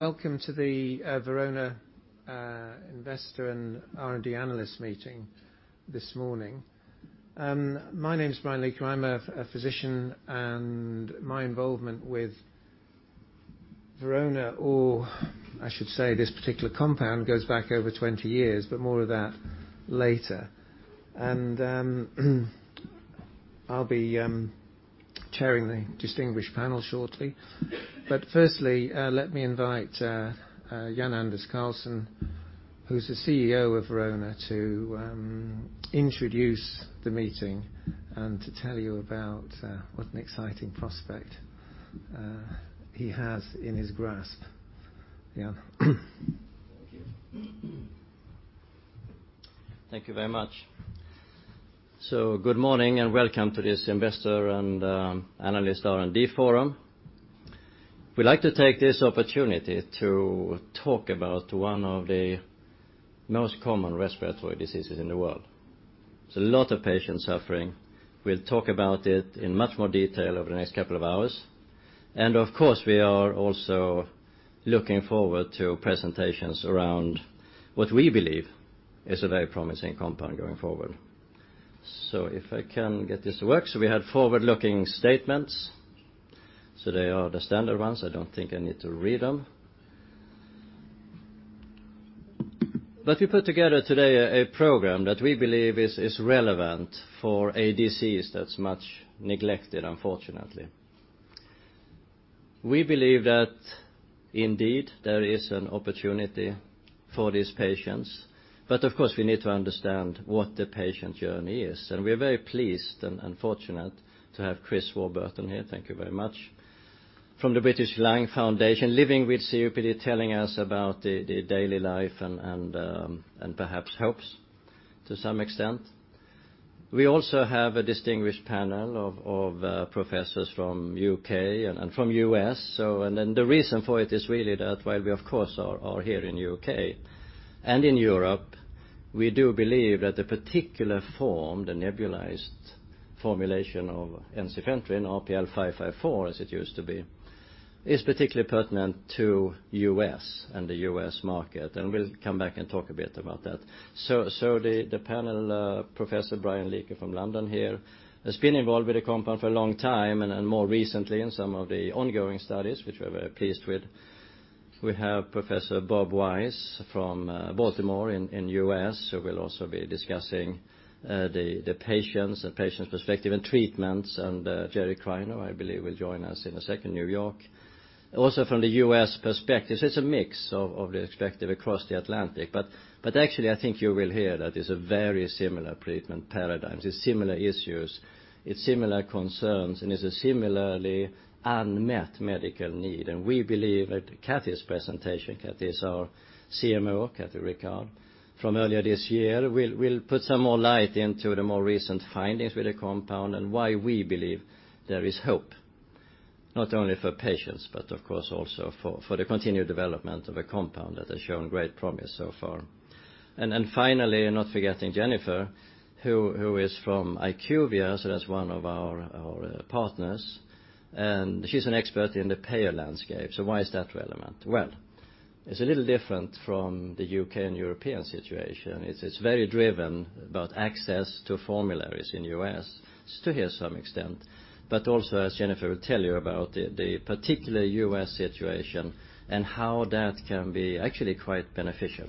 Welcome to the Verona Investor and R&D Analyst Meeting this morning. My name is Brian Leaker. I am a physician, and my involvement with Verona, or I should say, this particular compound, goes back over 20 years, but more of that later. I will be chairing the distinguished panel shortly. Firstly, let me invite Jan-Anders Karlsson, who is the CEO of Verona, to introduce the meeting and to tell you about what an exciting prospect he has in his grasp. Jan. Thank you. Thank you very much. Good morning, and welcome to this investor and analyst R&D forum. We would like to take this opportunity to talk about one of the most common respiratory diseases in the world. There is a lot of patient suffering. We will talk about it in much more detail over the next couple of hours. Of course, we are also looking forward to presentations around what we believe is a very promising compound going forward. If I can get this to work. We have forward-looking statements. They are the standard ones. I do not think I need to read them. We put together today a program that we believe is relevant for a disease that is much neglected, unfortunately. We believe that indeed there is an opportunity for these patients. We need to understand what the patient journey is, and we are very pleased and fortunate to have Chris Warburton here, thank you very much, from the British Lung Foundation, living with COPD, telling us about the daily life and perhaps hopes to some extent. We also have a distinguished panel of professors from U.K. and from U.S. The reason for it is really that while we of course are here in U.K. and in Europe, we do believe that the particular form, the nebulized formulation of ensifentrine, RPL554 as it used to be, is particularly pertinent to U.S. and the U.S. market. We will come back and talk a bit about that. The panel, Professor Brian Leaker from London here, has been involved with the compound for a long time and more recently in some of the ongoing studies, which we are very pleased with. We have Professor Bob Wise from Baltimore in U.S., who will also be discussing the patients and patients' perspective and treatments. Gerry Criner, I believe, will join us in a second, New York, also from the U.S. perspective. It is a mix of the perspective across the Atlantic. Actually, I think you will hear that it is a very similar treatment paradigm. It is similar issues, it is similar concerns, and it is a similarly unmet medical need. We believe that Kathy's presentation, Kathy is our CMO, Kathy Rickard, from earlier this year, will put some more light into the more recent findings with the compound and why we believe there is hope, not only for patients, but of course also for the continued development of a compound that has shown great promise so far. Finally, not forgetting Jennifer, who is from IQVIA, that's one of our partners, she's an expert in the payer landscape. Why is that relevant? It's a little different from the U.K. and European situation. It's very driven about access to formularies in U.S., still here to some extent, but also, as Jennifer will tell you about the particular U.S. situation and how that can be actually quite beneficial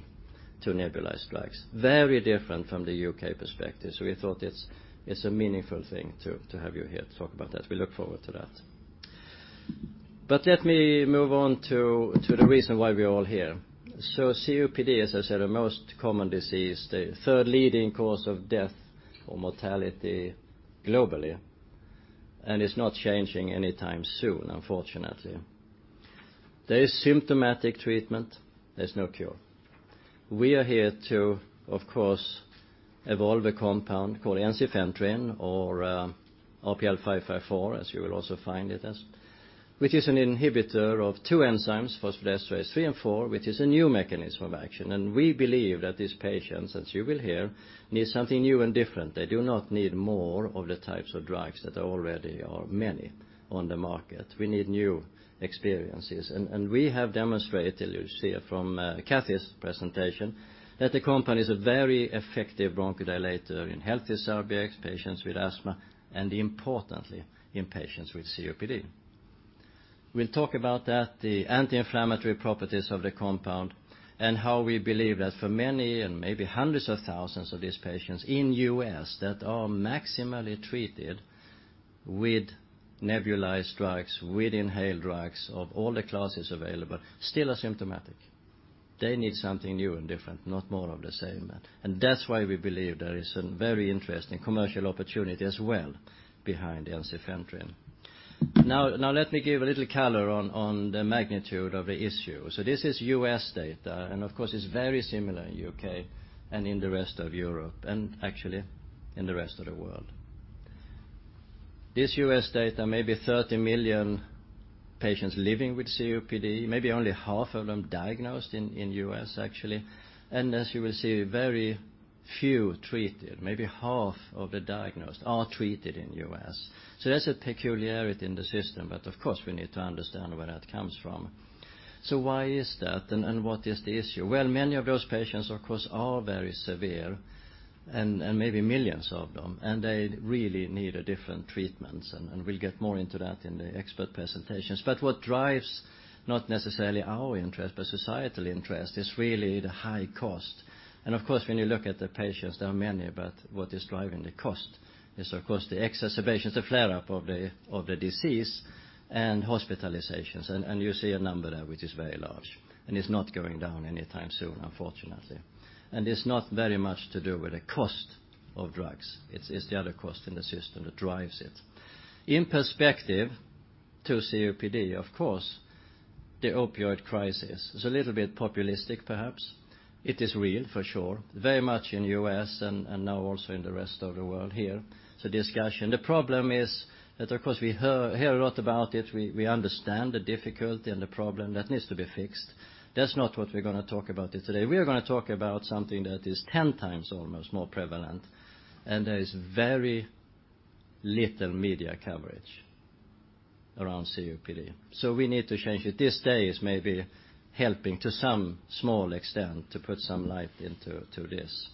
to nebulized drugs. Very different from the U.K. perspective. We thought it's a meaningful thing to have you here to talk about that. We look forward to that. Let me move on to the reason why we're all here. COPD, as I said, the most common disease, the third leading cause of death or mortality globally, and it's not changing anytime soon, unfortunately. There is symptomatic treatment. There's no cure. We are here to, of course, evolve a compound called ensifentrine, or RPL554 as you will also find it as, which is an inhibitor of two enzymes, phosphodiesterase 3 and 4, which is a new mechanism of action. We believe that these patients, as you will hear, need something new and different. They do not need more of the types of drugs that are already many on the market. We need new experiences. We have demonstrated, you'll see it from Kathy's presentation, that the compound is a very effective bronchodilator in healthy subjects, patients with asthma, and importantly, in patients with COPD. We'll talk about that, the anti-inflammatory properties of the compound and how we believe that for many and maybe hundreds of thousands of these patients in U.S. that are maximally treated with nebulized drugs, with inhaled drugs of all the classes available, still are symptomatic. They need something new and different, not more of the same. That's why we believe there is a very interesting commercial opportunity as well behind ensifentrine. Now let me give a little color on the magnitude of the issue. This is U.S. data, and of course, it's very similar in U.K. and in the rest of Europe, and actually in the rest of the world. This U.S. data, maybe 30 million patients living with COPD, maybe only half of them diagnosed in U.S., actually. As you will see, few treated, maybe half of the diagnosed are treated in the U.S. That's a peculiarity in the system, of course, we need to understand where that comes from. Why is that and what is the issue? Many of those patients, of course, are very severe, maybe millions of them, they really need a different treatment. We'll get more into that in the expert presentations. What drives not necessarily our interest, but societal interest, is really the high cost. Of course, when you look at the patients, there are many, what is driving the cost is, of course, the exacerbations, the flare-up of the disease and hospitalizations, you see a number there, which is very large, it's not going down anytime soon, unfortunately. It's not very much to do with the cost of drugs. It's the other cost in the system that drives it. In perspective to COPD, of course, the opioid crisis is a little bit populistic, perhaps. It is real, for sure. Very much in the U.S. and now also in the rest of the world here. It's a discussion. The problem is that, of course, we hear a lot about it. We understand the difficulty and the problem that needs to be fixed. That's not what we're going to talk about here today. We are going to talk about something that is 10 times almost more prevalent, and there is very little media coverage around COPD. We need to change it. This day is maybe helping to some small extent to put some light into this.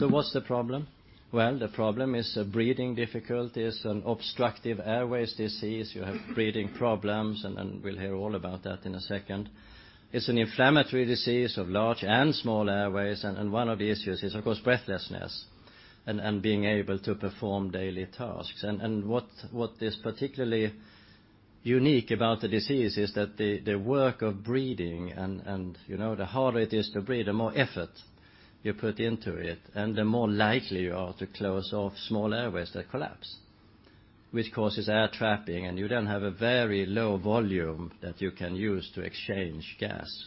What's the problem? The problem is breathing difficulties and obstructive airways disease. You have breathing problems, and we'll hear all about that in a second. It's an inflammatory disease of large and small airways, and one of the issues is, of course, breathlessness and being able to perform daily tasks. What is particularly unique about the disease is that the work of breathing and the harder it is to breathe, the more effort you put into it, and the more likely you are to close off small airways that collapse, which causes air trapping, and you then have a very low volume that you can use to exchange gas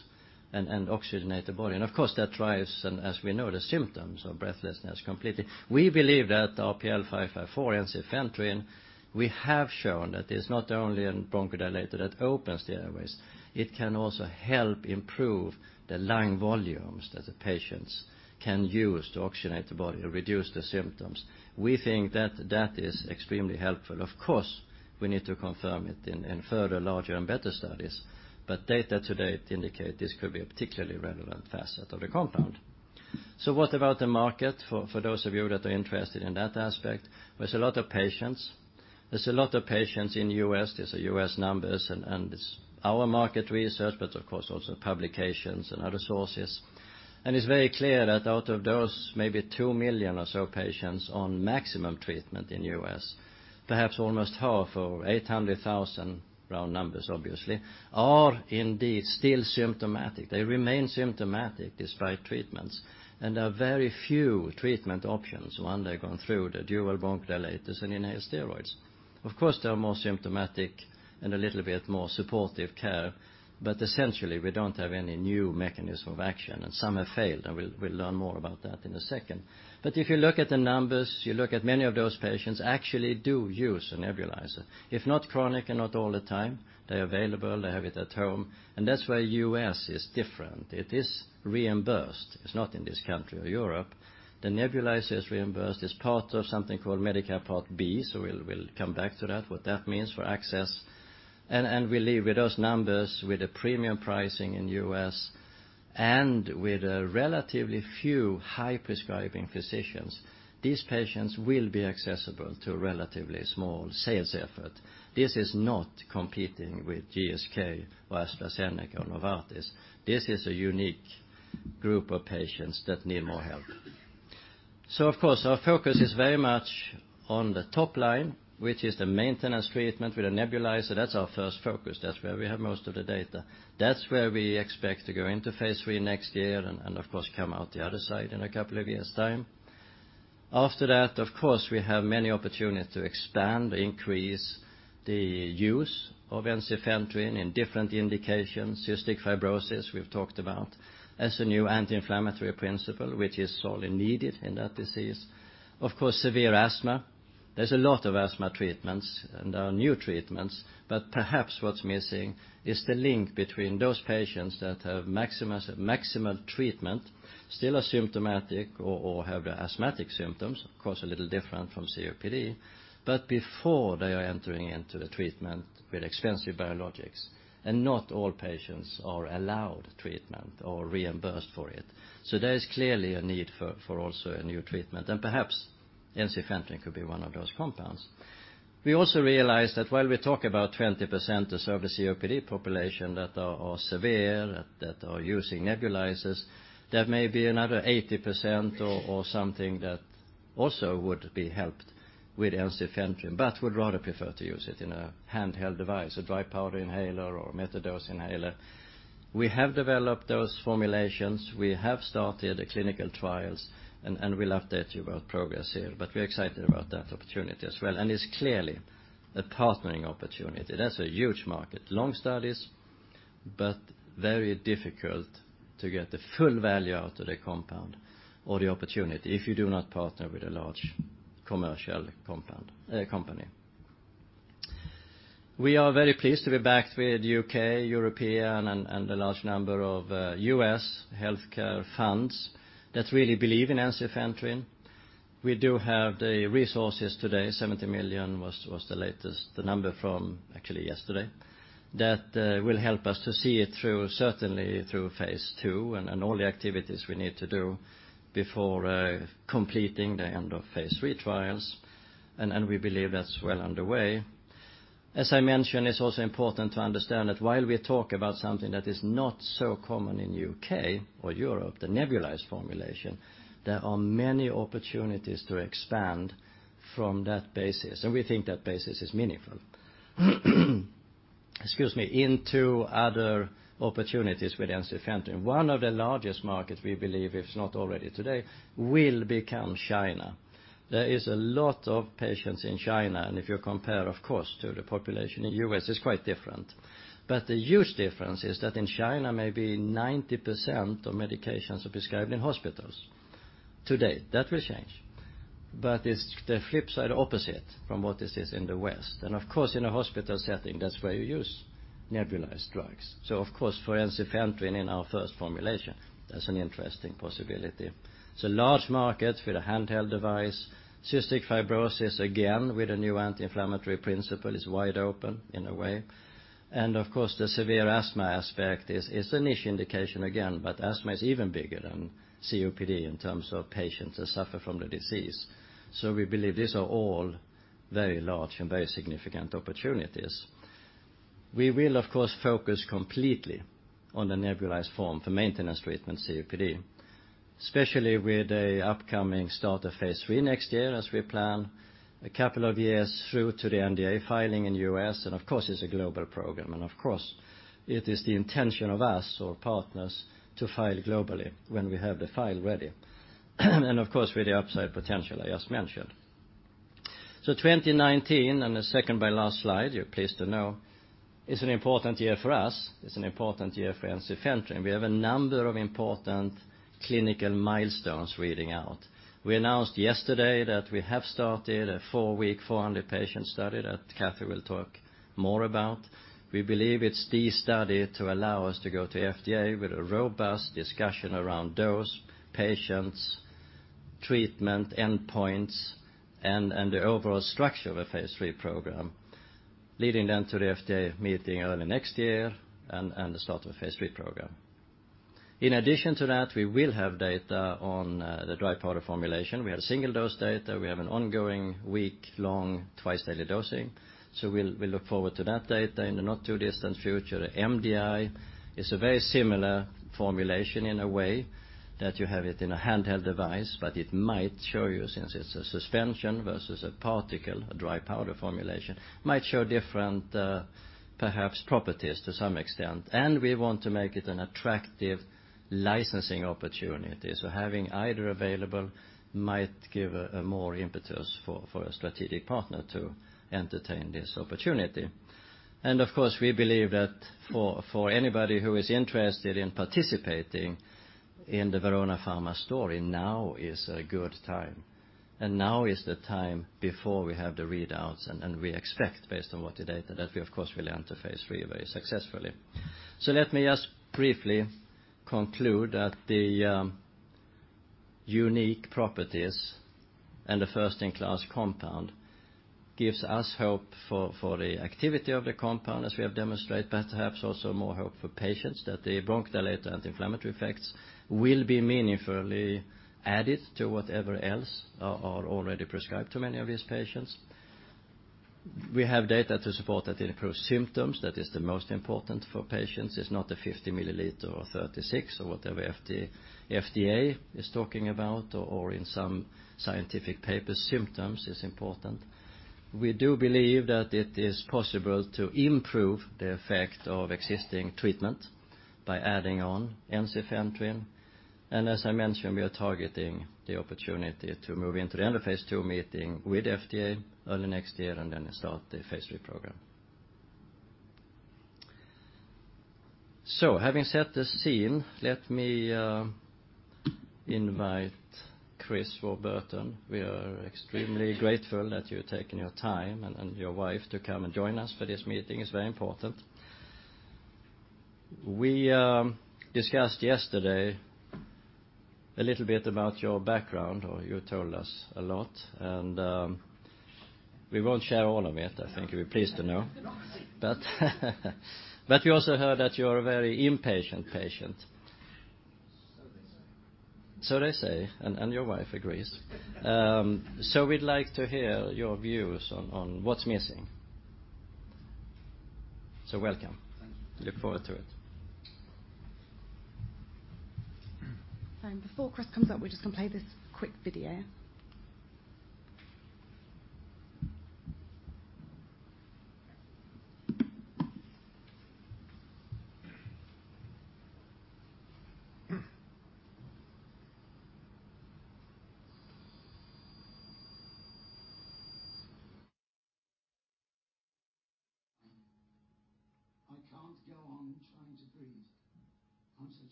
and oxygenate the body. Of course, that drives, and as we know, the symptoms of breathlessness completely. We believe that RPL554 ensifentrine, we have shown that it's not only a bronchodilator that opens the airways, it can also help improve the lung volumes that the patients can use to oxygenate the body and reduce the symptoms. We think that that is extremely helpful. Of course, we need to confirm it in further, larger, and better studies. Data to date indicate this could be a particularly relevant facet of the compound. What about the market for those of you that are interested in that aspect? There's a lot of patients. There's a lot of patients in the U.S. These are U.S. numbers, and it's our market research, but of course also publications and other sources. It's very clear that out of those, maybe 2 million or so patients on maximum treatment in the U.S., perhaps almost half or 800,000, round numbers obviously, are indeed still symptomatic. They remain symptomatic despite treatments, and there are very few treatment options when they've gone through the dual bronchodilators and inhaled steroids. Of course, they are more symptomatic and a little bit more supportive care, but essentially, we don't have any new mechanism of action. Some have failed, and we'll learn more about that in a second. If you look at the numbers, you look at many of those patients actually do use a nebulizer. If not chronic and not all the time, they're available, they have it at home, and that's why the U.S. is different. It is reimbursed. It's not in this country or Europe. The nebulizer is reimbursed as part of something called Medicare Part B. We'll come back to that, what that means for access. We leave with those numbers, with the premium pricing in the U.S. and with a relatively few high-prescribing physicians. These patients will be accessible to a relatively small sales effort. This is not competing with GSK or AstraZeneca, or Novartis. This is a unique group of patients that need more help. Of course, our focus is very much on the top line, which is the maintenance treatment with a nebulizer. That's our first focus. That's where we have most of the data. That's where we expect to go into phase III next year and, of course, come out the other side in a couple of years' time. After that, of course, we have many opportunities to expand, increase the use of ensifentrine in different indications. Cystic fibrosis, we've talked about as a new anti-inflammatory principle, which is sorely needed in that disease. Of course, severe asthma. There's a lot of asthma treatments and there are new treatments, but perhaps what's missing is the link between those patients that have maximal treatment, still are symptomatic or have asthmatic symptoms, of course, a little different from COPD, but before they are entering into the treatment with expensive biologics. Not all patients are allowed treatment or reimbursed for it. There is clearly a need for also a new treatment, and perhaps ensifentrine could be one of those compounds. We also realize that while we talk about 20% of the COPD population that are severe, that are using nebulizers, there may be another 80% or something that also would be helped with ensifentrine but would rather prefer to use it in a handheld device, a dry powder inhaler or metered dose inhaler. We have developed those formulations. We have started the clinical trials, and we'll update you about progress here. We're excited about that opportunity as well, and it's clearly a partnering opportunity. That's a huge market. Long studies, very difficult to get the full value out of the compound or the opportunity if you do not partner with a large commercial company. We are very pleased to be backed with U.K., European, and a large number of U.S. healthcare funds that really believe in ensifentrine. We do have the resources today, $70 million was the latest number from actually yesterday, that will help us to see it through, certainly through phase II and all the activities we need to do before completing the end of phase III trials. We believe that's well underway. As I mentioned, it's also important to understand that while we talk about something that is not so common in U.K. or Europe, the nebulized formulation, there are many opportunities to expand from that basis, and we think that basis is meaningful. Excuse me. Into other opportunities with ensifentrine. One of the largest markets, we believe, if not already today, will become China. There is a lot of patients in China, and if you compare, of course, to the population in U.S., it's quite different. The huge difference is that in China, maybe 90% of medications are prescribed in hospitals today. That will change. It's the flip side opposite from what it is in the West. Of course, in a hospital setting, that's where you use nebulized drugs. Of course, for ensifentrine in our first formulation, that's an interesting possibility. It's a large market with a handheld device. Cystic fibrosis, again, with a new anti-inflammatory principle, is wide open in a way. Of course, the severe asthma aspect is a niche indication again, but asthma is even bigger than COPD in terms of patients that suffer from the disease. We believe these are all very large and very significant opportunities. We will, of course, focus completely on the nebulized form for maintenance treatment COPD, especially with the upcoming start of phase III next year as we plan a couple of years through to the NDA filing in the U.S. Of course, it's a global program. Of course, it is the intention of us or partners to file globally when we have the file ready. Of course, with the upside potential I just mentioned. 2019, and the second by last slide, you're pleased to know, is an important year for us. It's an important year for ensifentrine. We have a number of important clinical milestones reading out. We announced yesterday that we have started a 4-week, 400-patient study that Kathy will talk more about. We believe it's the study to allow us to go to FDA with a robust discussion around dose, patients, treatment, endpoints, and the overall structure of a phase III program, leading then to the FDA meeting early next year and the start of phase III program. In addition to that, we will have data on the dry powder formulation. We have single dose data. We have an ongoing week-long, twice-daily dosing. We'll look forward to that data in the not-too-distant future. MDI is a very similar formulation in a way that you have it in a handheld device, but it might show you, since it's a suspension versus a particle, a dry powder formulation, might show different perhaps properties to some extent. We want to make it an attractive licensing opportunity. Having either available might give a more impetus for a strategic partner to entertain this opportunity. Of course, we believe that for anybody who is interested in participating in the Verona Pharma story, now is a good time. Now is the time before we have the readouts and we expect, based on what the data, that we of course will enter phase III very successfully. Let me just briefly conclude that the unique properties and the first-in-class compound gives us hope for the activity of the compound, as we have demonstrated, but perhaps also more hope for patients that the bronchodilator anti-inflammatory effects will be meaningfully added to whatever else are already prescribed to many of these patients. We have data to support that it improves symptoms. That is the most important for patients. It's not the 50 milliliter or 36 or whatever FDA is talking about, or in some scientific papers, symptoms is important. We do believe that it is possible to improve the effect of existing treatment by adding on ensifentrine. As I mentioned, we are targeting the opportunity to move into the end of phase II meeting with FDA early next year, and then start the phase III program. Having set the scene, let me invite Chris Warburton. We are extremely grateful that you've taken your time and your wife to come and join us for this meeting. It's very important. We discussed yesterday a little bit about your background, or you told us a lot, and we won't share all of it, I think you'll be pleased to know. We also heard that you're a very impatient patient. They say. They say, and your wife agrees. We'd like to hear your views on what's missing. Welcome. Thank you. Look forward to it. Before Chris comes up, we're just going to play this quick video.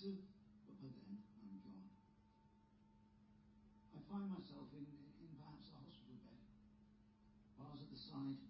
I can't go on trying to breathe. I'm so tired. Do you want to? I find myself in perhaps a hospital bed, bars at the side,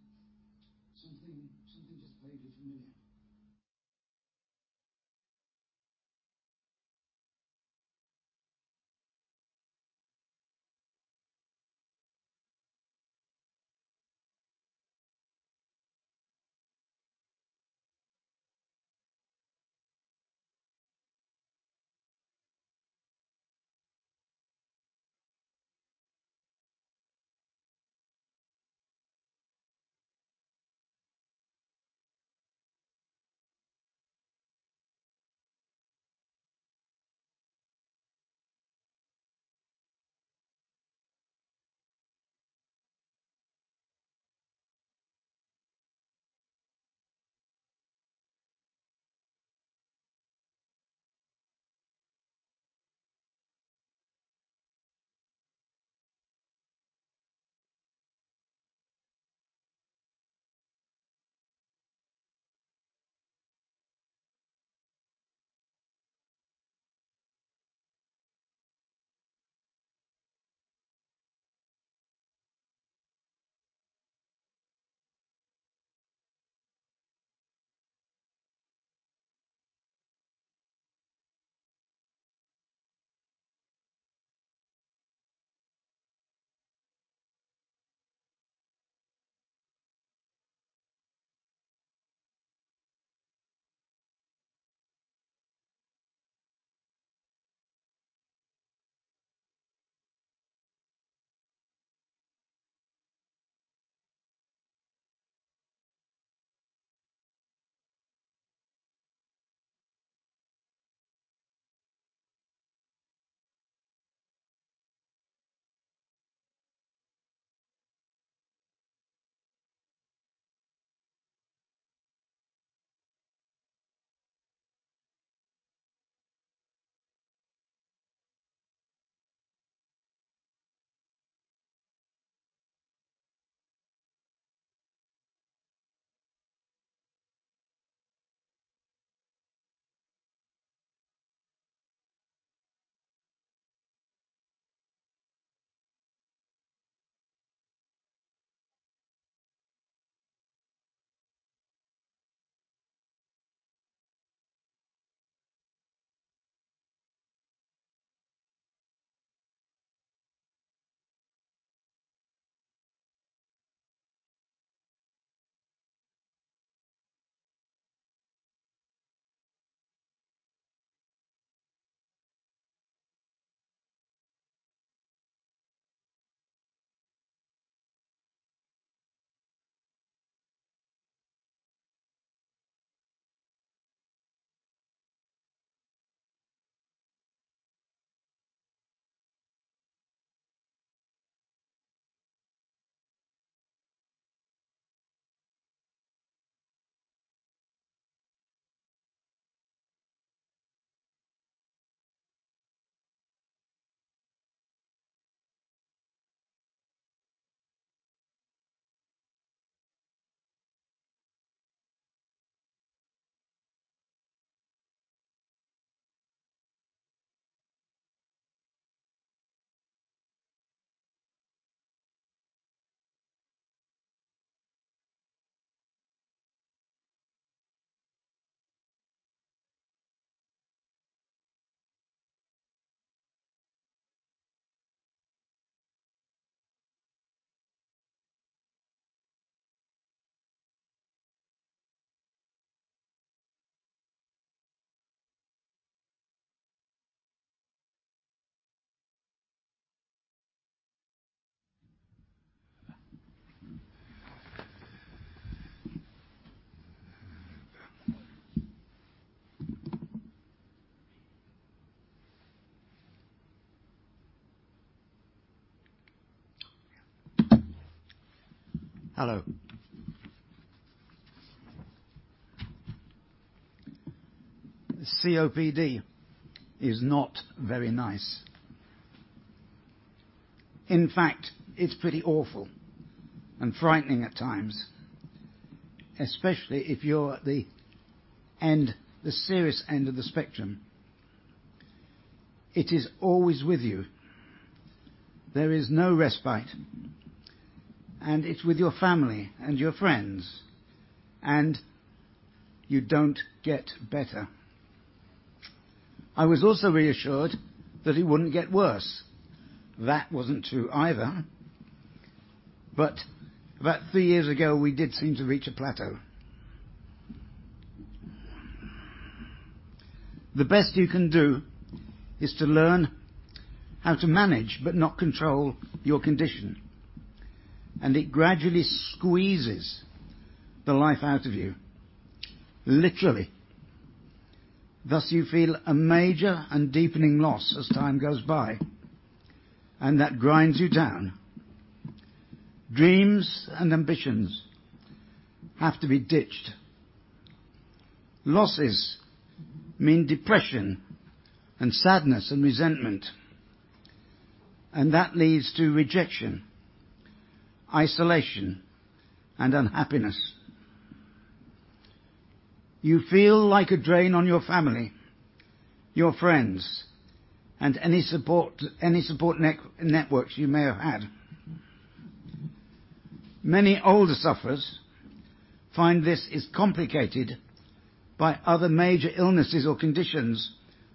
something just vaguely familiar. Hello. COPD is not very nice. In fact, it's pretty awful and frightening at times, especially if you're at the serious end of the spectrum. It is always with you. There is no respite, and it's with your family and your friends, and you don't get better. I was also reassured that it wouldn't get worse. That wasn't true either. About three years ago, we did seem to reach a plateau. The best you can do is to learn how to manage but not control your condition, and it gradually squeezes the life out of you, literally. Thus, you feel a major and deepening loss as time goes by, and that grinds you down. Dreams and ambitions have to be ditched. Losses mean depression and sadness and resentment, that leads to rejection, isolation, and unhappiness. You feel like a drain on your family, your friends, and any support networks you may have had. Many older sufferers find this is complicated by other major illnesses or conditions,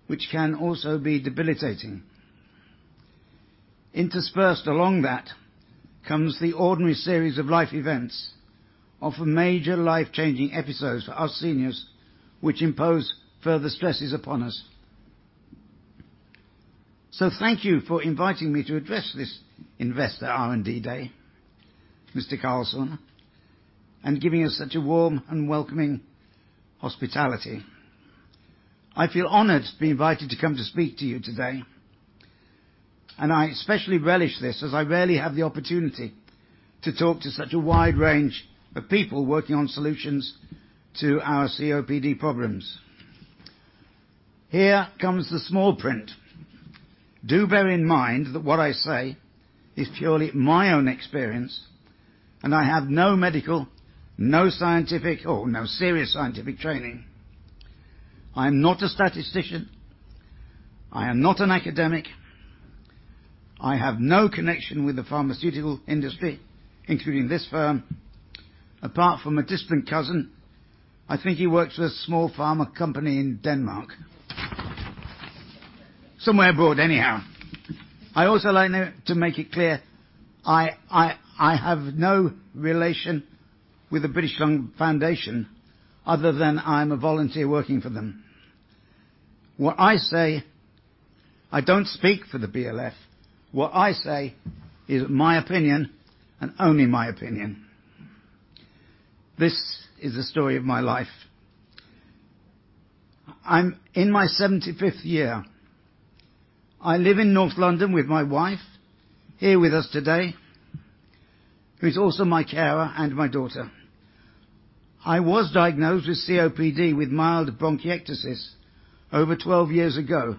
which can also be debilitating. Interspersed along that comes the ordinary series of life events of major life-changing episodes for us seniors, which impose further stresses upon us. Thank you for inviting me to address this Investor R&D Day, Mr. Karlsson, and giving us such a warm and welcoming hospitality. I feel honored to be invited to come to speak to you today, and I especially relish this as I rarely have the opportunity to talk to such a wide range of people working on solutions to our COPD problems. Here comes the small print. Do bear in mind that what I say is purely my own experience, and I have no medical, no scientific, or no serious scientific training. I am not a statistician. I am not an academic. I have no connection with the pharmaceutical industry, including this firm, apart from a distant cousin. I think he works for a small pharma company in Denmark. Somewhere abroad, anyhow. I also like now to make it clear, I have no relation with the British Lung Foundation other than I am a volunteer working for them. I do not speak for the BLF. What I say is my opinion and only my opinion. This is the story of my life. I am in my 75th year. I live in North London with my wife, here with us today, who is also my carer and my daughter. I was diagnosed with COPD with mild bronchiectasis over 12 years ago,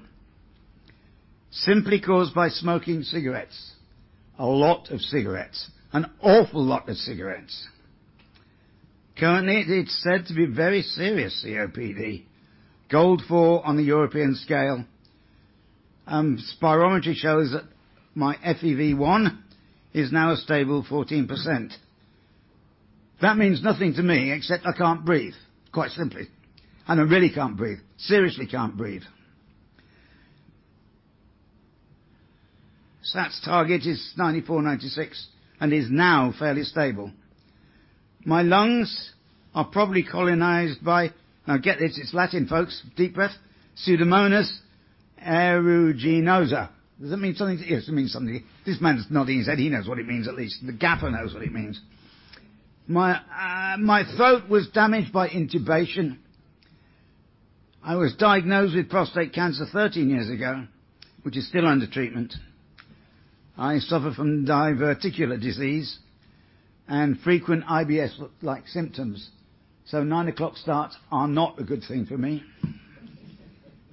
simply caused by smoking cigarettes. A lot of cigarettes. An awful lot of cigarettes. Currently, it is said to be very serious COPD, GOLD 4 on the European scale. Spirometry shows that my FEV1 is now a stable 14%. That means nothing to me except I cannot breathe, quite simply. I really cannot breathe, seriously cannot breathe. Sats target is 94, 96, and is now fairly stable. My lungs are probably colonized by, now get this, it is Latin, folks, deep breath, Pseudomonas aeruginosa. Does that mean something to you? Yes, it means something. This man is nodding his head. He knows what it means, at least. The gaffer knows what it means. My throat was damaged by intubation. I was diagnosed with prostate cancer 13 years ago, which is still under treatment. I suffer from diverticular disease and frequent IBS-like symptoms, nine o'clock starts are not a good thing for me,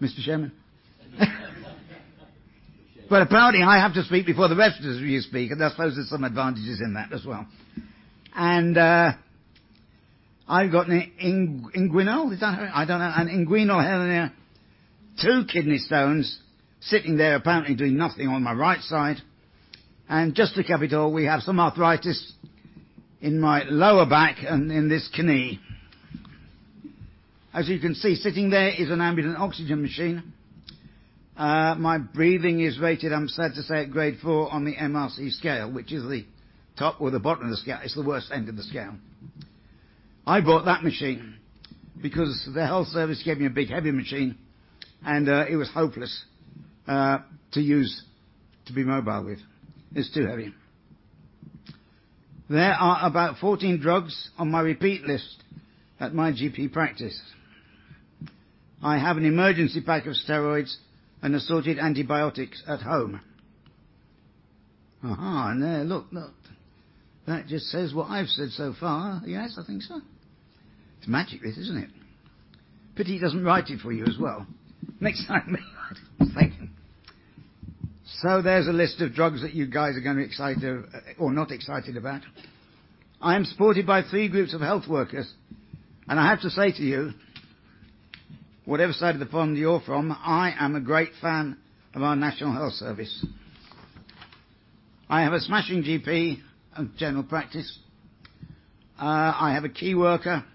Mr. Chairman. Apparently, I have to speak before the rest of you speak, and I suppose there is some advantages in that as well. I have got an inguinal, is that how? I do not know. An inguinal hernia, two kidney stones sitting there apparently doing nothing on my right side, and just to cap it all, we have some arthritis in my lower back and in this knee. As you can see, sitting there is an ambient oxygen machine. My breathing is rated, I am sad to say, at Grade 4 on the MRC scale, which is the top or the bottom of the scale. It is the worst end of the scale. I bought that machine because the health service gave me a big, heavy machine, and it was hopeless to use to be mobile with. It is too heavy. There are about 14 drugs on my repeat list at my GP practice. I have an emergency pack of steroids and assorted antibiotics at home. In there. Look. That just says what I have said so far. Yes, I think so. It is magic this, is not it? Pity it does not write it for you as well. Next time. Thank you. There is a list of drugs that you guys are going to be excited or not excited about. I am supported by three groups of health workers, and I have to say to you, whatever side of the pond you are from, I am a great fan of our National Health Service. I have a smashing GP at general practice. I have a key worker,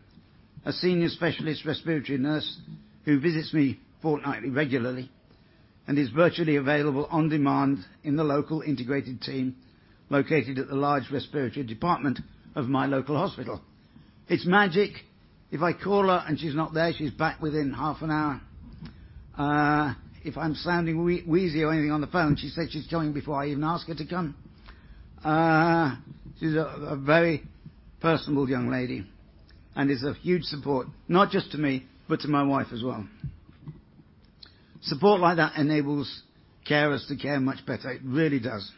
a senior specialist respiratory nurse who visits me fortnightly, regularly, and is virtually available on demand in the local integrated team located at the large respiratory department of my local hospital. It's magic. If I call her and she's not there, she's back within half an hour. If I'm sounding wheezy or anything on the phone, she said she's coming before I even ask her to come. She's a very personable young lady and is a huge support, not just to me, but to my wife as well. Support like that enables carers to care much better. It really does.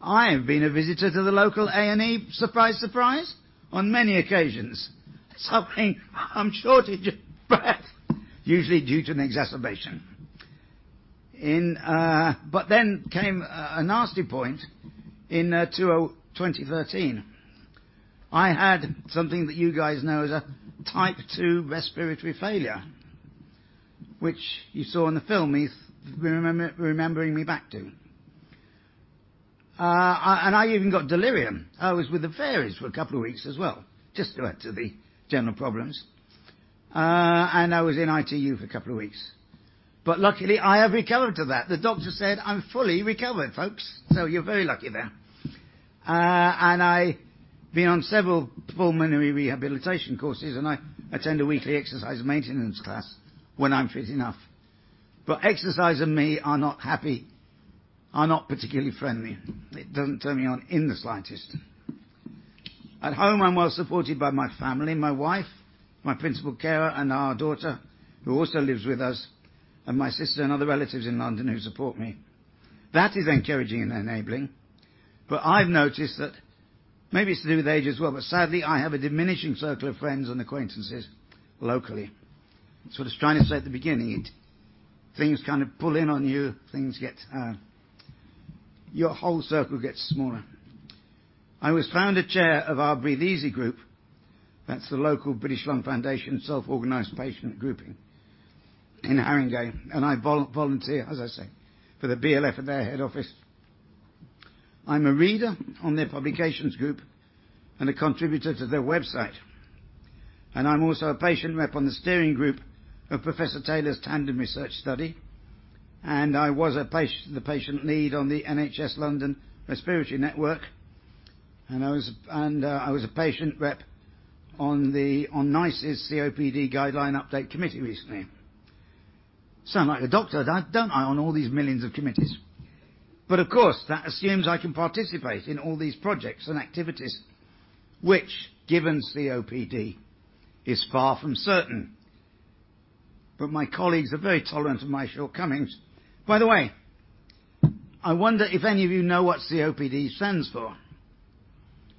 I have been a visitor to the local A&E, surprise, on many occasions, suffering from shortage of breath, usually due to an exacerbation. Came a nasty point in 2013. I had something that you guys know as a type 2 respiratory failure, which you saw in the film, remembering me back to. I even got delirium. I was with the fairies for a couple of weeks as well, just to add to the general problems. I was in ITU for a couple of weeks. Luckily, I have recovered to that. The doctor said I'm fully recovered, folks, so you're very lucky there. I've been on several pulmonary rehabilitation courses, and I attend a weekly exercise maintenance class when I'm fit enough. Exercise and me are not happy, are not particularly friendly. It doesn't turn me on in the slightest. At home, I'm well supported by my family, my wife, my principal carer, and our daughter, who also lives with us, and my sister and other relatives in London who support me. That is encouraging and enabling. I've noticed that maybe it's to do with age as well, but sadly, I have a diminishing circle of friends and acquaintances locally. That's what I was trying to say at the beginning, things kind of pull in on you. Your whole circle gets smaller. I was founder chair of our Breathe Easy group. That's the local British Lung Foundation self-organized patient grouping in Haringey, and I volunteer, as I say, for the BLF at their head office. I'm a reader on their publications group and a contributor to their website. I'm also a patient rep on the steering group of Professor Taylor's TANDEM research study, and I was the patient lead on the NHS London Respiratory Network, and I was a patient rep on NICE's COPD Guideline Update committee recently. Sound like a doctor, don't I, on all these millions of committees. Of course, that assumes I can participate in all these projects and activities, which, given COPD, is far from certain. My colleagues are very tolerant of my shortcomings. By the way, I wonder if any of you know what COPD stands for.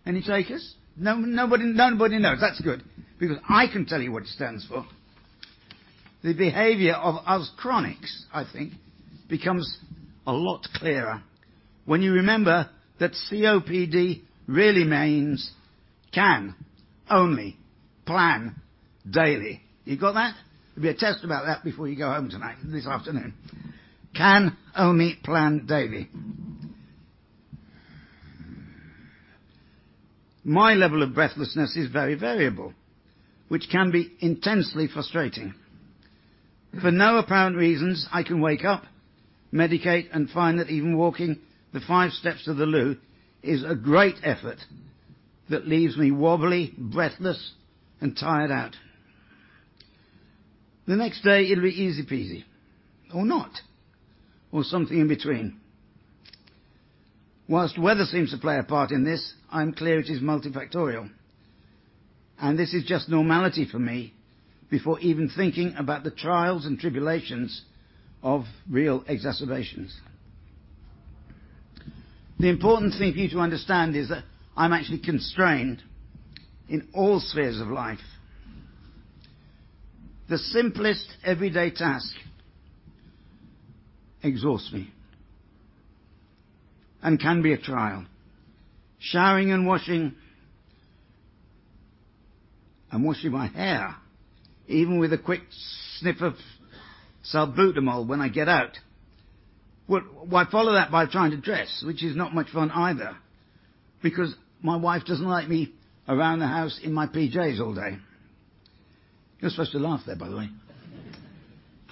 Any takers? Nobody knows. That's good, because I can tell you what it stands for. The behavior of us chronics, I think, becomes a lot clearer when you remember that COPD really means "can only plan daily." You got that? There'll be a test about that before you go home tonight, this afternoon. "Can only plan daily." My level of breathlessness is very variable, which can be intensely frustrating. For no apparent reasons, I can wake up, medicate, and find that even walking the five steps to the loo is a great effort that leaves me wobbly, breathless, and tired out. The next day it'll be easy peasy or not, or something in between. While weather seems to play a part in this, I'm clear it is multifactorial, and this is just normality for me before even thinking about the trials and tribulations of real exacerbations. The important thing for you to understand is that I'm actually constrained in all spheres of life. The simplest everyday task exhausts me and can be a trial. Showering and washing, and washing my hair, even with a quick sniff of salbutamol when I get out. Well, I follow that by trying to dress, which is not much fun either because my wife doesn't like me around the house in my PJs all day. You're supposed to laugh there, by the way.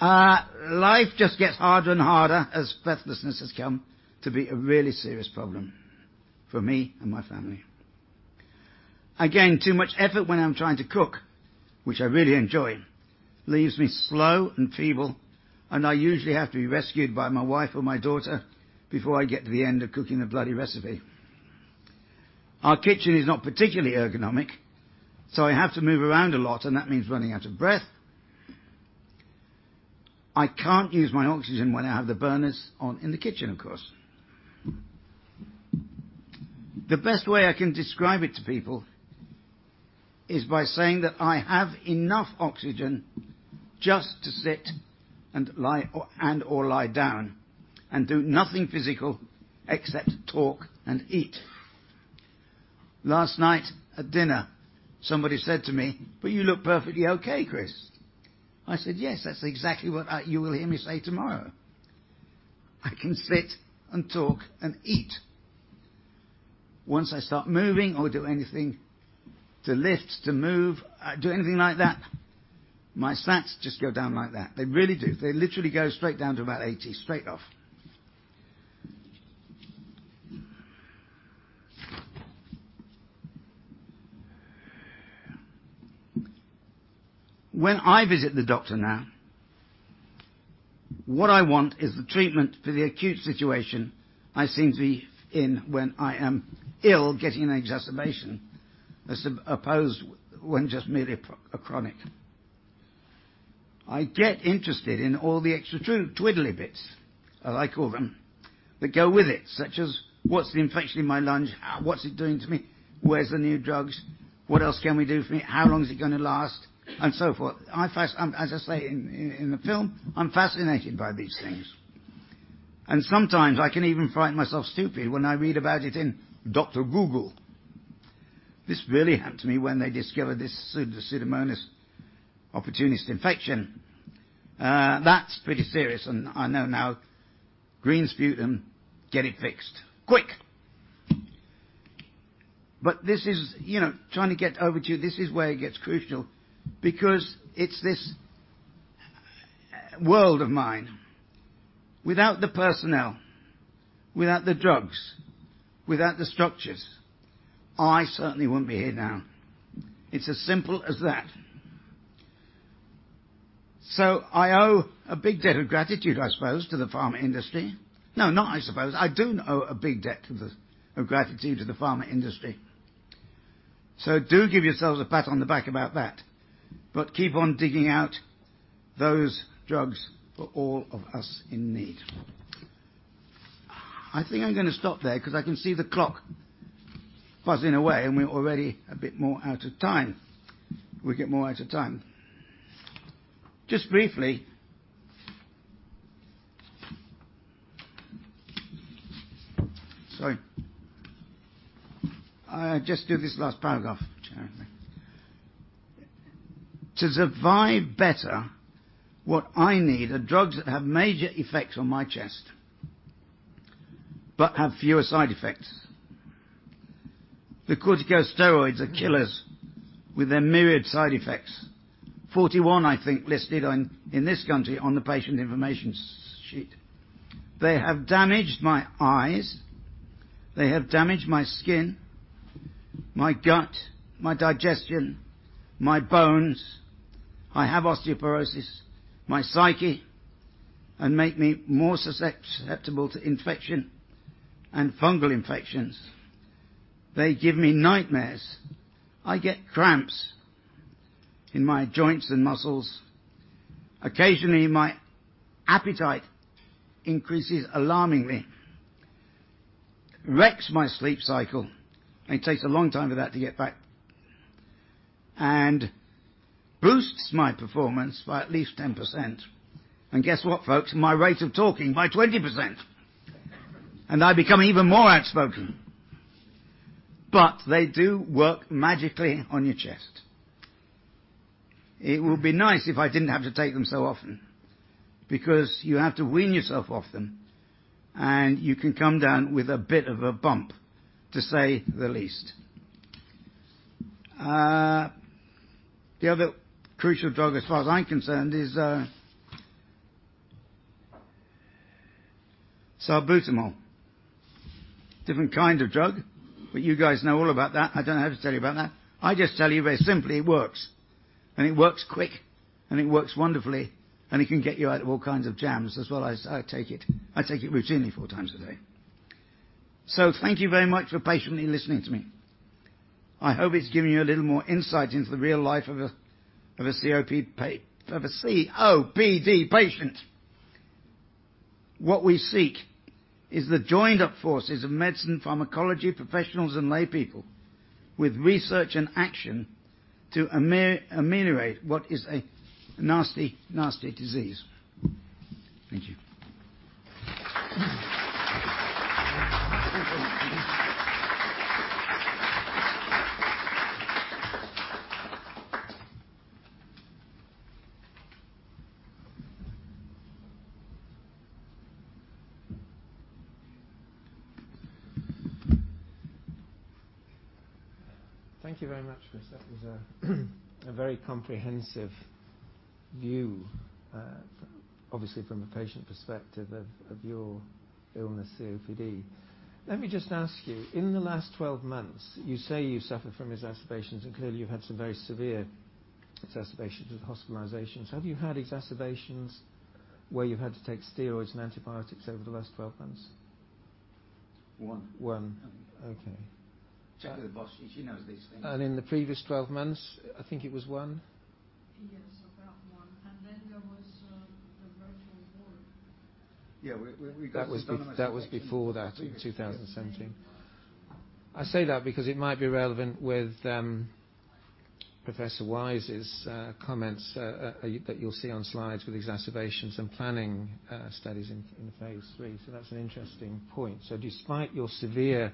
Life just gets harder and harder as breathlessness has come to be a really serious problem for me and my family. Again, too much effort when I'm trying to cook, which I really enjoy, leaves me slow and feeble, and I usually have to be rescued by my wife or my daughter before I get to the end of cooking a bloody recipe. Our kitchen is not particularly ergonomic, so I have to move around a lot, and that means running out of breath. I can't use my oxygen when I have the burners on in the kitchen, of course. The best way I can describe it to people is by saying that I have enough oxygen just to sit and/or lie down and do nothing physical except talk and eat. Last night at dinner, somebody said to me, "You look perfectly okay, Chris." I said, "Yes, that's exactly what you will hear me say tomorrow." I can sit and talk and eat. Once I start moving or do anything, to lift, to move, do anything like that, my stats just go down like that. They really do. They literally go straight down to about 80 straight off. When I visit the doctor now, what I want is the treatment for the acute situation I seem to be in when I am ill, getting an exacerbation, as opposed when just merely a chronic. I get interested in all the extra twiddly bits, as I call them that go with it, such as what's the infection in my lung? How, what's it doing to me? Where's the new drugs? What else can we do for me? How long is it going to last? So forth. As I say in the film, I'm fascinated by these things. Sometimes I can even frighten myself stupid when I read about it in Dr. Google. This really happened to me when they discovered this Pseudomonas opportunist infection. That's pretty serious, I know now green sputum, get it fixed, quick. This is, trying to get over to you, this is where it gets crucial because it's this world of mine. Without the personnel, without the drugs, without the structures, I certainly wouldn't be here now. It's as simple as that. I owe a big debt of gratitude, I suppose, to the pharma industry. No, not I suppose, I do owe a big debt of gratitude to the pharma industry. Do give yourselves a pat on the back about that, but keep on digging out those drugs for all of us in need. I think I'm going to stop there because I can see the clock buzzing away, and we're already a bit more out of time. We get more out of time. Just briefly. Sorry. I'll just do this last paragraph, chairman. To survive better, what I need are drugs that have major effects on my chest but have fewer side effects. The corticosteroids are killers with their myriad side effects. 41, I think, listed in this country on the patient information sheet. They have damaged my eyes. They have damaged my skin, my gut, my digestion, my bones. I have osteoporosis. My psyche, and make me more susceptible to infection and fungal infections. They give me nightmares. I get cramps in my joints and muscles. Occasionally, my appetite increases alarmingly, wrecks my sleep cycle, and it takes a long time for that to get back, and boosts my performance by at least 10%. Guess what, folks? My rate of talking by 20%. I become even more outspoken. They do work magically on your chest. It would be nice if I didn't have to take them so often, because you have to wean yourself off them, and you can come down with a bit of a bump, to say the least. The other crucial drug as far as I'm concerned is salbutamol. Different kind of drug, but you guys know all about that. I don't have to tell you about that. I just tell you very simply, it works. It works quick, and it works wonderfully, and it can get you out of all kinds of jams as well. I take it routinely four times a day. Thank you very much for patiently listening to me. I hope it's given you a little more insight into the real life of a COPD patient. What we seek is the joined up forces of medicine, pharmacology professionals and lay people with research and action to ameliorate what is a nasty disease. Thank you. Thank you very much, Chris. That was a very comprehensive view, obviously from a patient perspective of your illness, COPD. Let me just ask you, in the last 12 months, you say you suffer from exacerbations, and clearly you've had some very severe exacerbations with hospitalizations. Have you had exacerbations where you've had to take steroids and antibiotics over the last 12 months? One. One. Okay. Check with [Bosch]. She knows these things. In the previous 12 months, I think it was one. Yes, about one. Then there was the virtual ward. Yeah. We got the pseudomonas. That was before that in 2017. I say that because it might be relevant with Professor Wise's comments that you'll see on slides with exacerbations and planning studies in the phase III, that's an interesting point. Despite your severe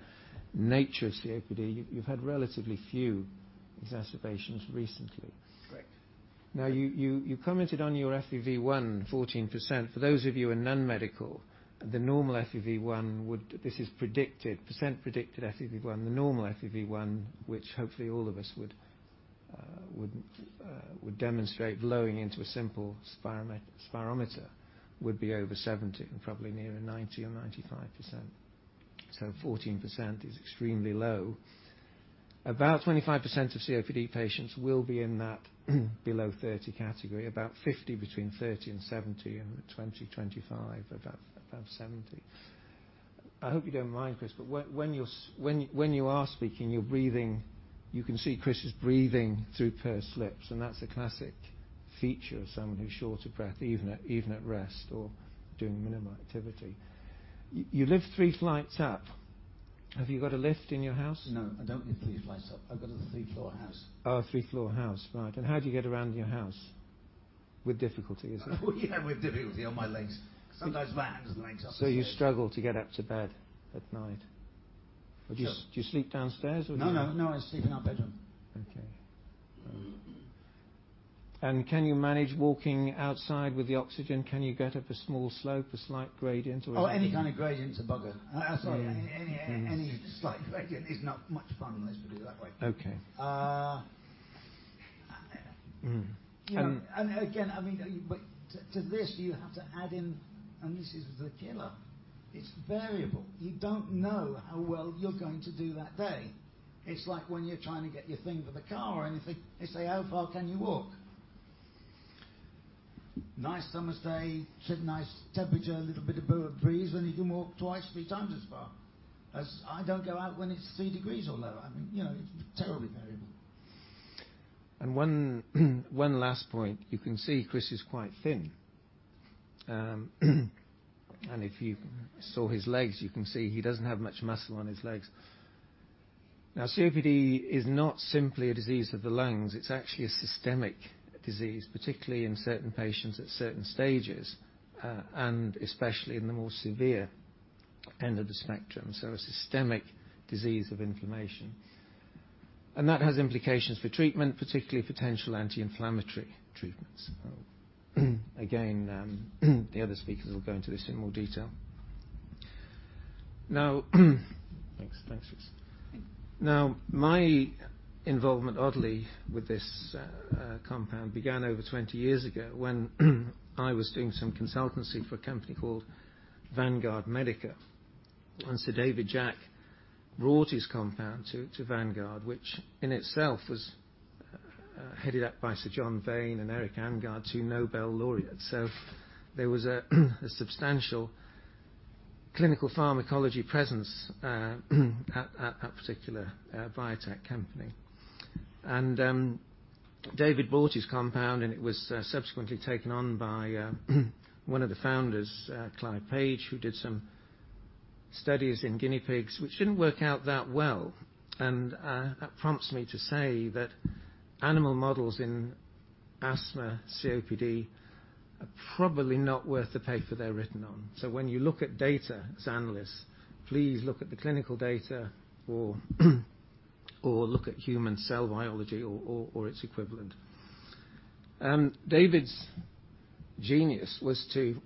nature of COPD, you've had relatively few exacerbations recently. Correct. Now, you commented on your FEV1, 14%. For those of you who are non-medical, the normal FEV1 this is predicted, % predicted FEV1, the normal FEV1, which hopefully all of us would demonstrate blowing into a simple spirometer, would be over 70, and probably nearer 90 or 95%. 14% is extremely low. About 25% of COPD patients will be in that below 30 category, about 50 between 30 and 70, 20, 25, above 70. I hope you don't mind, Chris, but when you are speaking, you're breathing, you can see Chris is breathing through pursed lips, and that's a classic feature of someone who's short of breath, even at rest or doing minimal activity. You live three flights up. Have you got a lift in your house? No, I don't live three flights up. I've got a three-floor house. Oh, a three-floor house, right. How do you get around your house? With difficulty, is it? Oh, yeah, with difficulty on my legs. Sometimes makes it upstairs. You struggle to get up to bed at night. Sure. Do you sleep downstairs or? No, I sleep in our bedroom. Okay. Can you manage walking outside with the oxygen? Can you get up a small slope, a slight gradient? Oh, any kind of gradient's a bugger. Sorry. Any slight gradient is not much fun, let's put it that way. Okay. Again, to this you have to add in, and this is the killer, it's variable. You don't know how well you're going to do that day. It's like when you're trying to get your thing for the car or anything, they say, "How far can you walk?" Nice summer's day, nice temperature, a little bit of breeze, you can walk twice, three times as far. I don't go out when it's three degrees or lower. It's terribly variable. And one last point. You can see Chris is quite thin. If you saw his legs, you can see he doesn't have much muscle on his legs. COPD is not simply a disease of the lungs, it's actually a systemic disease, particularly in certain patients at certain stages, and especially in the more severe end of the spectrum. A systemic disease of inflammation. That has implications for treatment, particularly potential anti-inflammatory treatments. Again, the other speakers will go into this in more detail. Thanks. My involvement, oddly, with this compound began over 20 years ago when I was doing some consultancy for a company called Vanguard Medica. Sir David Jack brought his compound to Vanguard, which in itself was headed up by Sir John Vane and Erik Änggård, two Nobel laureates. There was a substantial clinical pharmacology presence at that particular biotech company. David bought his compound, and it was subsequently taken on by one of the founders, Clive Page, who did some studies in guinea pigs, which didn't work out that well. That prompts me to say that animal models in asthma, COPD are probably not worth the paper they're written on. When you look at data as analysts, please look at the clinical data or look at human cell biology or its equivalent. David's genius was to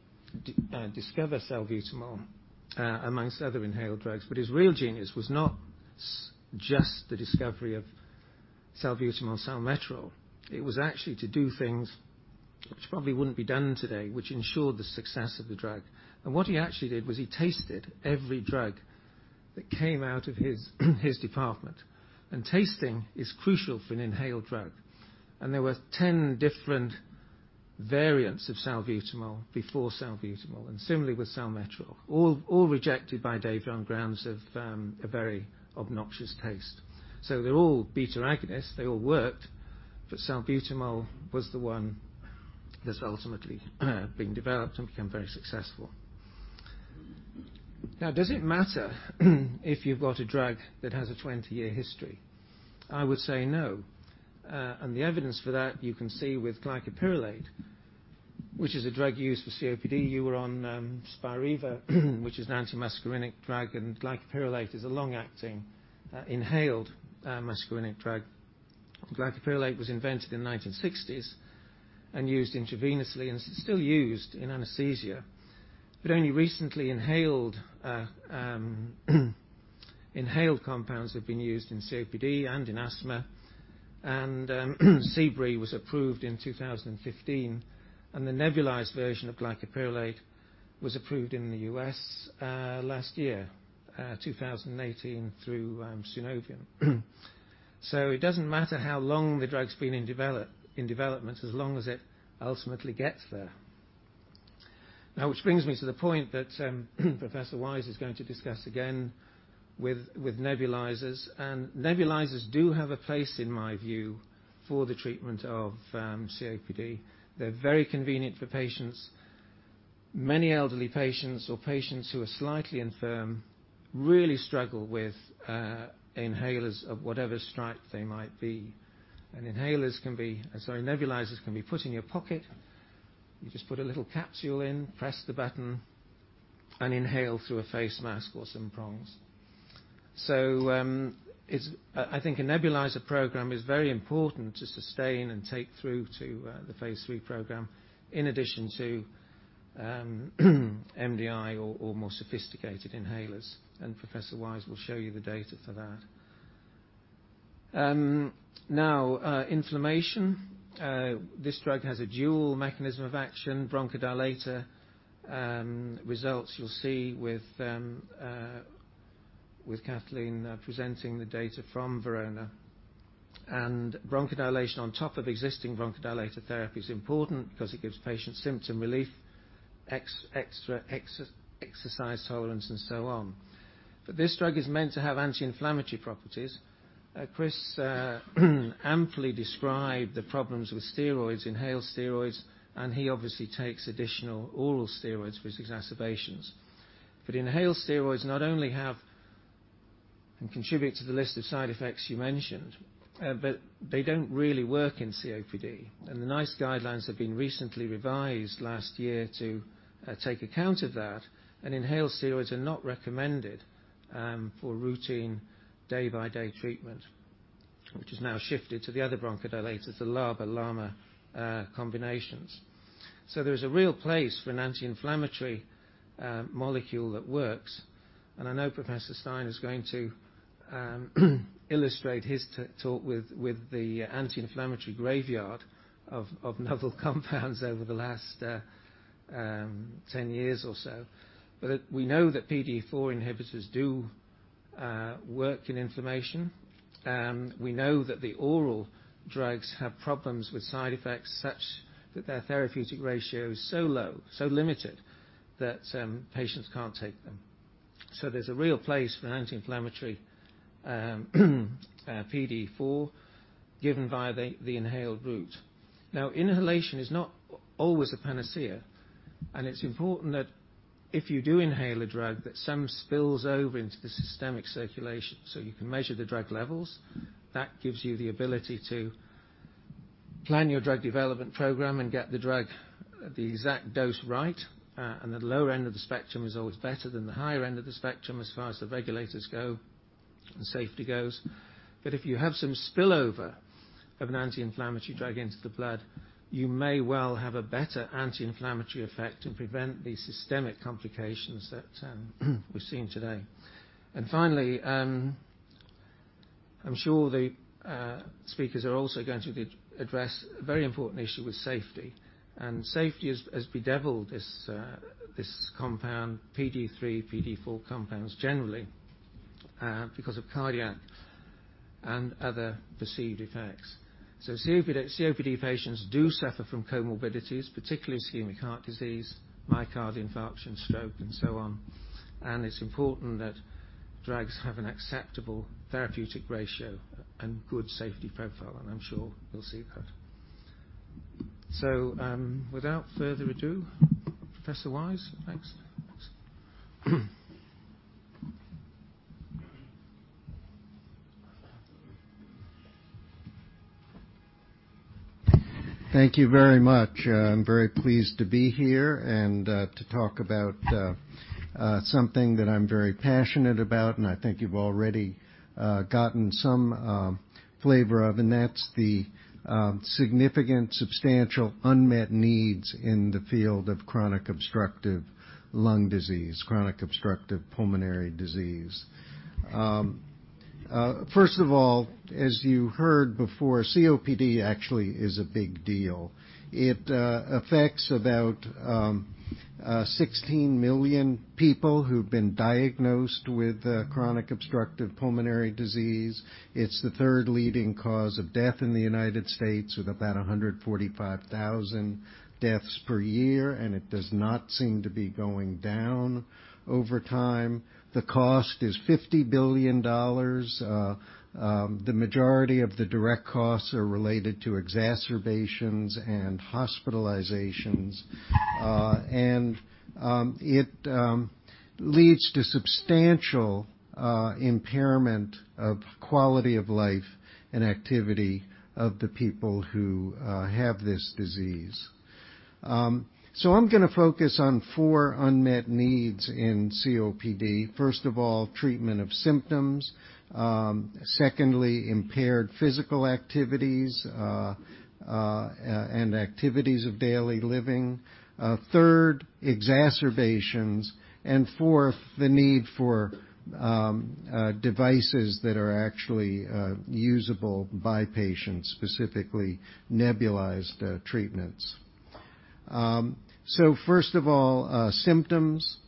discover salbutamol amongst other inhaled drugs, but his real genius was not just the discovery of salbutamol and salmeterol, it was actually to do things which probably wouldn't be done today, which ensured the success of the drug. What he actually did was he tasted every drug that came out of his department, and tasting is crucial for an inhaled drug. There were 10 different variants of salbutamol before salbutamol, and similarly with salmeterol, all rejected by David on grounds of a very obnoxious taste. They're all beta agonists, they all worked, but salbutamol was the one that's ultimately been developed and become very successful. Does it matter if you've got a drug that has a 20-year history? I would say no. The evidence for that you can see with glycopyrrolate, which is a drug used for COPD. You were on SPIRIVA, which is an anti-muscarinic drug, and glycopyrrolate is a long-acting, inhaled muscarinic drug. Glycopyrrolate was invented in the 1960s and used intravenously, and it's still used in anesthesia. Only recently inhaled compounds have been used in COPD and in asthma, and Seebri was approved in 2015, and the nebulized version of glycopyrrolate was approved in the U.S. last year, 2018, through Sunovion. It doesn't matter how long the drug's been in development, as long as it ultimately gets there. Which brings me to the point that Professor Wise is going to discuss again with nebulizers, and nebulizers do have a place, in my view, for the treatment of COPD. They're very convenient for patients. Many elderly patients or patients who are slightly infirm really struggle with inhalers of whatever stripe they might be. Nebulizers can be put in your pocket. You just put a little capsule in, press the button, and inhale through a face mask or some prongs. I think a nebulizer program is very important to sustain and take through to the phase III program, in addition to MDI or more sophisticated inhalers, and Professor Wise will show you the data for that. Inflammation. This drug has a dual mechanism of action, bronchodilator results you'll see with Kathleen presenting the data from Verona. Bronchodilation on top of existing bronchodilator therapy is important because it gives patients symptom relief, extra exercise tolerance and so on. This drug is meant to have anti-inflammatory properties. Chris amply described the problems with steroids, inhaled steroids, and he obviously takes additional oral steroids for his exacerbations. Inhaled steroids not only have and contribute to the list of side effects you mentioned, but they don't really work in COPD. The NICE guidelines have been recently revised last year to take account of that, and inhaled steroids are not recommended for routine day-by-day treatment, which is now shifted to the other bronchodilators, the LABA-LAMA combinations. There is a real place for an anti-inflammatory molecule that works, and I know Professor Stein is going to illustrate his talk with the anti-inflammatory graveyard of novel compounds over the last 10 years or so. We know that PDE4 inhibitors do work in inflammation. We know that the oral drugs have problems with side effects such that their therapeutic ratio is so low, so limited, that patients can't take them. There's a real place for an anti-inflammatory PDE4 given via the inhaled route. Inhalation is not always a panacea, and it's important that if you do inhale a drug, that some spills over into the systemic circulation, so you can measure the drug levels. That gives you the ability to plan your drug development program and get the drug at the exact dose right. The lower end of the spectrum is always better than the higher end of the spectrum as far as the regulators go and safety goes. If you have some spillover of an anti-inflammatory drug into the blood, you may well have a better anti-inflammatory effect and prevent the systemic complications that we're seeing today. Finally, I'm sure the speakers are also going to address a very important issue with safety. Safety has bedeviled this compound, PDE3, PDE4 compounds generally, because of cardiac and other perceived effects. COPD patients do suffer from comorbidities, particularly ischemic heart disease, myocardial infarction, stroke, and so on, and it's important that drugs have an acceptable therapeutic ratio and good safety profile, and I'm sure we'll see that. Without further ado, Professor Wise. Thanks. Thank you very much. I'm very pleased to be here and to talk about something that I'm very passionate about, and I think you've already gotten some flavor of, and that's the significant, substantial unmet needs in the field of chronic obstructive lung disease, chronic obstructive pulmonary disease. As you heard before, COPD actually is a big deal. It affects about 16 million people who've been diagnosed with chronic obstructive pulmonary disease. It's the third leading cause of death in the U.S., with about 145,000 deaths per year, it does not seem to be going down over time. The cost is $50 billion. The majority of the direct costs are related to exacerbations and hospitalizations. It leads to substantial impairment of quality of life and activity of the people who have this disease. I'm going to focus on four unmet needs in COPD. First of all, treatment of symptoms. Secondly, impaired physical activities and activities of daily living. Third, exacerbations, fourth, the need for devices that are actually usable by patients, specifically nebulized treatments. First of all, symptoms.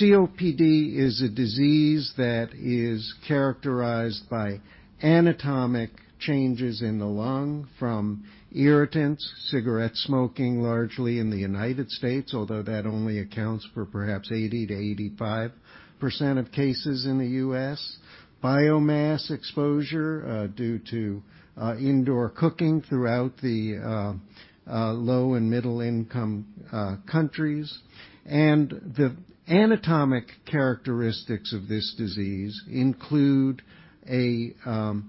COPD is a disease that is characterized by anatomic changes in the lung from irritants, cigarette smoking largely in the U.S., although that only accounts for perhaps 80%-85% of cases in the U.S., biomass exposure due to indoor cooking throughout the low and middle-income countries. The anatomic characteristics of this disease include an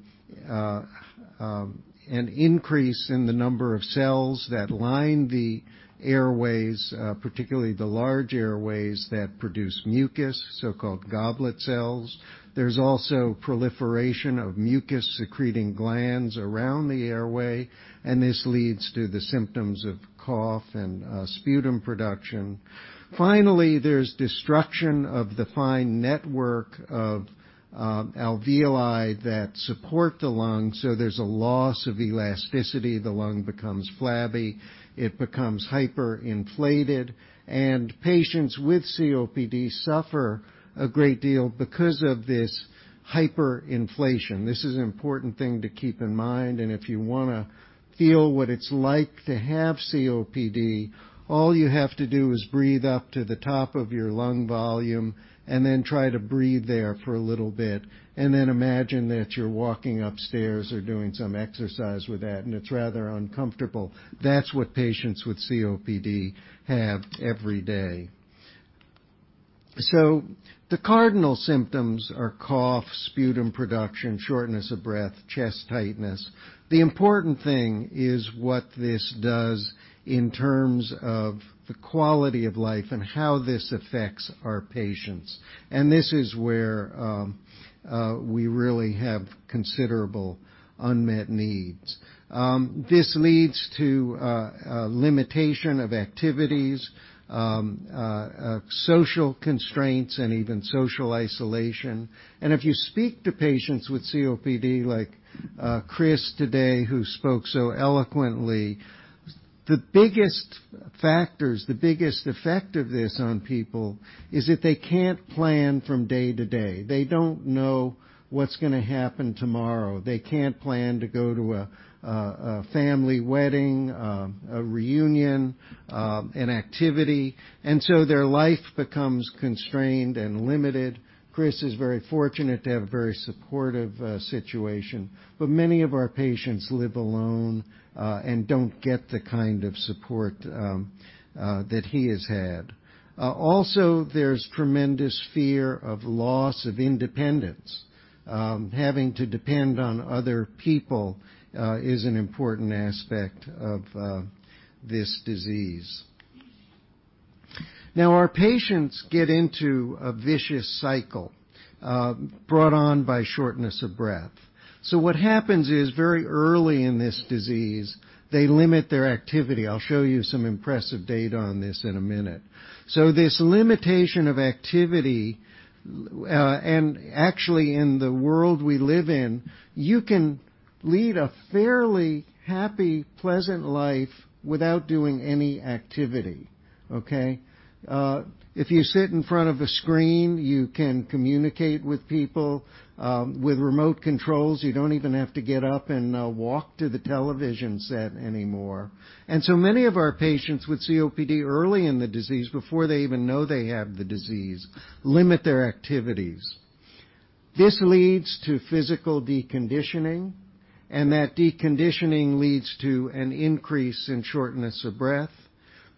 increase in the number of cells that line the airways, particularly the large airways that produce mucus, so-called goblet cells. There's also proliferation of mucus-secreting glands around the airway, this leads to the symptoms of cough and sputum production. Finally, there's destruction of the fine network of alveoli that support the lung, there's a loss of elasticity. The lung becomes flabby. It becomes hyperinflated, patients with COPD suffer a great deal because of this hyperinflation. This is an important thing to keep in mind, if you want to feel what it's like to have COPD, all you have to do is breathe up to the top of your lung volume and then try to breathe there for a little bit. Imagine that you're walking upstairs or doing some exercise with that, it's rather uncomfortable. That's what patients with COPD have every day. The cardinal symptoms are cough, sputum production, shortness of breath, chest tightness. The important thing is what this does in terms of the quality of life and how this affects our patients. This is where we really have considerable unmet needs. This leads to a limitation of activities, social constraints, and even social isolation. If you speak to patients with COPD, like Chris today, who spoke so eloquently, the biggest factors, the biggest effect of this on people is that they can't plan from day to day. They don't know what's going to happen tomorrow. They can't plan to go to a family wedding, a reunion, an activity, their life becomes constrained and limited. Chris is very fortunate to have a very supportive situation, many of our patients live alone, don't get the kind of support that he has had. Also, there's tremendous fear of loss of independence. Having to depend on other people is an important aspect of this disease. Our patients get into a vicious cycle brought on by shortness of breath. What happens is very early in this disease, they limit their activity. I'll show you some impressive data on this in a minute. This limitation of activity, and actually in the world we live in, you can lead a fairly happy, pleasant life without doing any activity. Okay. If you sit in front of a screen, you can communicate with people. With remote controls, you don't even have to get up and walk to the television set anymore. Many of our patients with COPD early in the disease, before they even know they have the disease, limit their activities. This leads to physical deconditioning, and that deconditioning leads to an increase in shortness of breath.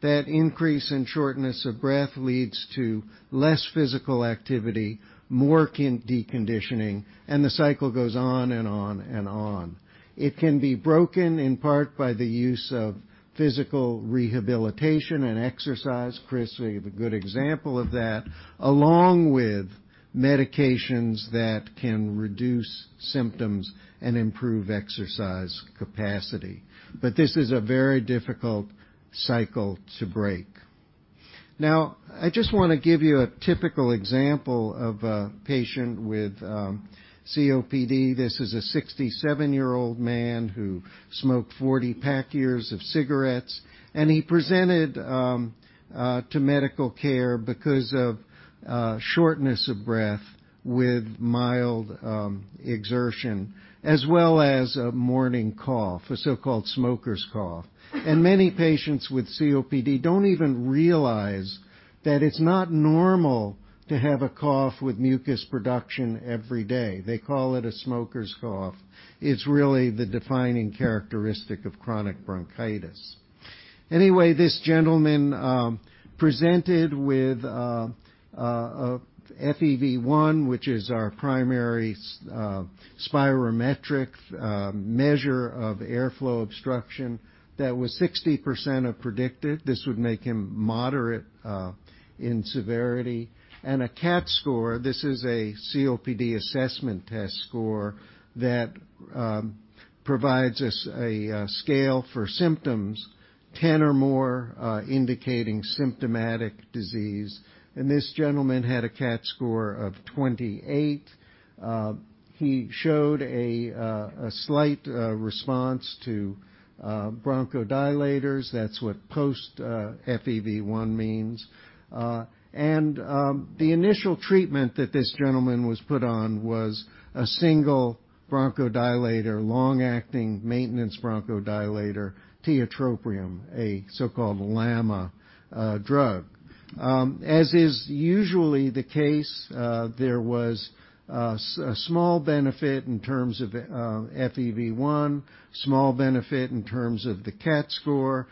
That increase in shortness of breath leads to less physical activity, more deconditioning, and the cycle goes on and on and on. It can be broken in part by the use of physical rehabilitation and exercise, Chris being a good example of that, along with medications that can reduce symptoms and improve exercise capacity. This is a very difficult cycle to break. I just want to give you a typical example of a patient with COPD. This is a 67-year-old man who smoked 40 pack years of cigarettes, he presented to medical care because of shortness of breath with mild exertion, as well as a morning cough, a so-called smoker's cough. Many patients with COPD don't even realize that it's not normal to have a cough with mucus production every day. They call it a smoker's cough. It's really the defining characteristic of chronic bronchitis. Anyway, this gentleman presented with FEV1, which is our primary spirometric measure of airflow obstruction that was 60% of predicted. This would make him moderate in severity. A CAT score, this is a COPD assessment test score that provides us a scale for symptoms, 10 or more indicating symptomatic disease, and this gentleman had a CAT score of 28. He showed a slight response to bronchodilators. That's what post FEV1 means. The initial treatment that this gentleman was put on was a single bronchodilator, long-acting maintenance bronchodilator, tiotropium, a so-called LAMA drug. As is usually the case, there was a small benefit in terms of FEV1, small benefit in terms of the CAT score,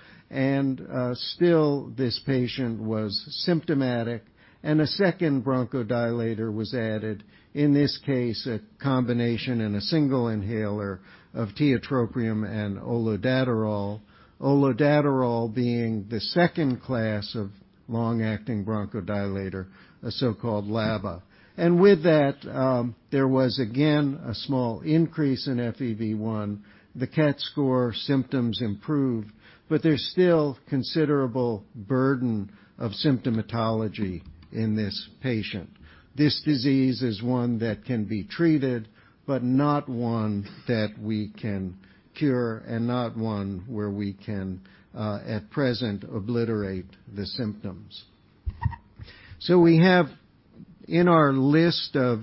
still, this patient was symptomatic, a second bronchodilator was added, in this case, a combination in a single inhaler of tiotropium and olodaterol. Olodaterol being the second class of long-acting bronchodilator, a so-called LABA. With that, there was again a small increase in FEV1. The CAT score symptoms improved, there's still considerable burden of symptomatology in this patient. This disease is one that can be treated, not one that we can cure and not one where we can, at present, obliterate the symptoms. We have in our list of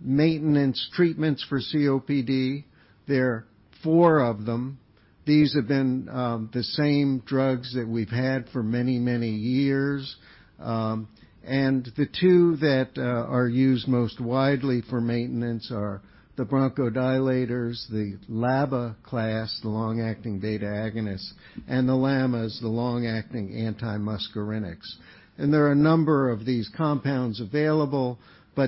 maintenance treatments for COPD, there are four of them. These have been the same drugs that we've had for many, many years. The two that are used most widely for maintenance are the bronchodilators, the LABA class, the long-acting beta agonists, and the LAMAs, the long-acting antimuscarinics. There are a number of these compounds available,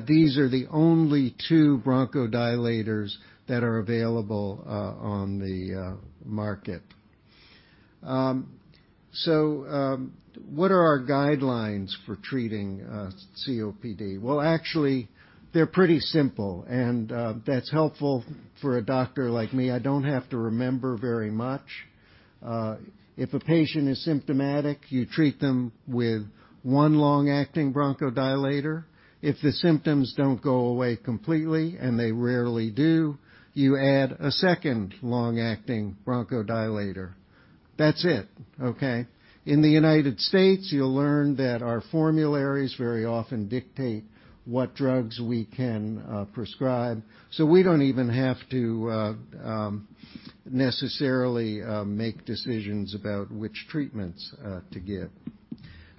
these are the only two bronchodilators that are available on the market. What are our guidelines for treating COPD? Well, actually, they're pretty simple, and that's helpful for a doctor like me. I don't have to remember very much. If a patient is symptomatic, you treat them with one long-acting bronchodilator. If the symptoms don't go away completely, and they rarely do, you add a second long-acting bronchodilator. That's it, okay? In the U.S., you'll learn that our formularies very often dictate what drugs we can prescribe. We don't even have to necessarily make decisions about which treatments to give.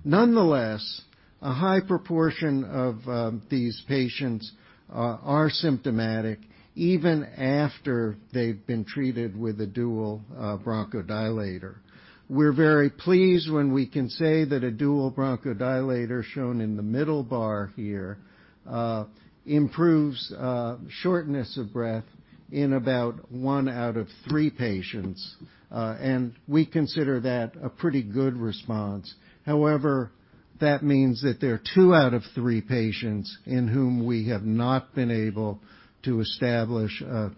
Nonetheless, a high proportion of these patients are symptomatic even after they've been treated with a dual bronchodilator. We're very pleased when we can say that a dual bronchodilator, shown in the middle bar here, improves shortness of breath in about one out of three patients. We consider that a pretty good response. However, that means that there are two out of three patients in whom we have not been able to establish a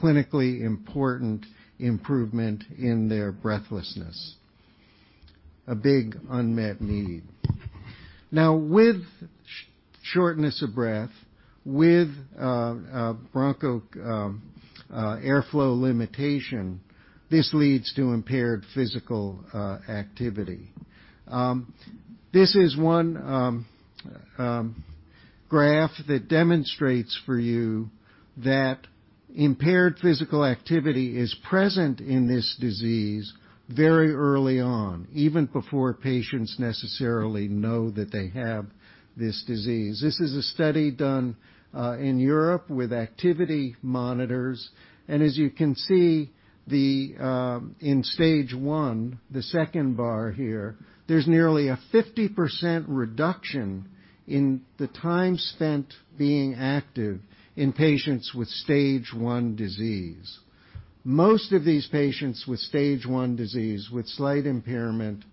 clinically important improvement in their breathlessness. A big unmet need. With shortness of breath, with broncho airflow limitation, this leads to impaired physical activity. This is one graph that demonstrates for you that impaired physical activity is present in this disease very early on, even before patients necessarily know that they have this disease. This is a study done in Europe with activity monitors, as you can see in stage 1, the second bar here, there's nearly a 50% reduction in the time spent being active in patients with stage 1 disease. Most of these patients with stage 1 disease, with slight impairment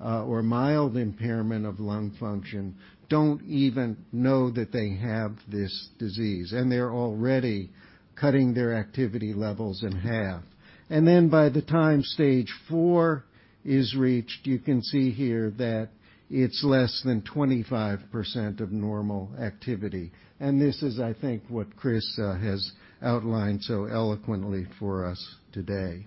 or mild impairment of lung function, don't even know that they have this disease, and they're already cutting their activity levels in half. By the time stage 4 is reached, you can see here that it's less than 25% of normal activity. This is, I think, what Chris has outlined so eloquently for us today.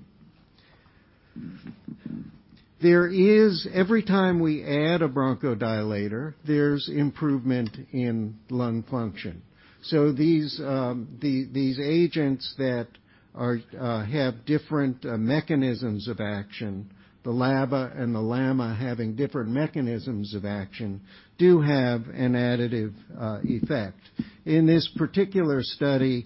Every time we add a bronchodilator, there's improvement in lung function. These agents that have different mechanisms of action, the LABA and the LAMA having different mechanisms of action, do have an additive effect. In this particular study,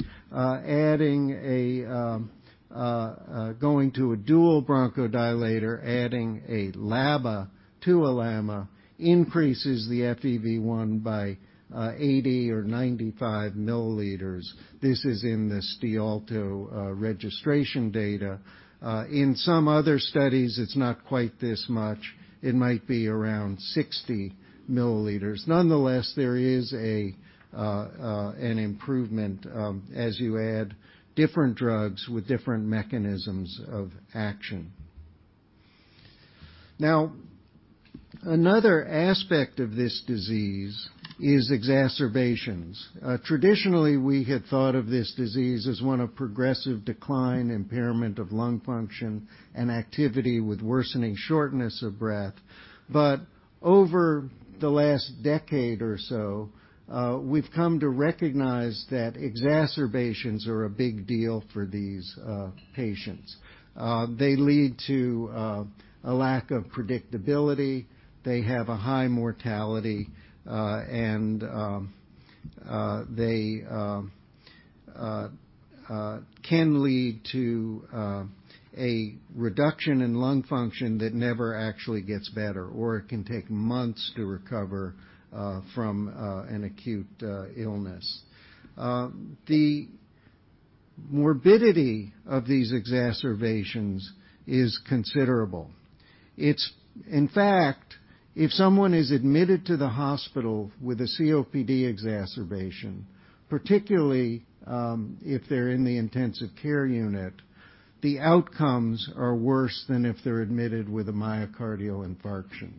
going to a dual bronchodilator, adding a LABA to a LAMA, increases the FEV1 by 80 or 95 milliliters. This is in the Stiolto registration data. In some other studies, it's not quite this much. It might be around 60 milliliters. Nonetheless, there is an improvement as you add different drugs with different mechanisms of action. Another aspect of this disease is exacerbations. Traditionally, we had thought of this disease as one of progressive decline, impairment of lung function, and activity with worsening shortness of breath. Over the last decade or so, we've come to recognize that exacerbations are a big deal for these patients. They lead to a lack of predictability. They have a high mortality. They can lead to a reduction in lung function that never actually gets better, or it can take months to recover from an acute illness. The morbidity of these exacerbations is considerable. In fact, if someone is admitted to the hospital with a COPD exacerbation, particularly if they're in the intensive care unit, the outcomes are worse than if they're admitted with a myocardial infarction.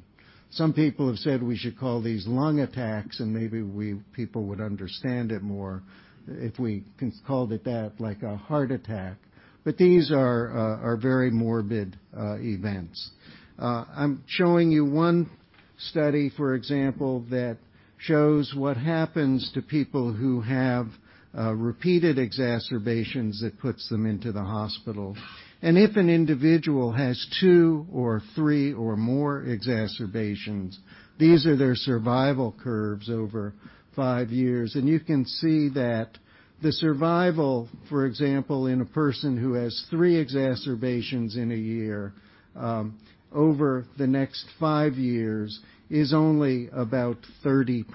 Some people have said we should call these lung attacks, and maybe people would understand it more if we called it that, like a heart attack. These are very morbid events. I'm showing you one study, for example, that shows what happens to people who have repeated exacerbations that puts them into the hospital. If an individual has two or three or more exacerbations, these are their survival curves over five years. You can see that the survival, for example, in a person who has three exacerbations in a year, over the next five years is only about 30%.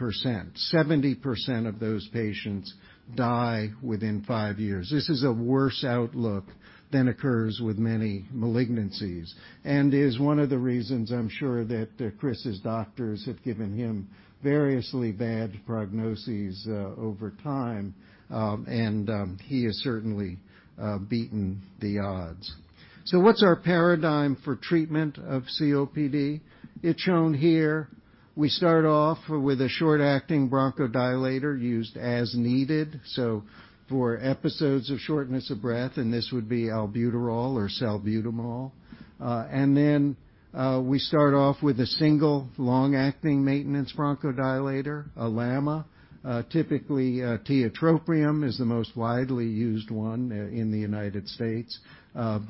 70% of those patients die within five years. This is a worse outlook than occurs with many malignancies, and is one of the reasons I'm sure that Chris's doctors have given him variously bad prognoses over time, and he has certainly beaten the odds. What's our paradigm for treatment of COPD? It's shown here. We start off with a short-acting bronchodilator used as needed, so for episodes of shortness of breath, and this would be albuterol or salbutamol. We start off with a single long-acting maintenance bronchodilator, a LAMA. Typically, tiotropium is the most widely used one in the U.S.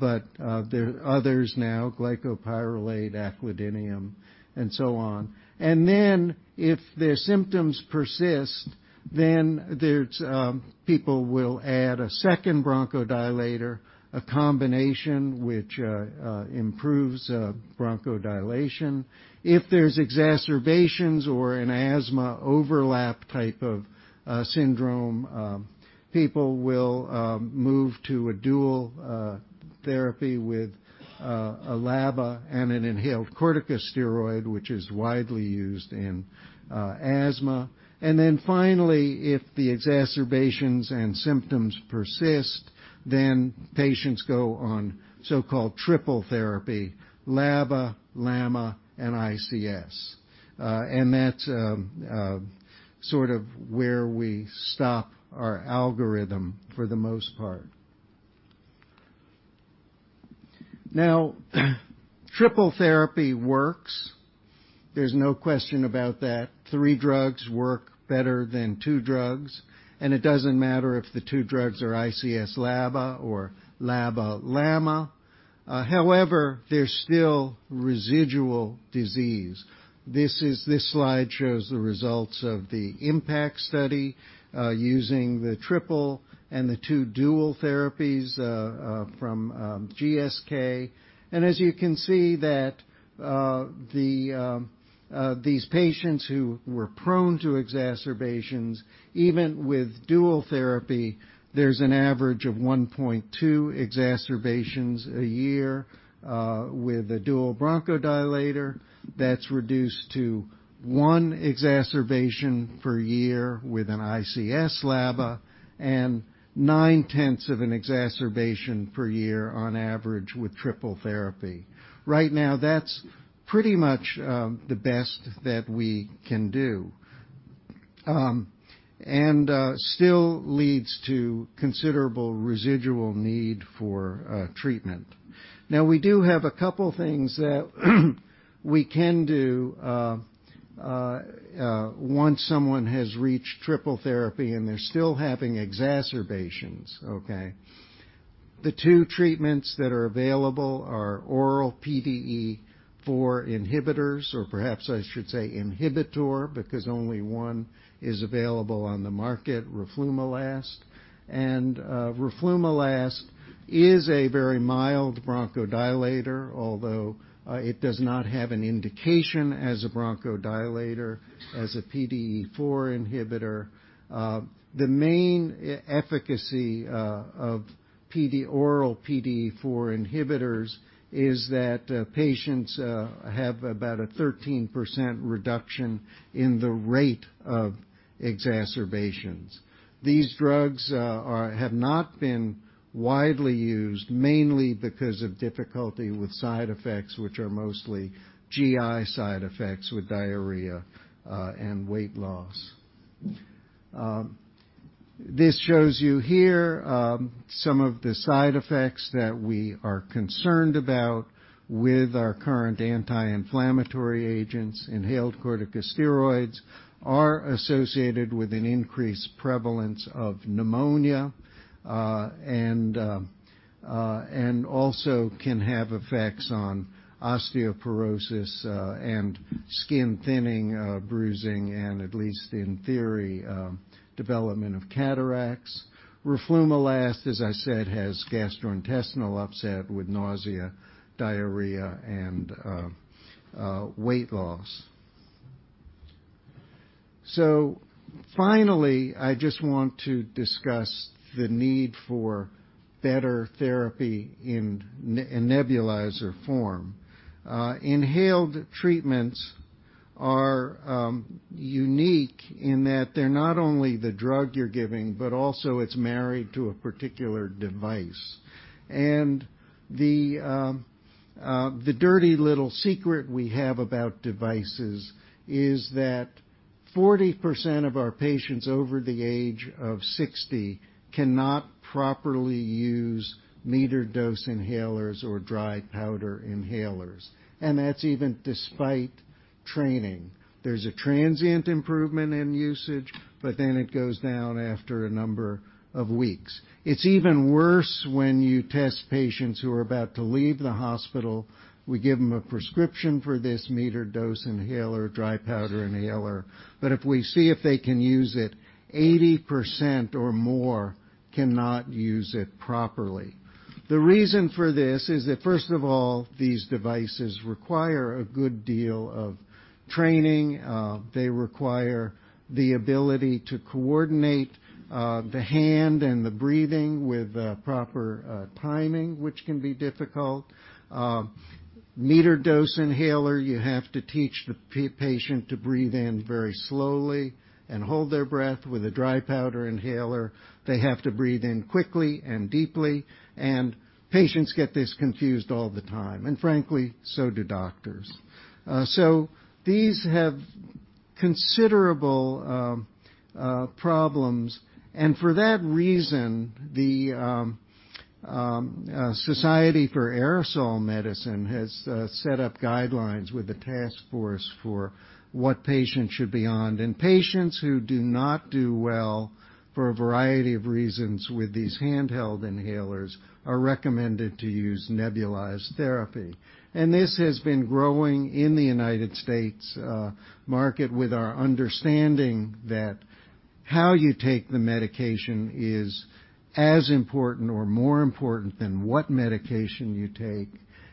There are others now, glycopyrrolate, aclidinium, and so on. If their symptoms persist, then people will add a second bronchodilator, a combination which improves bronchodilation. If there's exacerbations or an asthma overlap type of syndrome, people will move to a dual therapy with a LABA and an inhaled corticosteroid, which is widely used in asthma. Finally, if the exacerbations and symptoms persist, then patients go on so-called triple therapy, LABA, LAMA, and ICS. That's sort of where we stop our algorithm for the most part. Triple therapy works. There's no question about that. Three drugs work better than two drugs, and it doesn't matter if the two drugs are ICS/LABA or LABA/LAMA. There's still residual disease. This slide shows the results of the IMPACT study, using the triple and the two dual therapies from GSK. As you can see that these patients who were prone to exacerbations, even with dual therapy, there's an average of 1.2 exacerbations a year with a dual bronchodilator. That's reduced to one exacerbation per year with an ICS/LABA and 0.9 exacerbations per year on average with triple therapy. Right now, that's pretty much the best that we can do. Still leads to considerable residual need for treatment. We do have a couple things that we can do once someone has reached triple therapy and they're still having exacerbations. The two treatments that are available are oral PDE4 inhibitors, or perhaps I should say inhibitor, because only one is available on the market, roflumilast. Roflumilast is a very mild bronchodilator, although it does not have an indication as a bronchodilator, as a PDE4 inhibitor. The main efficacy of oral PDE4 inhibitors is that patients have about a 13% reduction in the rate of exacerbations. These drugs have not been widely used, mainly because of difficulty with side effects, which are mostly GI side effects with diarrhea and weight loss. This shows you here some of the side effects that we are concerned about with our current anti-inflammatory agents. Inhaled corticosteroids are associated with an increased prevalence of pneumonia, and also can have effects on osteoporosis and skin thinning, bruising, and at least in theory, development of cataracts. Roflumilast, as I said, has gastrointestinal upset with nausea, diarrhea, and weight loss. Finally, I just want to discuss the need for better therapy in nebulizer form. Inhaled treatments are unique in that they're not only the drug you're giving, but also it's married to a particular device. The dirty little secret we have about devices is that 40% of our patients over the age of 60 cannot properly use metered-dose inhalers or dry powder inhalers, and that's even despite training. There's a transient improvement in usage, but then it goes down after a number of weeks. It's even worse when you test patients who are about to leave the hospital. We give them a prescription for this metered-dose inhaler, dry powder inhaler. If we see if they can use it, 80% or more cannot use it properly. The reason for this is that, first of all, these devices require a good deal of training. They require the ability to coordinate the hand and the breathing with proper timing, which can be difficult. metered-dose inhaler, you have to teach the patient to breathe in very slowly and hold their breath. With a dry powder inhaler, they have to breathe in quickly and deeply, and patients get this confused all the time, and frankly, so do doctors. These have considerable problems. For that reason, the Society for Aerosol Medicine has set up guidelines with a task force for what patients should be on. Patients who do not do well, for a variety of reasons, with these handheld inhalers are recommended to use nebulized therapy. This has been growing in the U.S. market with our understanding that how you take the medication is as important or more important than what medication you take.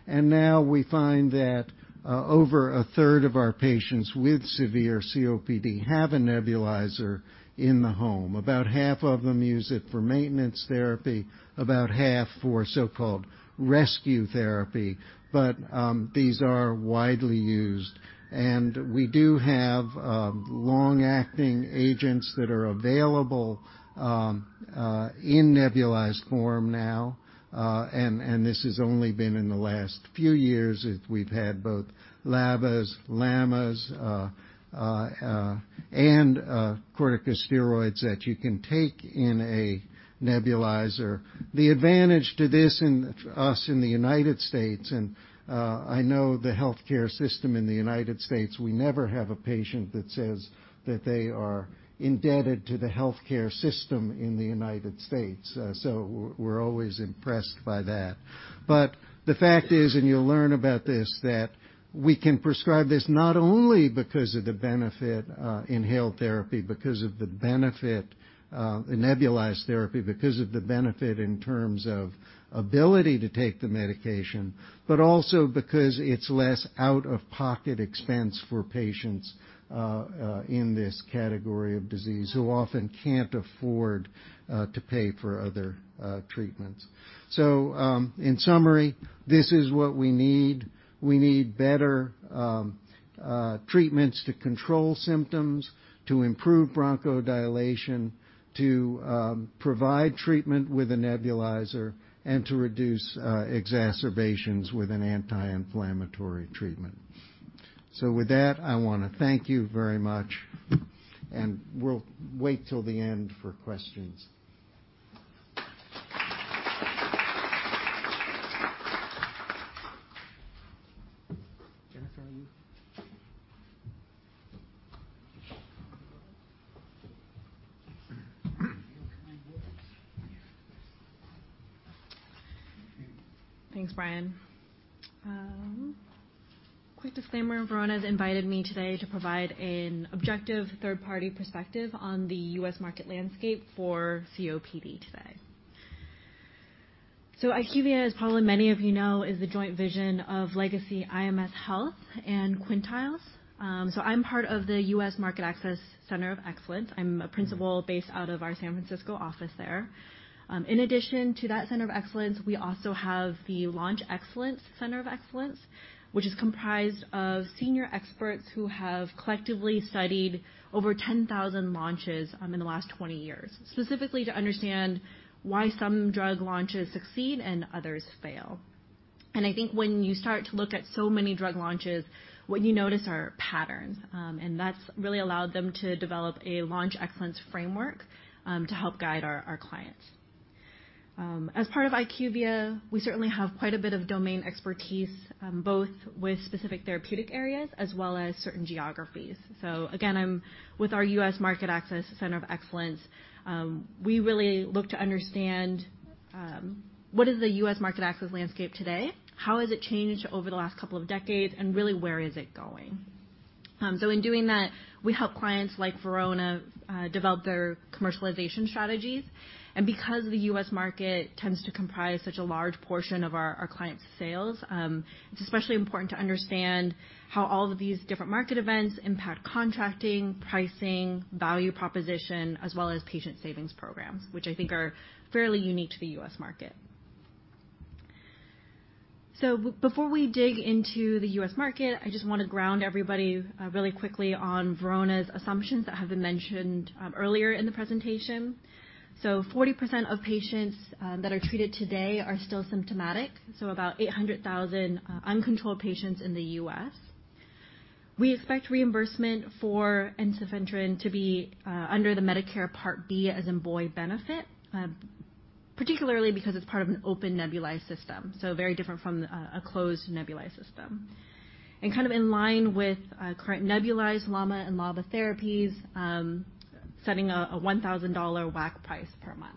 Now we find that over a third of our patients with severe COPD have a nebulizer in the home. About half of them use it for maintenance therapy, about half for so-called rescue therapy. These are widely used. We do have long-acting agents that are available in nebulized form now. This has only been in the last few years. We've had both LABAs, LAMAs, and corticosteroids that you can take in a nebulizer. The advantage to this for us in the U.S., and I know the healthcare system in the U.S., we never have a patient that says that they are indebted to the healthcare system in the U.S. We're always impressed by that. The fact is, and you'll learn about this, that we can prescribe this not only because of the benefit in nebulized therapy because of the benefit in terms of ability to take the medication, but also because it's less out-of-pocket expense for patients in this category of disease who often can't afford to pay for other treatments. In summary, this is what we need. We need better treatments to control symptoms, to improve bronchodilation, to provide treatment with a nebulizer, and to reduce exacerbations with an anti-inflammatory treatment. With that, I want to thank you very much, and we'll wait till the end for questions. Jennifer, Thanks, Brian. Quick disclaimer, Verona has invited me today to provide an objective third-party perspective on the U.S. market landscape for COPD today. IQVIA, as probably many of you know, is the joint vision of legacy IMS Health and Quintiles. I'm part of the US Market Access Center of Excellence. I'm a principal based out of our San Francisco office there. In addition to that center of excellence, we also have the Launch Excellence Center of Excellence, which is comprised of senior experts who have collectively studied over 10,000 launches in the last 20 years, specifically to understand why some drug launches succeed and others fail. I think when you start to look at so many drug launches, what you notice are patterns. That's really allowed them to develop a launch excellence framework to help guide our clients. As part of IQVIA, we certainly have quite a bit of domain expertise, both with specific therapeutic areas as well as certain geographies. Again, with our US Market Access Center of Excellence, we really look to understand what is the U.S. market access landscape today, how has it changed over the last couple of decades, and really, where is it going? In doing that, we help clients like Verona develop their commercialization strategies. Because the U.S. market tends to comprise such a large portion of our clients' sales, it's especially important to understand how all of these different market events impact contracting, pricing, value proposition, as well as patient savings programs, which I think are fairly unique to the U.S. market. Before we dig into the U.S. market, I just want to ground everybody really quickly on Verona's assumptions that have been mentioned earlier in the presentation. 40% of patients that are treated today are still symptomatic, so about 800,000 uncontrolled patients in the U.S. We expect reimbursement for ensifentrine to be under the Medicare Part B as in boy benefit, particularly because it's part of an open nebulize system, so very different from a closed nebulize system. In line with current nebulize LAMA and LABA therapies, setting a $1,000 WAC price per month.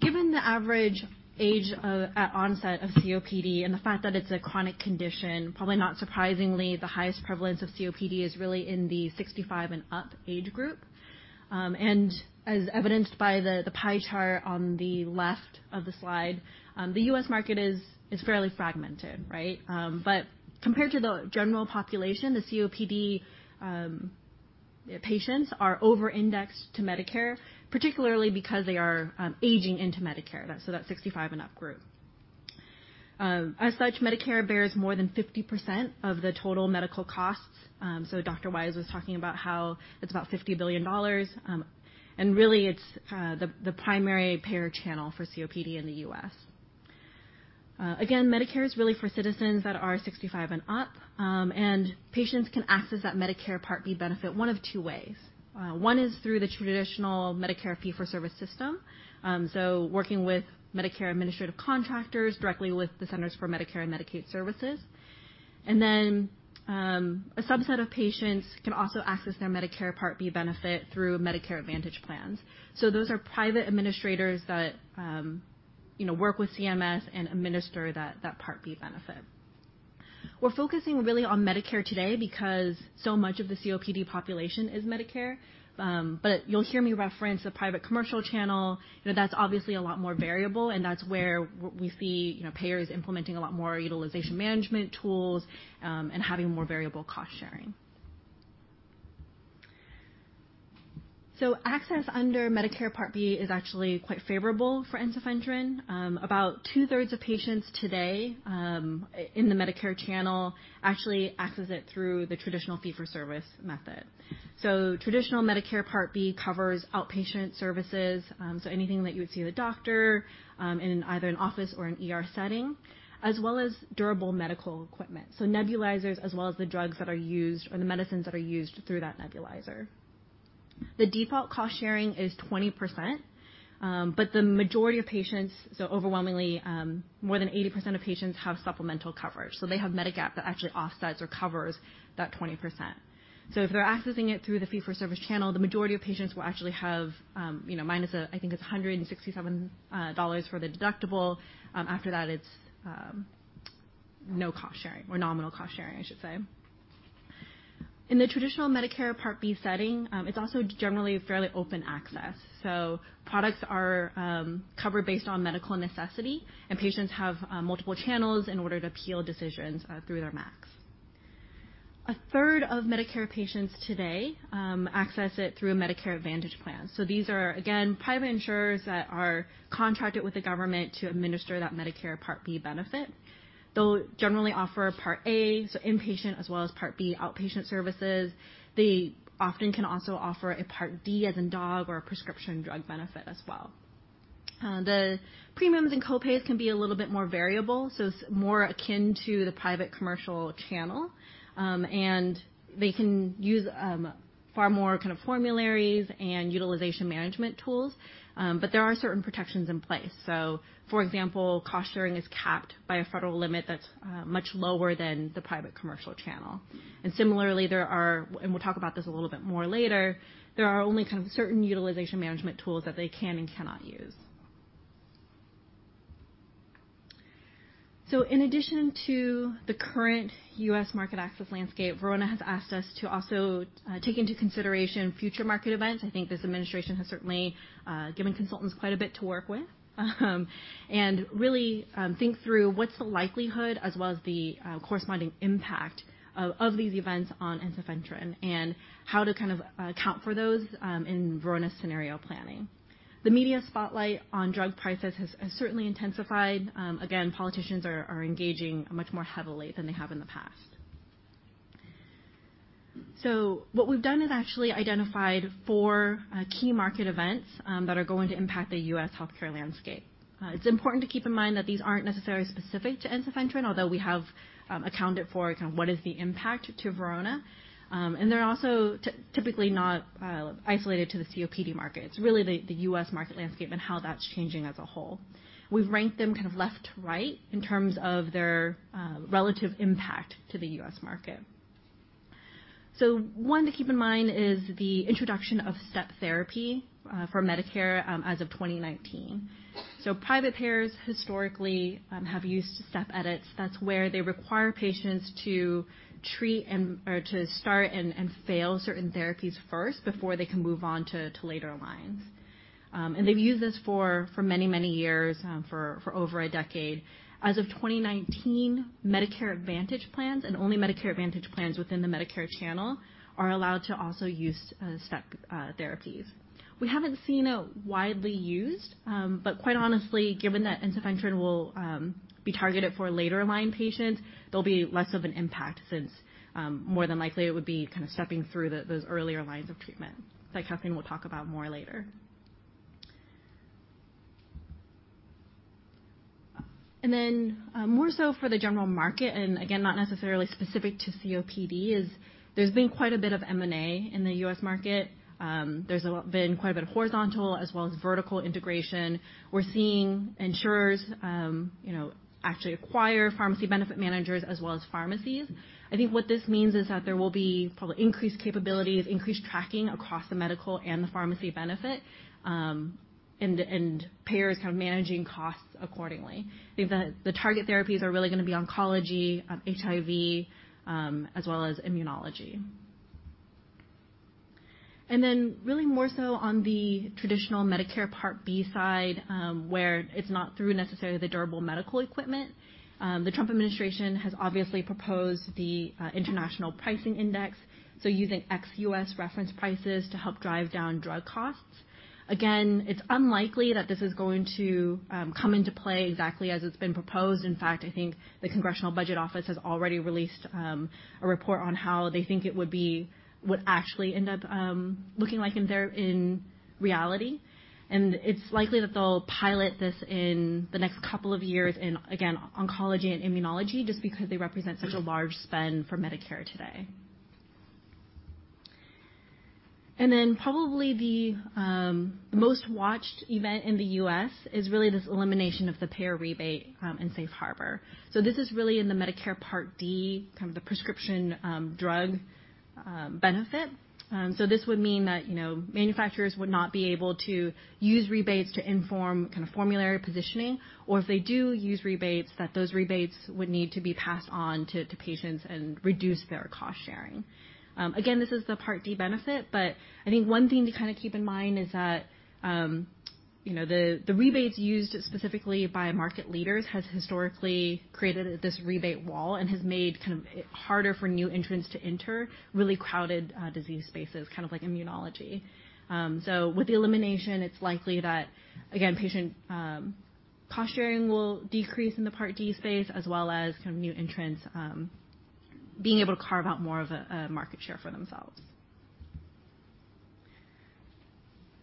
Given the average age at onset of COPD and the fact that it's a chronic condition, probably not surprisingly, the highest prevalence of COPD is really in the 65 and up age group. As evidenced by the pie chart on the left of the slide, the U.S. market is fairly fragmented, right? But compared to the general population, the COPD patients are over-indexed to Medicare, particularly because they are aging into Medicare, so that 65 and up group. As such, Medicare bears more than 50% of the total medical costs. Dr. Wise was talking about how it's about $50 billion. Really it's the primary payer channel for COPD in the U.S. Again, Medicare is really for citizens that are 65 and up. Patients can access that Medicare Part B benefit one of two ways. One is through the traditional Medicare fee-for-service system, working with Medicare administrative contractors directly with the Centers for Medicare and Medicaid Services. Then, a subset of patients can also access their Medicare Part B benefit through Medicare Advantage plans. Those are private administrators that work with CMS and administer that Part B benefit. We're focusing really on Medicare today because so much of the COPD population is Medicare. You'll hear me reference the private commercial channel. That's obviously a lot more variable, and that's where we see payers implementing a lot more utilization management tools, and having more variable cost-sharing. Access under Medicare Part B is actually quite favorable for ensifentrine. About two-thirds of patients today in the Medicare channel actually access it through the traditional fee-for-service method. Traditional Medicare Part B covers outpatient services, anything that you would see the doctor, in either an office or an ER setting, as well as durable medical equipment. Nebulizers as well as the drugs that are used or the medicines that are used through that nebulizer. The default cost-sharing is 20%, the majority of patients, overwhelmingly, more than 80% of patients have supplemental coverage. They have Medigap that actually offsets or covers that 20%. If they're accessing it through the fee-for-service channel, the majority of patients will actually have, minus, I think it's $167 for the deductible. After that, it's no cost-sharing or nominal cost-sharing, I should say. In the traditional Medicare Part B setting, it's also generally fairly open access. Products are covered based on medical necessity, and patients have multiple channels in order to appeal decisions through their MACs. A third of Medicare patients today access it through a Medicare Advantage plan. These are, again, private insurers that are contracted with the government to administer that Medicare Part B benefit. They'll generally offer Part A, inpatient as well as Part B, outpatient services. They often can also offer a Part D as in dog or a prescription drug benefit as well. The premiums and co-pays can be a little bit more variable, so it's more akin to the private commercial channel. They can use far more kind of formularies and utilization management tools. There are certain protections in place. For example, cost-sharing is capped by a federal limit that's much lower than the private commercial channel. Similarly, there are, and we'll talk about this a little bit more later, there are only kind of certain utilization management tools that they can and cannot use. In addition to the current U.S. market access landscape, Verona has asked us to also take into consideration future market events. I think this administration has certainly given consultants quite a bit to work with and really think through what's the likelihood as well as the corresponding impact of these events on ensifentrine and how to kind of account for those in Verona's scenario planning. The media spotlight on drug prices has certainly intensified. Again, politicians are engaging much more heavily than they have in the past. What we've done is actually identified four key market events that are going to impact the U.S. healthcare landscape. It's important to keep in mind that these aren't necessarily specific to ensifentrine, although we have accounted for kind of what is the impact to Verona. They're also typically not isolated to the COPD market. It's really the U.S. market landscape and how that's changing as a whole. We've ranked them kind of left to right in terms of their relative impact to the U.S. market. One to keep in mind is the introduction of step therapy for Medicare as of 2019. Private payers historically have used step edits. That's where they require patients to start and fail certain therapies first before they can move on to later lines. They've used this for many, many years for over a decade. As of 2019, Medicare Advantage plans and only Medicare Advantage plans within the Medicare channel are allowed to also use step therapies. We haven't seen it widely used. Quite honestly, given that ensifentrine will be targeted for later-line patients, there'll be less of an impact since, more than likely it would be kind of stepping through those earlier lines of treatment that Kathleen will talk about more later. More so for the general market, and again, not necessarily specific to COPD, there's been quite a bit of M&A in the U.S. market. There's been quite a bit of horizontal as well as vertical integration. We're seeing insurers actually acquire pharmacy benefit managers as well as pharmacies. I think what this means is that there will be probably increased capabilities, increased tracking across the medical and the pharmacy benefit, and payers managing costs accordingly. I think the target therapies are really going to be oncology, HIV, as well as immunology. Really more so on the traditional Medicare Part B side, where it's not through necessarily the durable medical equipment. The Trump administration has obviously proposed the International Pricing Index, using ex-U.S. reference prices to help drive down drug costs. It's unlikely that this is going to come into play exactly as it's been proposed. In fact, I think the Congressional Budget Office has already released a report on how they think it would actually end up looking like in reality. It's likely that they'll pilot this in the next couple of years in, again, oncology and immunology, just because they represent such a large spend for Medicare today. Probably the most watched event in the U.S. is really this elimination of the payer rebate in safe harbor. This is really in the Medicare Part D, the prescription drug benefit. This would mean that manufacturers would not be able to use rebates to inform formulary positioning, or if they do use rebates, that those rebates would need to be passed on to patients and reduce their cost sharing. This is the Part D benefit, I think one thing to keep in mind is that the rebates used specifically by market leaders has historically created this rebate wall and has made it harder for new entrants to enter really crowded disease spaces, like immunology. With the elimination, it's likely that, again, patient cost sharing will decrease in the Part D space, as well as new entrants being able to carve out more of a market share for themselves.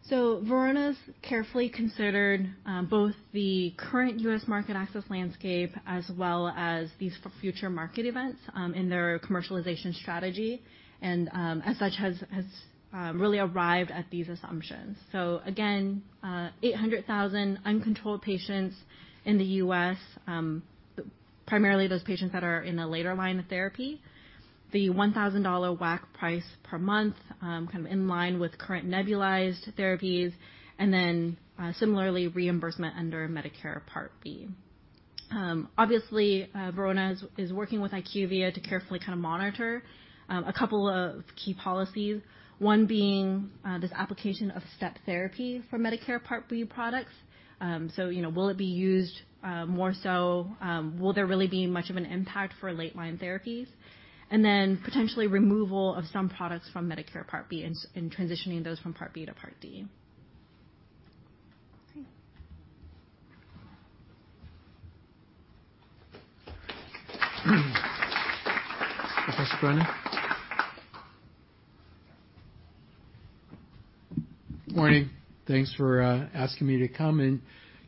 Verona's carefully considered both the current U.S. market access landscape as well as these future market events in their commercialization strategy, as such, has really arrived at these assumptions. Again, 800,000 uncontrolled patients in the U.S., primarily those patients that are in the later line of therapy. The $1,000 WAC price per month, in line with current nebulized therapies, similarly, reimbursement under Medicare Part B. Obviously, Verona is working with IQVIA to carefully monitor a couple of key policies, one being this application of step therapy for Medicare Part B products. Will it be used more so, will there really be much of an impact for late line therapies? Potentially removal of some products from Medicare Part B and transitioning those from Part B to Part D. Professor Criner. Morning. Thanks for asking me to come and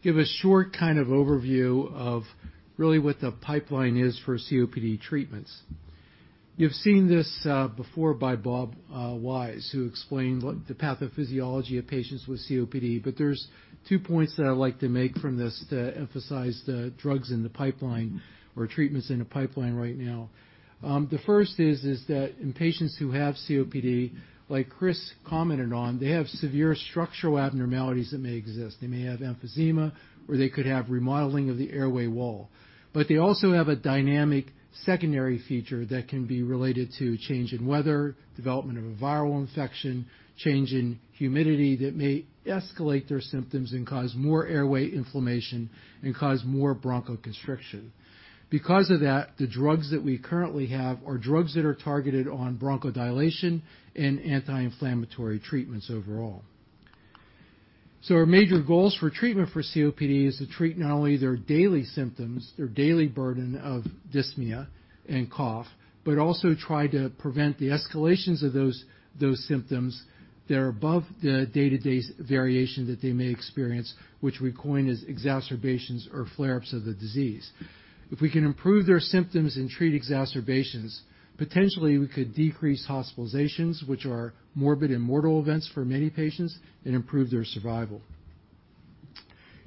give a short overview of really what the pipeline is for COPD treatments. You've seen this before by Bob Wise, who explained what the pathophysiology of patients with COPD. There's two points that I'd like to make from this to emphasize the drugs in the pipeline or treatments in the pipeline right now. The first is that in patients who have COPD, like Chris commented on, they have severe structural abnormalities that may exist. They may have emphysema, or they could have remodeling of the airway wall. They also have a dynamic secondary feature that can be related to change in weather, development of a viral infection, change in humidity that may escalate their symptoms and cause more airway inflammation and cause more bronchoconstriction. Because of that, the drugs that we currently have are drugs that are targeted on bronchodilation and anti-inflammatory treatments overall. Our major goals for treatment for COPD is to treat not only their daily symptoms, their daily burden of dyspnea and cough, but also try to prevent the escalations of those symptoms that are above the day-to-day variation that they may experience, which we coin as exacerbations or flare-ups of the disease. If we can improve their symptoms and treat exacerbations, potentially we could decrease hospitalizations, which are morbid and mortal events for many patients, and improve their survival.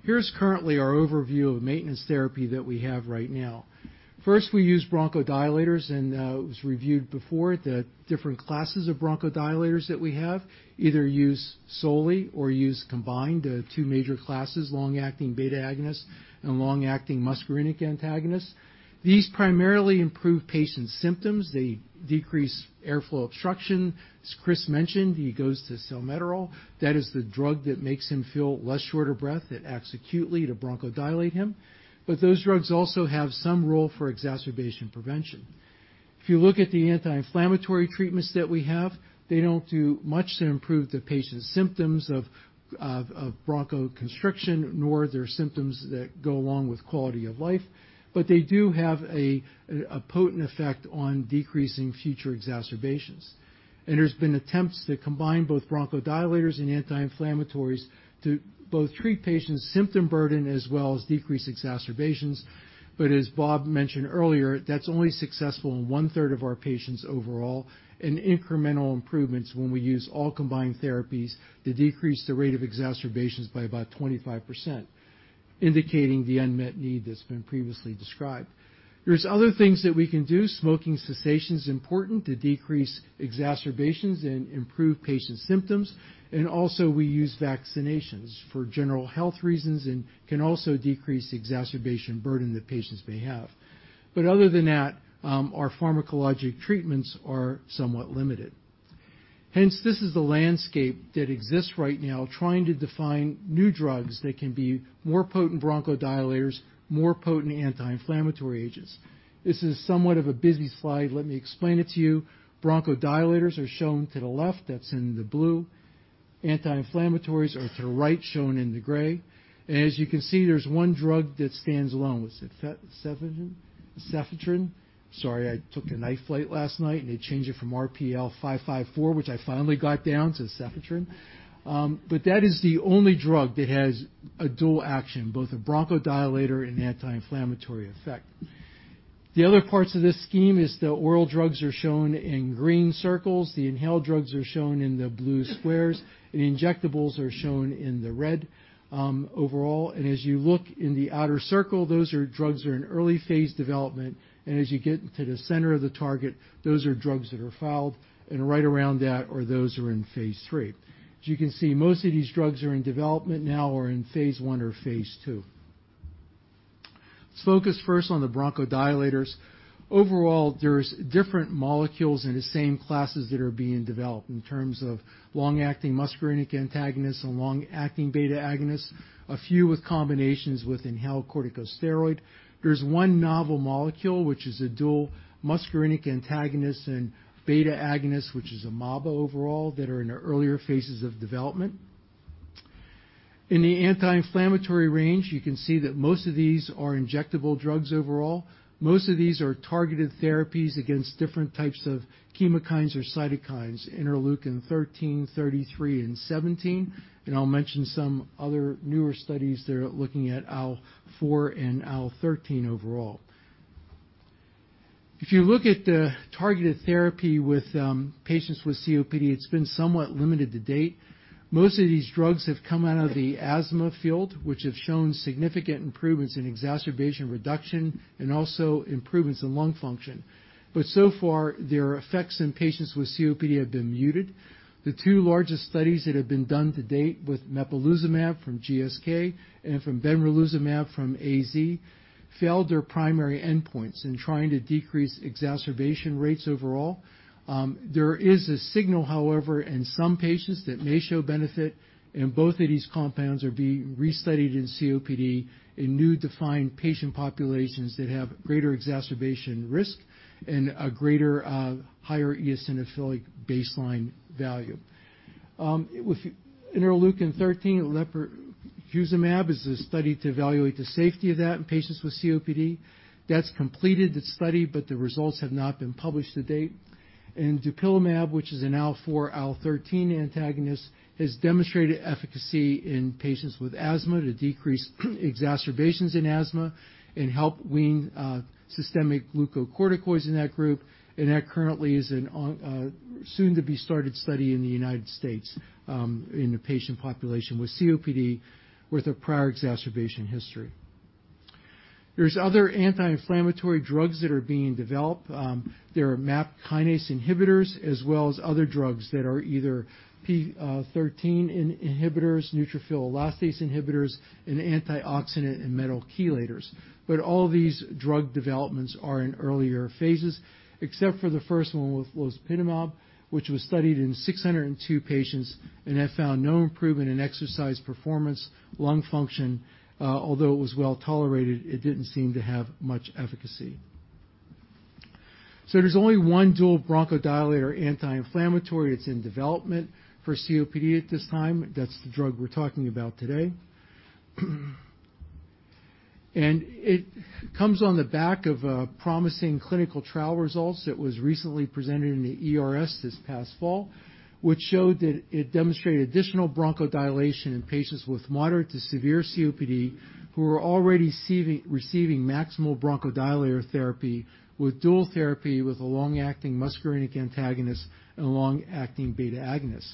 Here's currently our overview of maintenance therapy that we have right now. First, we use bronchodilators, and it was reviewed before, the different classes of bronchodilators that we have, either used solely or used combined. The two major classes, long-acting beta-agonists and long-acting muscarinic antagonists. These primarily improve patient symptoms. They decrease airflow obstruction. As Chris mentioned, he goes to salmeterol. That is the drug that makes him feel less short of breath. It acts acutely to bronchodilate him. Those drugs also have some role for exacerbation prevention. You look at the anti-inflammatory treatments that we have, they don't do much to improve the patient's symptoms of bronchoconstriction, nor their symptoms that go along with quality of life. They do have a potent effect on decreasing future exacerbations. There's been attempts to combine both bronchodilators and anti-inflammatories to both treat patients' symptom burden as well as decrease exacerbations. As Bob mentioned earlier, that's only successful in one-third of our patients overall, and incremental improvements when we use all combined therapies to decrease the rate of exacerbations by about 25%, indicating the unmet need that's been previously described. There's other things that we can do. Smoking cessation is important to decrease exacerbations and improve patient symptoms. Also we use vaccinations for general health reasons and can also decrease exacerbation burden that patients may have. Other than that, our pharmacologic treatments are somewhat limited. Hence, this is the landscape that exists right now, trying to define new drugs that can be more potent bronchodilators, more potent anti-inflammatory agents. This is somewhat of a busy slide. Let me explain it to you. Bronchodilators are shown to the left, that's in the blue. Anti-inflammatories are to the right, shown in the gray. You can see, there's one drug that stands alone. What's it? ensifentrine? ensifentrine. Sorry, I took a night flight last night, and they changed it from RPL554, which I finally got down, to ensifentrine. That is the only drug that has a dual action, both a bronchodilator and anti-inflammatory effect. The other parts of this scheme is the oral drugs are shown in green circles, the inhaled drugs are shown in the blue squares, and injectables are shown in the red overall. As you look in the outer circle, those are drugs that are in early phase development. As you get to the center of the target, those are drugs that are filed, and right around that are those that are in phase III. You can see, most of these drugs are in development now or are in phase I or phase II. Let's focus first on the bronchodilators. Overall, there's different molecules in the same classes that are being developed in terms of long-acting muscarinic antagonists and long-acting beta agonists, a few with combinations with inhaled corticosteroid. There's one novel molecule, which is a dual muscarinic antagonist and beta agonist, which is a MABA overall, that are in the earlier phases of development. In the anti-inflammatory range, you can see that most of these are injectable drugs overall. Most of these are targeted therapies against different types of chemokines or cytokines, Interleukin-13, 33, and 17. I'll mention some other newer studies that are looking at IL-4 and IL-13 overall. You look at the targeted therapy with patients with COPD, it's been somewhat limited to date. Most of these drugs have come out of the asthma field, which have shown significant improvements in exacerbation reduction and also improvements in lung function. So far, their effects in patients with COPD have been muted. The two largest studies that have been done to date with mepolizumab from GSK and from benralizumab from AstraZeneca failed their primary endpoints in trying to decrease exacerbation rates overall. There is a signal, however, in some patients that may show benefit, and both of these compounds are being restudied in COPD in new defined patient populations that have greater exacerbation risk and a greater higher eosinophilic baseline value. With Interleukin-13, lebrikizumab is a study to evaluate the safety of that in patients with COPD. That's completed the study, but the results have not been published to date. Dupilumab, which is an IL-4, IL-13 antagonist, has demonstrated efficacy in patients with asthma to decrease exacerbations in asthma and help wean systemic glucocorticoids in that group. That currently is a soon-to-be-started study in the U.S. in a patient population with COPD with a prior exacerbation history. There's other anti-inflammatory drugs that are being developed. There are MAP kinase inhibitors as well as other drugs that are either PI3 inhibitors, neutrophil elastase inhibitors, and antioxidant and metal chelators. All these drug developments are in earlier phases, except for the first one with losmapimod, which was studied in 602 patients and have found no improvement in exercise performance, lung function. Although it was well-tolerated, it didn't seem to have much efficacy. There's only one dual bronchodilator anti-inflammatory. It's in development for COPD at this time. That's the drug we're talking about today. It comes on the back of promising clinical trial results that was recently presented in the ERS this past fall, which showed that it demonstrated additional bronchodilation in patients with moderate to severe COPD who were already receiving maximal bronchodilator therapy with dual therapy, with a long-acting muscarinic antagonist and a long-acting beta agonist.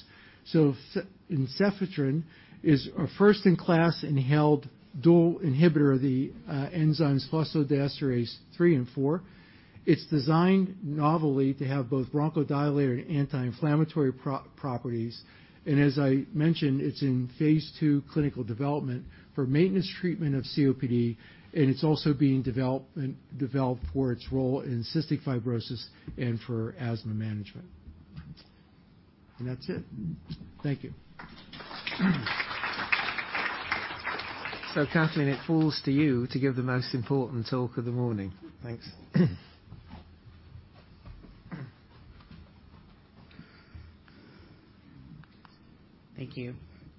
Ensifentrine is a first-in-class inhaled dual inhibitor of the enzymes phosphodiesterase 3 and 4. It's designed novelly to have both bronchodilator and anti-inflammatory properties. As I mentioned, it's in phase II clinical development for maintenance treatment of COPD, and it's also being developed for its role in cystic fibrosis and for asthma management. That's it. Thank you. Kathleen, it falls to you to give the most important talk of the morning. Thanks. Thank you.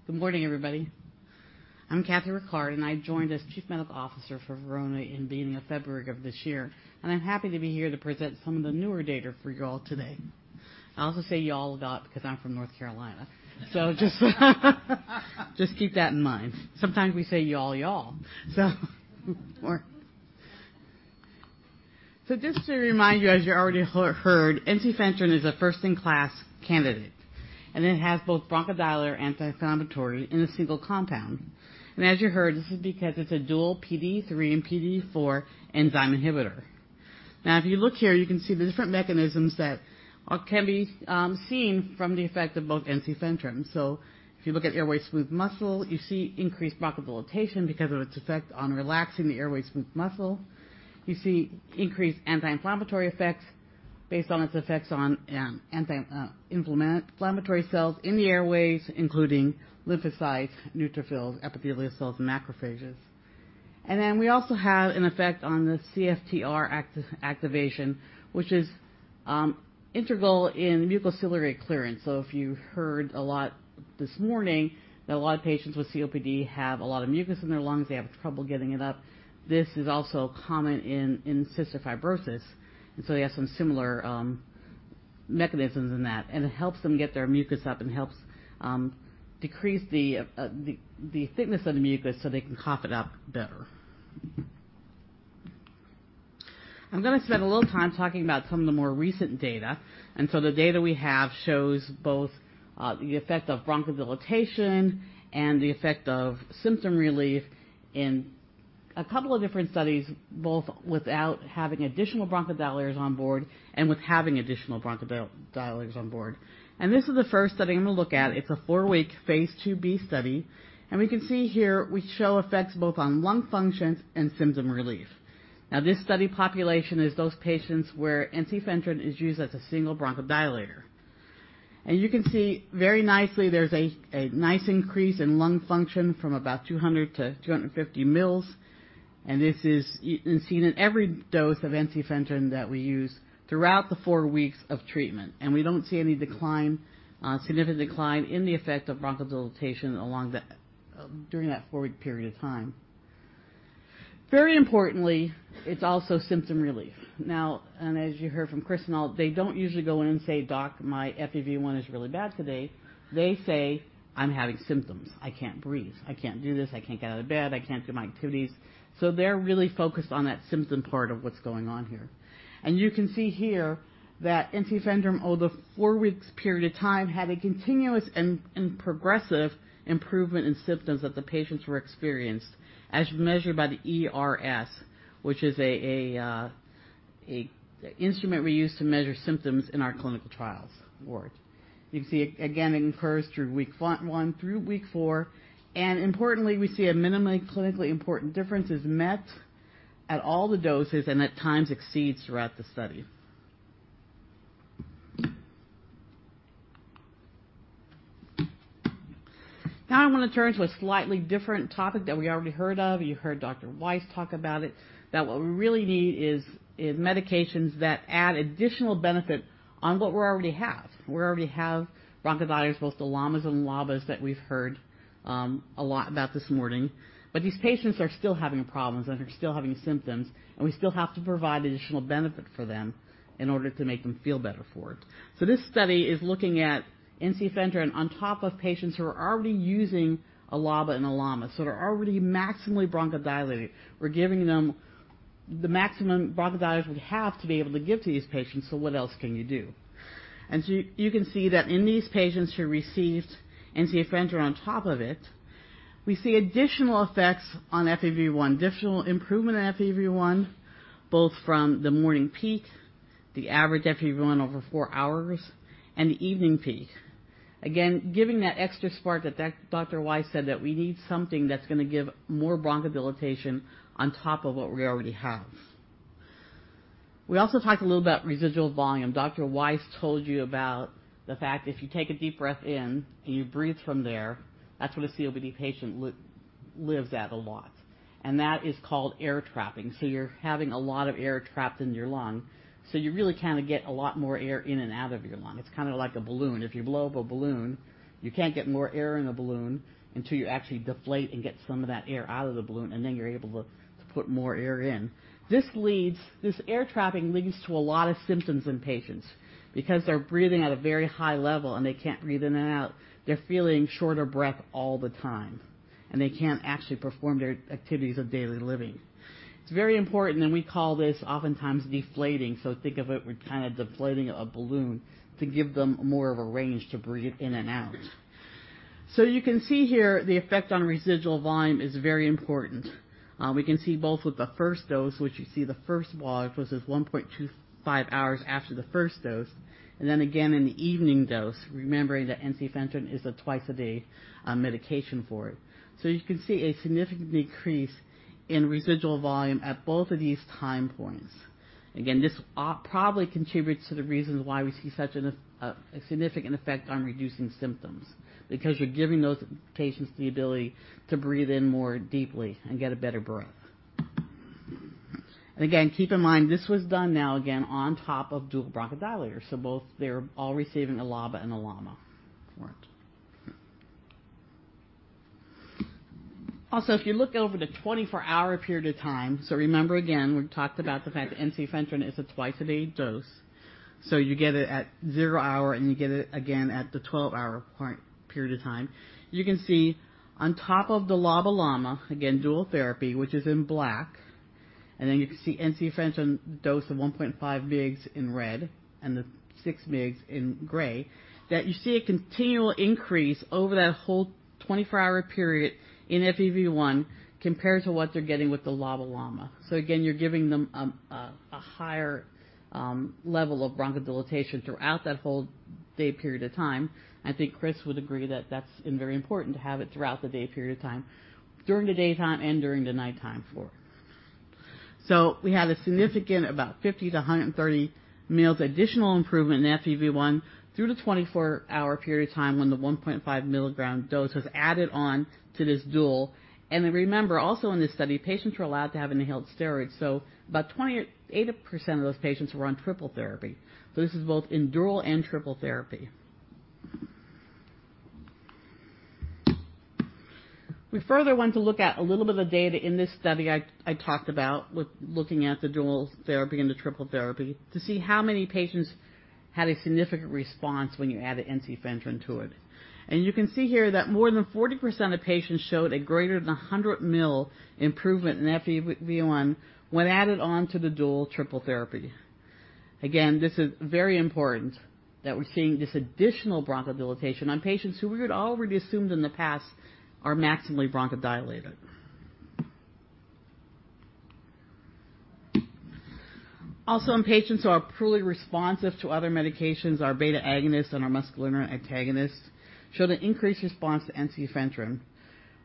Good morning, everybody. I'm Kathleen Rickard, and I joined as chief medical officer for Verona in the beginning of February of this year. I'm happy to be here to present some of the newer data for you all today. I also say y'all a lot because I'm from North Carolina. Just keep that in mind. Sometimes we say y'all. Just to remind you, as you already heard, ensifentrine is a first-in-class candidate, and it has both bronchodilator, anti-inflammatory in a single compound. As you heard, this is because it's a dual PDE3 and PDE4 enzyme inhibitor. If you look here, you can see the different mechanisms that can be seen from the effect of both ensifentrine. If you look at airway smooth muscle, you see increased bronchodilation because of its effect on relaxing the airway smooth muscle. You see increased anti-inflammatory effects based on its effects on inflammatory cells in the airways, including lymphocytes, neutrophils, epithelial cells, and macrophages. Then we also have an effect on the CFTR activation, which is integral in mucociliary clearance. If you heard a lot this morning that a lot of patients with COPD have a lot of mucus in their lungs, they have trouble getting it up. This is also common in cystic fibrosis, and they have some similar mechanisms in that, and it helps them get their mucus up and helps decrease the thickness of the mucus so they can cough it up better. I'm going to spend a little time talking about some of the more recent data. The data we have shows both the effect of bronchodilation and the effect of symptom relief in a couple of different studies, both without having additional bronchodilators on board and with having additional bronchodilators on board. This is the first study I'm going to look at. It's a four-week, phase IIB study. We can see here we show effects both on lung functions and symptom relief. This study population is those patients where ensifentrine is used as a single bronchodilator. You can see very nicely there's a nice increase in lung function from about 200 to 250 mils, and this is seen in every dose of ensifentrine that we use throughout the four weeks of treatment. We don't see any significant decline in the effect of bronchodilation during that four-week period of time. Very importantly, it's also symptom relief. As you heard from Chris and all, they don't usually go in and say, "Doc, my FEV1 is really bad today." They say, "I'm having symptoms. I can't breathe. I can't do this. I can't get out of bed. I can't do my activities." They're really focused on that symptom part of what's going on here. You can see here that ensifentrine, over the four weeks period of time, had a continuous and progressive improvement in symptoms that the patients experienced, as measured by the ERS, which is an instrument we use to measure symptoms in our clinical trials work. You can see again, it occurs through week one through week four, and importantly, we see a minimally clinically important difference is met at all the doses and at times exceeds throughout the study. Now I want to turn to a slightly different topic that we already heard of. You heard Dr. Wise talk about it, that what we really need is medications that add additional benefit on what we already have. We already have bronchodilators, both the LAMAs and LABAs that we've heard a lot about this morning. These patients are still having problems, and they're still having symptoms, and we still have to provide additional benefit for them in order to make them feel better for it. This study is looking at ensifentrine on top of patients who are already using a LABA and a LAMA, so they're already maximally bronchodilated. We're giving them the maximum bronchodilators we have to be able to give to these patients, so what else can you do? You can see that in these patients who received ensifentrine on top of it, we see additional effects on FEV1, additional improvement in FEV1, both from the morning peak, the average FEV1 over four hours, and the evening peak. Again, giving that extra spark that Dr. Wise said that we need something that's going to give more bronchodilation on top of what we already have. We also talked a little about residual volume. Dr. Wise told you about the fact if you take a deep breath in and you breathe from there, that's what a COPD patient lives at a lot, and that is called air trapping. You're having a lot of air trapped in your lung, so you really kind of get a lot more air in and out of your lung. It's kind of like a balloon. If you blow up a balloon, you can't get more air in a balloon until you actually deflate and get some of that air out of the balloon, and then you're able to put more air in. This air trapping leads to a lot of symptoms in patients because they're breathing at a very high level, and they can't breathe in and out. They're feeling short of breath all the time, and they can't actually perform their activities of daily living. It's very important, and we call this oftentimes deflating. Think of it, we're kind of deflating a balloon to give them more of a range to breathe in and out. You can see here the effect on residual volume is very important. We can see both with the first dose, which you see the first was at 1.25 hours after the first dose, and then again in the evening dose, remembering that ensifentrine is a twice-a-day medication for it. You can see a significant decrease in residual volume at both of these time points. Again, this probably contributes to the reasons why we see such a significant effect on reducing symptoms because you're giving those patients the ability to breathe in more deeply and get a better breath. Again, keep in mind this was done now again on top of dual bronchodilator. Both, they're all receiving a LABA and a LAMA for it. Also, if you look over the 24-hour period of time, remember again, we talked about the fact that ensifentrine is a twice-a-day dose. You get it at zero hour, and you get it again at the 12-hour period of time. You can see on top of the LABA, LAMA, again, dual therapy, which is in black. You can see ensifentrine dose of 1.5 mg in red and the 6 mg in gray. That you see a continual increase over that whole 24-hour period in FEV1 compared to what they're getting with the LABA, LAMA. Again, you're giving them a higher level of bronchodilation throughout that whole day period of time. I think Chris would agree that that's been very important to have it throughout the day period of time, during the daytime and during the nighttime for. We had a significant about 50 mL-130 mL additional improvement in FEV1 through the 24-hour period of time when the 1.5 mg dose was added on to this dual. Remember also in this study, patients were allowed to have inhaled steroids. About 28% of those patients were on triple therapy. This is both in dual and triple therapy. We further went to look at a little bit of data in this study I talked about with looking at the dual therapy and the triple therapy to see how many patients had a significant response when you added ensifentrine to it. You can see here that more than 40% of patients showed a greater than 100 mL improvement in FEV1 when added on to the dual triple therapy. This is very important that we're seeing this additional bronchodilation on patients who we had already assumed in the past are maximally bronchodilated. Also in patients who are poorly responsive to other medications are beta agonists and are muscarinic antagonists show an increased response to ensifentrine.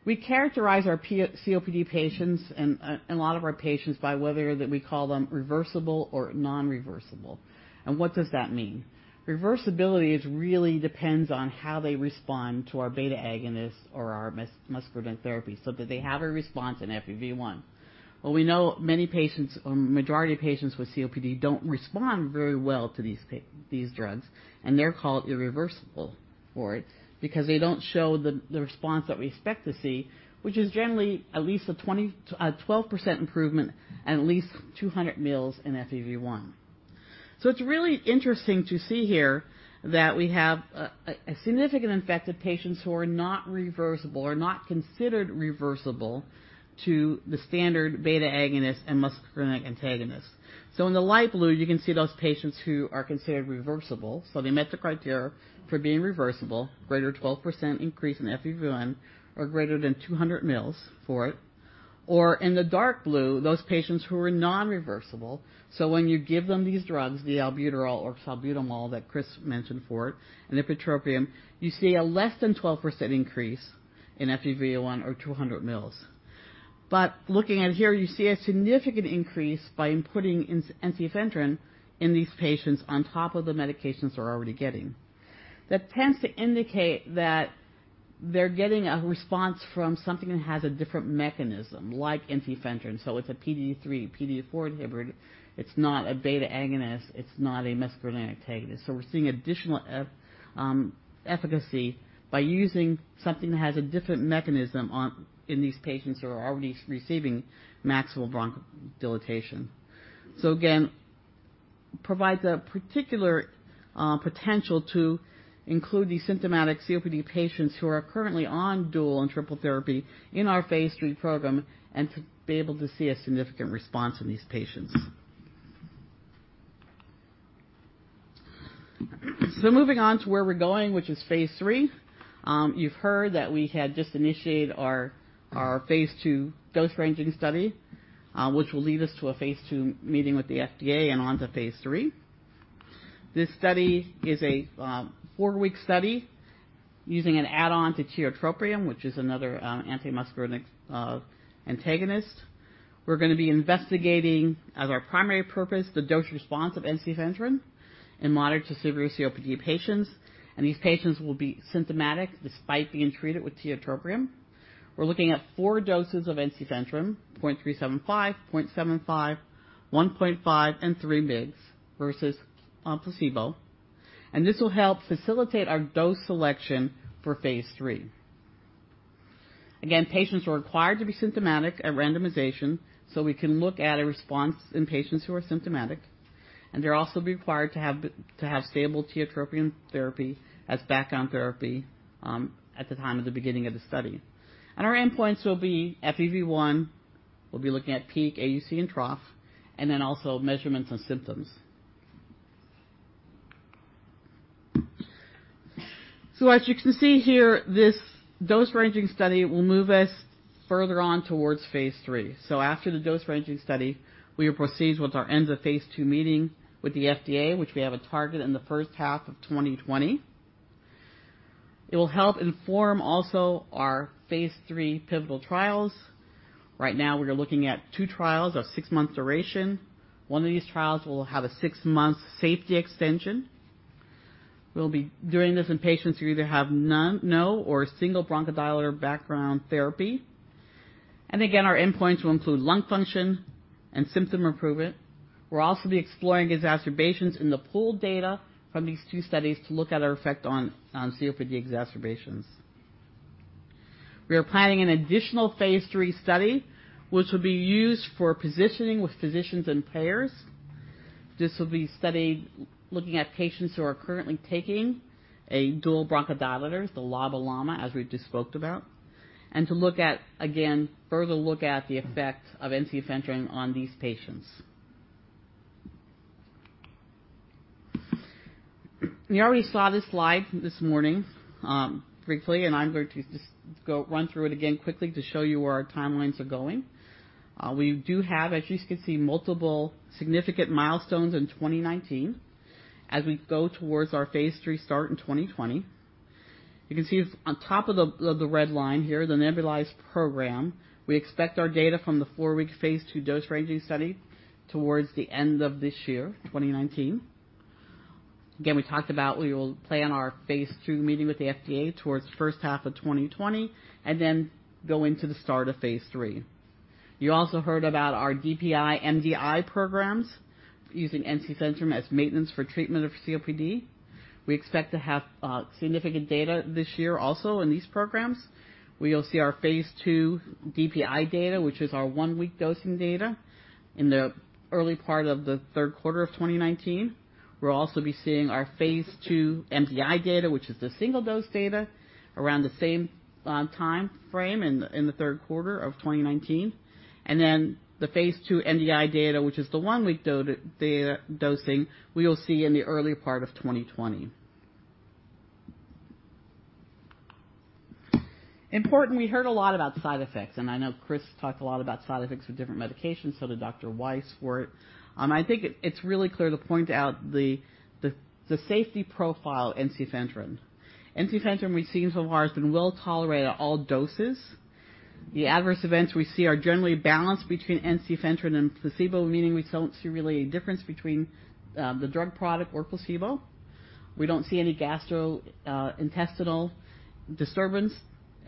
We characterize our COPD patients and a lot of our patients by whether that we call them reversible or non-reversible. What does that mean? Reversibility is really depends on how they respond to our beta agonist or our muscarinic therapy so that they have a response in FEV1. We know many patients or majority of patients with COPD don't respond very well to these drugs, and they're called irreversible for it because they don't show the response that we expect to see, which is generally at least a 12% improvement and at least 200 mL in FEV1. It's really interesting to see here that we have a significant effect of patients who are not reversible or not considered reversible to the standard beta agonist and muscarinic antagonist. In the light blue, you can see those patients who are considered reversible. They met the criteria for being reversible, greater 12% increase in FEV1 or greater than 200 mL for it. Or in the dark blue, those patients who are non-reversible. When you give them these drugs, the albuterol or salbutamol that Chris mentioned for it, and ipratropium, you see a less than 12% increase in FEV1 or 200 mL. Looking at here, you see a significant increase by inputting ensifentrine in these patients on top of the medications they're already getting. That tends to indicate that they're getting a response from something that has a different mechanism, like ensifentrine. It's a PDE3, PDE4 inhibitor. It's not a beta agonist. It's not a muscarinic antagonist. We're seeing additional efficacy by using something that has a different mechanism in these patients who are already receiving maximal bronchodilation. Again, provides a particular potential to include these symptomatic COPD patients who are currently on dual and triple therapy in our phase III program and to be able to see a significant response in these patients. Moving on to where we're going, which is phase III. You've heard that we had just initiated our phase II dose ranging study, which will lead us to a phase II meeting with the FDA and on to phase III. This study is a four-week study using an add-on to tiotropium, which is another antimuscarinic antagonist. We're going to be investigating as our primary purpose, the dose response of ensifentrine in moderate to severe COPD patients, and these patients will be symptomatic despite being treated with tiotropium. We're looking at four doses of ensifentrine, 0.375, 0.75, 1.5, and 3 mg versus on placebo. This will help facilitate our dose selection for phase III. Again, patients are required to be symptomatic at randomization so we can look at a response in patients who are symptomatic. They're also required to have stable tiotropium therapy as background therapy at the time of the beginning of the study. Our endpoints will be FEV1. We'll be looking at peak, AUC, and trough, and then also measurements and symptoms. As you can see here, this dose ranging study will move us further on towards phase III. After the dose ranging study, we will proceed with our end of phase II meeting with the FDA, which we have a target in the first half of 2020. It will help inform also our phase III pivotal trials. Right now, we are looking at two trials of six months duration. One of these trials will have a six-month safety extension. We'll be doing this in patients who either have no or single bronchodilator background therapy. Again, our endpoints will include lung function and symptom improvement. We'll also be exploring exacerbations in the pooled data from these two studies to look at our effect on COPD exacerbations. We are planning an additional phase III study, which will be used for positioning with physicians and payers. This will be studying, looking at patients who are currently taking a dual bronchodilator, the LABA/LAMA, as we just spoke about, and to look at again, further the effect of ensifentrine on these patients. You already saw this slide this morning, briefly, and I'm going to just run through it again quickly to show you where our timelines are going. We do have, as you can see, multiple significant milestones in 2019 as we go towards our phase III start in 2020. You can see on top of the red line here, the nebulized program. We expect our data from the four-week phase II dose ranging study towards the end of this year, 2019. Again, we talked about we will plan our phase II meeting with the FDA towards the first half of 2020, and then go into the start of phase III. You also heard about our DPI MDI programs using ensifentrine as maintenance for treatment of COPD. We expect to have significant data this year also in these programs. We will see our phase II DPI data, which is our one-week dosing data, in the early part of the third quarter of 2019. We'll also be seeing our phase II MDI data, which is the single dose data, around the same time frame in the third quarter of 2019. The phase II MDI data, which is the one-week dosing, we will see in the early part of 2020. Important, we heard a lot about side effects, and I know Chris talked a lot about side effects with different medications, so did Dr. Wise. I think it's really clear to point out the safety profile of ensifentrine. ensifentrine we've seen so far has been well tolerated at all doses. The adverse events we see are generally balanced between ensifentrine and placebo, meaning we don't see really a difference between the drug product or placebo. We don't see any gastrointestinal disturbance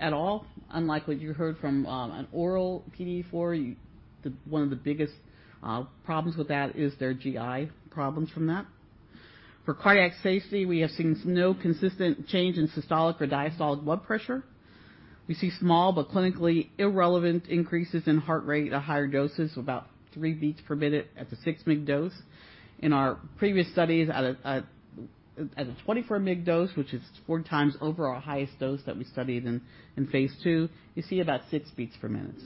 at all, unlike what you heard from an oral PDE4. One of the biggest problems with that is their GI problems from that. For cardiac safety, we have seen no consistent change in systolic or diastolic blood pressure. We see small but clinically irrelevant increases in heart rate at higher doses, about three beats per minute at the six mg dose. In our previous studies at a 24 mg dose, which is four times over our highest dose that we studied in phase II, you see about six beats per minute.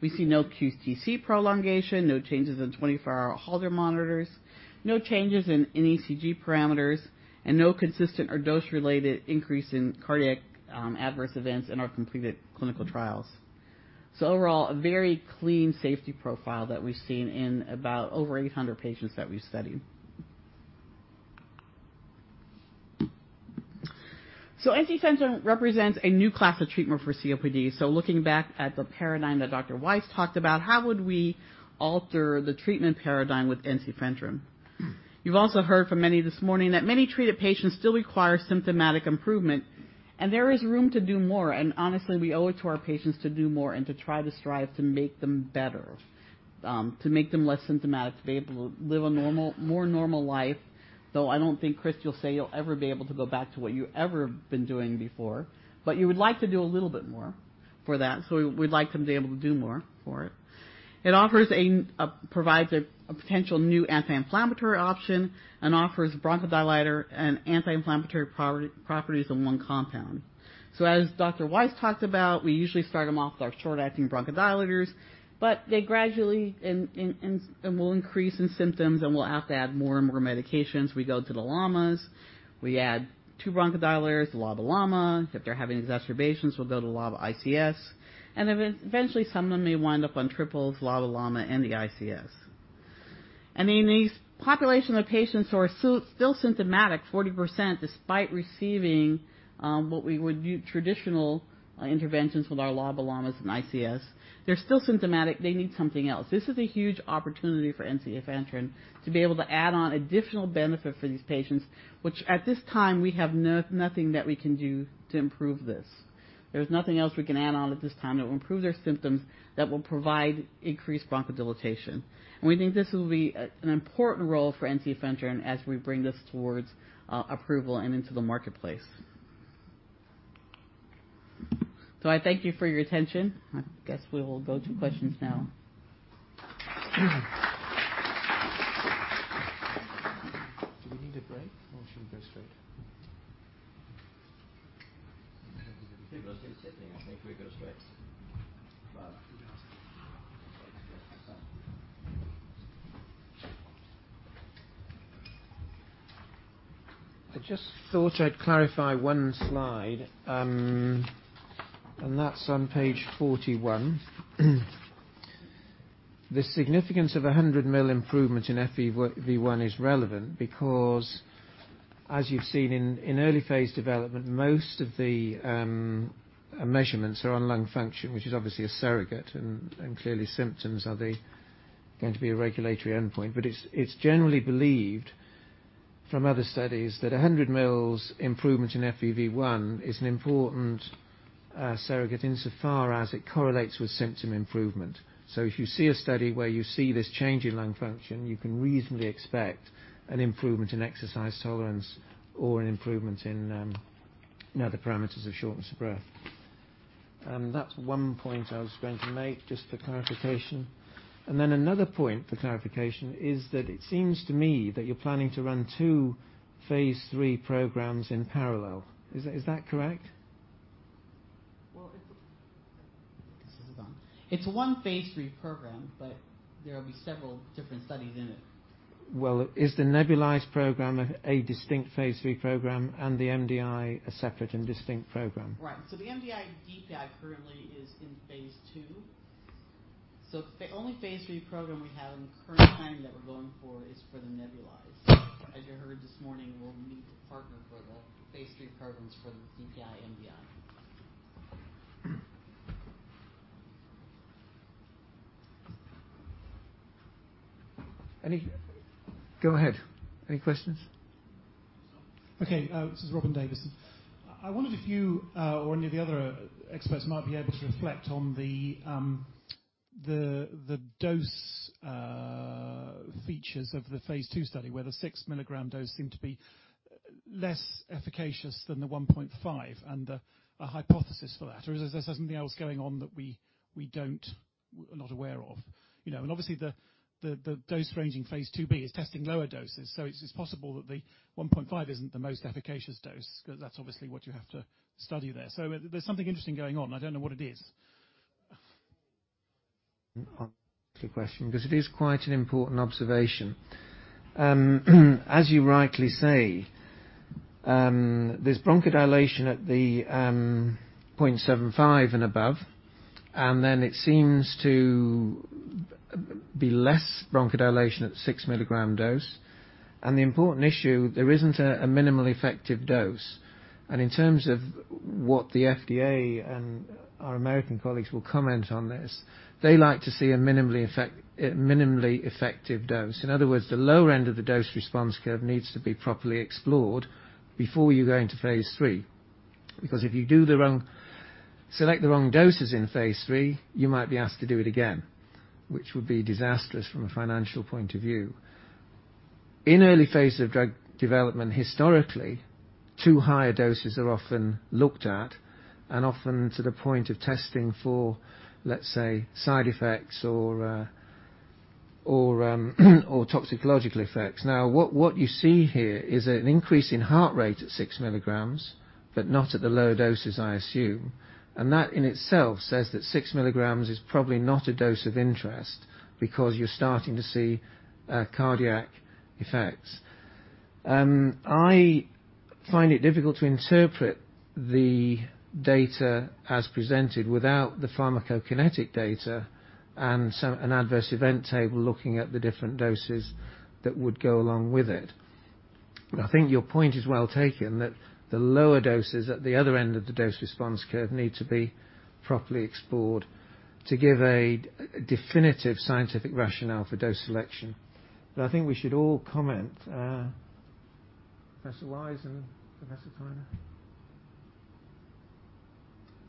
We see no QTc prolongation, no changes in 24-hour Holter monitors, no changes in ECG parameters, and no consistent or dose-related increase in cardiac adverse events in our completed clinical trials. Overall, a very clean safety profile that we've seen in about over 800 patients that we've studied. ensifentrine represents a new class of treatment for COPD. Looking back at the paradigm that Dr. Wise talked about, how would we alter the treatment paradigm with ensifentrine? You've also heard from many this morning that many treated patients still require symptomatic improvement, and there is room to do more. Honestly, we owe it to our patients to do more and to try to strive to make them better, to make them less symptomatic, to be able to live a more normal life. Though I don't think, Chris, you'll say you'll ever be able to go back to what you ever been doing before, but you would like to do a little bit more for that. We'd like them to be able to do more for it. It provides a potential new anti-inflammatory option and offers bronchodilator and anti-inflammatory properties in one compound. As Dr. Wise talked about, we usually start them off with our short-acting bronchodilators, but they gradually will increase in symptoms, and we'll have to add more and more medications. We go to the LAMAs. We add two bronchodilators, the LABA/LAMA. If they're having exacerbations, we'll go to LABA/ICS. Eventually, some of them may wind up on triples, LABA/LAMA and the ICS. In these population of patients who are still symptomatic, 40%, despite receiving what we would do traditional interventions with our LABA/LAMAs and ICS, they're still symptomatic. They need something else. This is a huge opportunity for ensifentrine to be able to add on additional benefit for these patients, which at this time we have nothing that we can do to improve this. There's nothing else we can add on at this time that will improve their symptoms, that will provide increased bronchodilation. We think this will be an important role for ensifentrine as we bring this towards approval and into the marketplace. I thank you for your attention. I guess we will go to questions now. Do we need a break or should we go straight? I think we go straight. I just thought I'd clarify one slide, and that's on page 41. The significance of 100 mL improvement in FEV1 is relevant because as you've seen in early phase development, most of the measurements are on lung function, which is obviously a surrogate, and clearly symptoms are going to be a regulatory endpoint, but it's generally believed from other studies that 100 mL improvement in FEV1 is an important surrogate insofar as it correlates with symptom improvement. If you see a study where you see this change in lung function, you can reasonably expect an improvement in exercise tolerance or an improvement in other parameters of shortness of breath. That's one point I was going to make, just for clarification. Another point for clarification is that it seems to me that you're planning to run 2 phase III programs in parallel. Is that correct? Well, it's one phase III program, there will be several different studies in it. Well, is the nebulized program a distinct phase III program the MDI a separate and distinct program? Right. The MDI DPI currently is in phase II. The only phase III program we have in the current timing that we're going for is for the nebulized. As you heard this morning, we'll need to partner for the phase III programs for the DPI MDI. Go ahead. Any questions? Okay. This is Robin Davidson. I wondered if you or any of the other experts might be able to reflect on the dose features of the phase II study, where the 6 milligram dose seemed to be less efficacious than the 1.5 and a hypothesis for that, or is there something else going on that we're not aware of? Obviously, the dose ranging phase IIB is testing lower doses. It's possible that the 1.5 isn't the most efficacious dose because that's obviously what you have to study there. There's something interesting going on. I don't know what it is. Answer your question because it is quite an important observation. As you rightly say, there's bronchodilation at the 0.75 and above, then it seems to be less bronchodilation at 6 milligram dose. The important issue, there isn't a minimally effective dose. In terms of what the FDA and our American colleagues will comment on this, they like to see a minimally effective dose. In other words, the lower end of the dose response curve needs to be properly explored before you go into phase III. If you select the wrong doses in phase III, you might be asked to do it again, which would be disastrous from a financial point of view. In early phase of drug development historically, two higher doses are often looked at and often to the point of testing for, let's say, side effects or toxicological effects. Now, what you see here is an increase in heart rate at 6 milligrams, but not at the lower doses, I assume. That in itself says that 6 milligrams is probably not a dose of interest because you're starting to see cardiac effects. I find it difficult to interpret the data as presented without the pharmacokinetic data and an adverse event table looking at the different doses that would go along with it. I think your point is well taken that the lower doses at the other end of the dose response curve need to be properly explored to give a definitive scientific rationale for dose selection. I think we should all comment. Professor Wise and Professor Criner?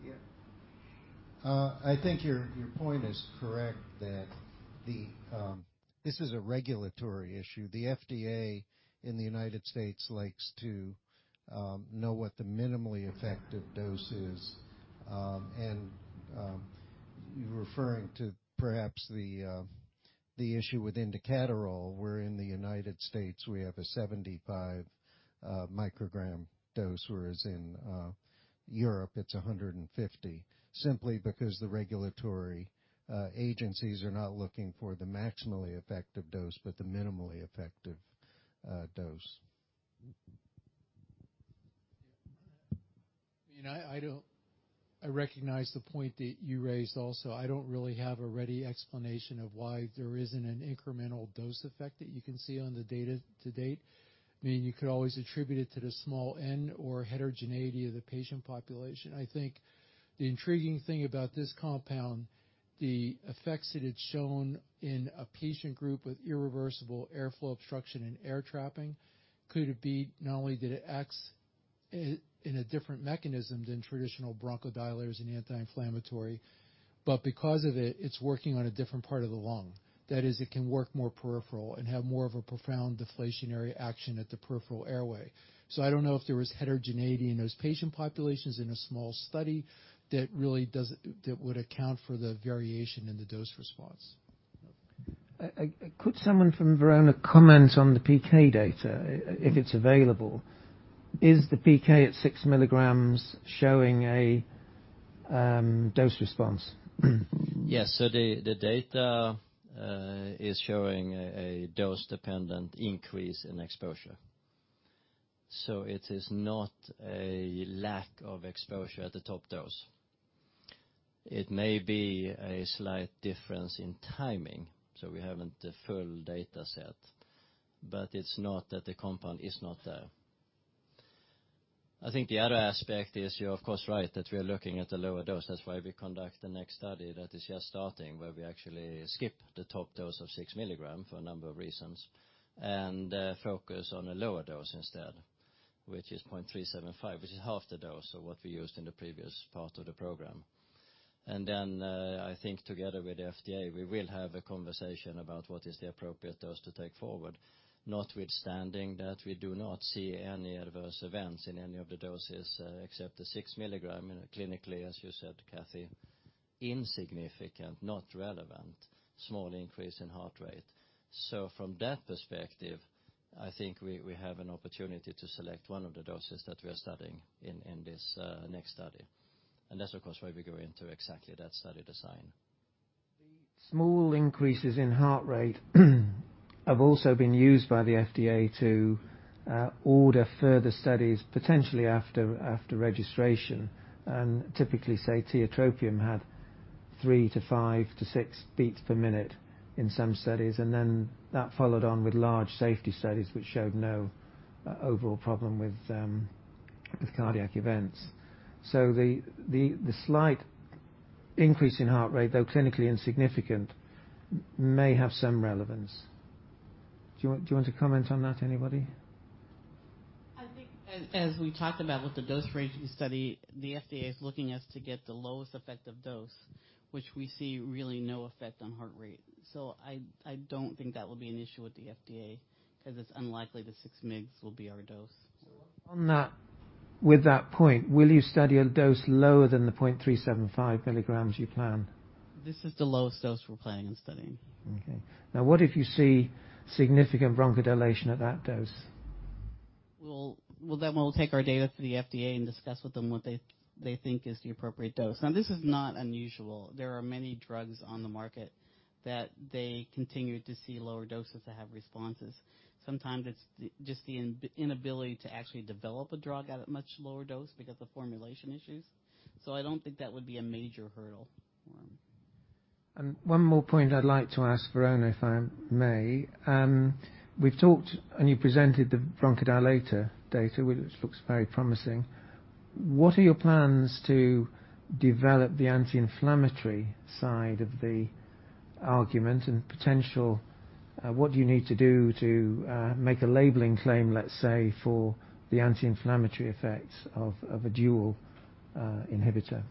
Yeah. I think your point is correct that this is a regulatory issue. The FDA in the U.S. likes to know what the minimally effective dose is. You're referring to perhaps the issue with indacaterol, where in the U.S., we have a 75 microgram dose, whereas in Europe it's 150, simply because the regulatory agencies are not looking for the maximally effective dose but the minimally effective dose. I recognize the point that you raised also. I don't really have a ready explanation of why there isn't an incremental dose effect that you can see on the data to date. You could always attribute it to the small N or heterogeneity of the patient population. I think the intriguing thing about this compound, the effects that it's shown in a patient group with irreversible airflow obstruction and air trapping, could it be not only that it acts in a different mechanism than traditional bronchodilators and anti-inflammatory, but because of it's working on a different part of the lung. That is, it can work more peripheral and have more of a profound deflationary action at the peripheral airway. I don't know if there was heterogeneity in those patient populations in a small study that would account for the variation in the dose response. Could someone from Verona comment on the PK data, if it's available? Is the PK at six milligrams showing a dose response? Yes. The data is showing a dose-dependent increase in exposure. It is not a lack of exposure at the top dose. It may be a slight difference in timing, we haven't the full data set, but it's not that the compound is not there. I think the other aspect is, you're of course right, that we are looking at a lower dose. That's why we conduct the next study that is just starting, where we actually skip the top dose of six milligrams for a number of reasons, and focus on a lower dose instead, which is 0.375, which is half the dose of what we used in the previous part of the program. I think together with the FDA, we will have a conversation about what is the appropriate dose to take forward. Notwithstanding that, we do not see any adverse events in any of the doses except the six milligram. Clinically, as you said, Kathy, insignificant, not relevant, small increase in heart rate. From that perspective, I think we have an opportunity to select one of the doses that we are studying in this next study. That's, of course, why we go into exactly that study design. Small increases in heart rate have also been used by the FDA to order further studies, potentially after registration. Typically, say, tiotropium had three to five to six beats per minute in some studies, and then that followed on with large safety studies, which showed no overall problem with cardiac events. The slight increase in heart rate, though clinically insignificant, may have some relevance. Do you want to comment on that, anybody? I think as we talked about with the dose ranging study, the FDA is looking as to get the lowest effective dose, which we see really no effect on heart rate. I don't think that will be an issue with the FDA, because it's unlikely the 6 mgs will be our dose. On that, with that point, will you study a dose lower than the 0.375 milligrams you plan? This is the lowest dose we're planning on studying. Okay. What if you see significant bronchodilation at that dose? Well, we'll take our data to the FDA and discuss with them what they think is the appropriate dose. This is not unusual. There are many drugs on the market that they continue to see lower doses that have responses. Sometimes it's just the inability to actually develop a drug at a much lower dose because of formulation issues. I don't think that would be a major hurdle for them. One more point I'd like to ask Verona, if I may. We've talked and you presented the bronchodilator data, which looks very promising. What are your plans to develop the anti-inflammatory side of the argument, what do you need to do to make a labeling claim, let's say, for the anti-inflammatory effects of a dual inhibitor?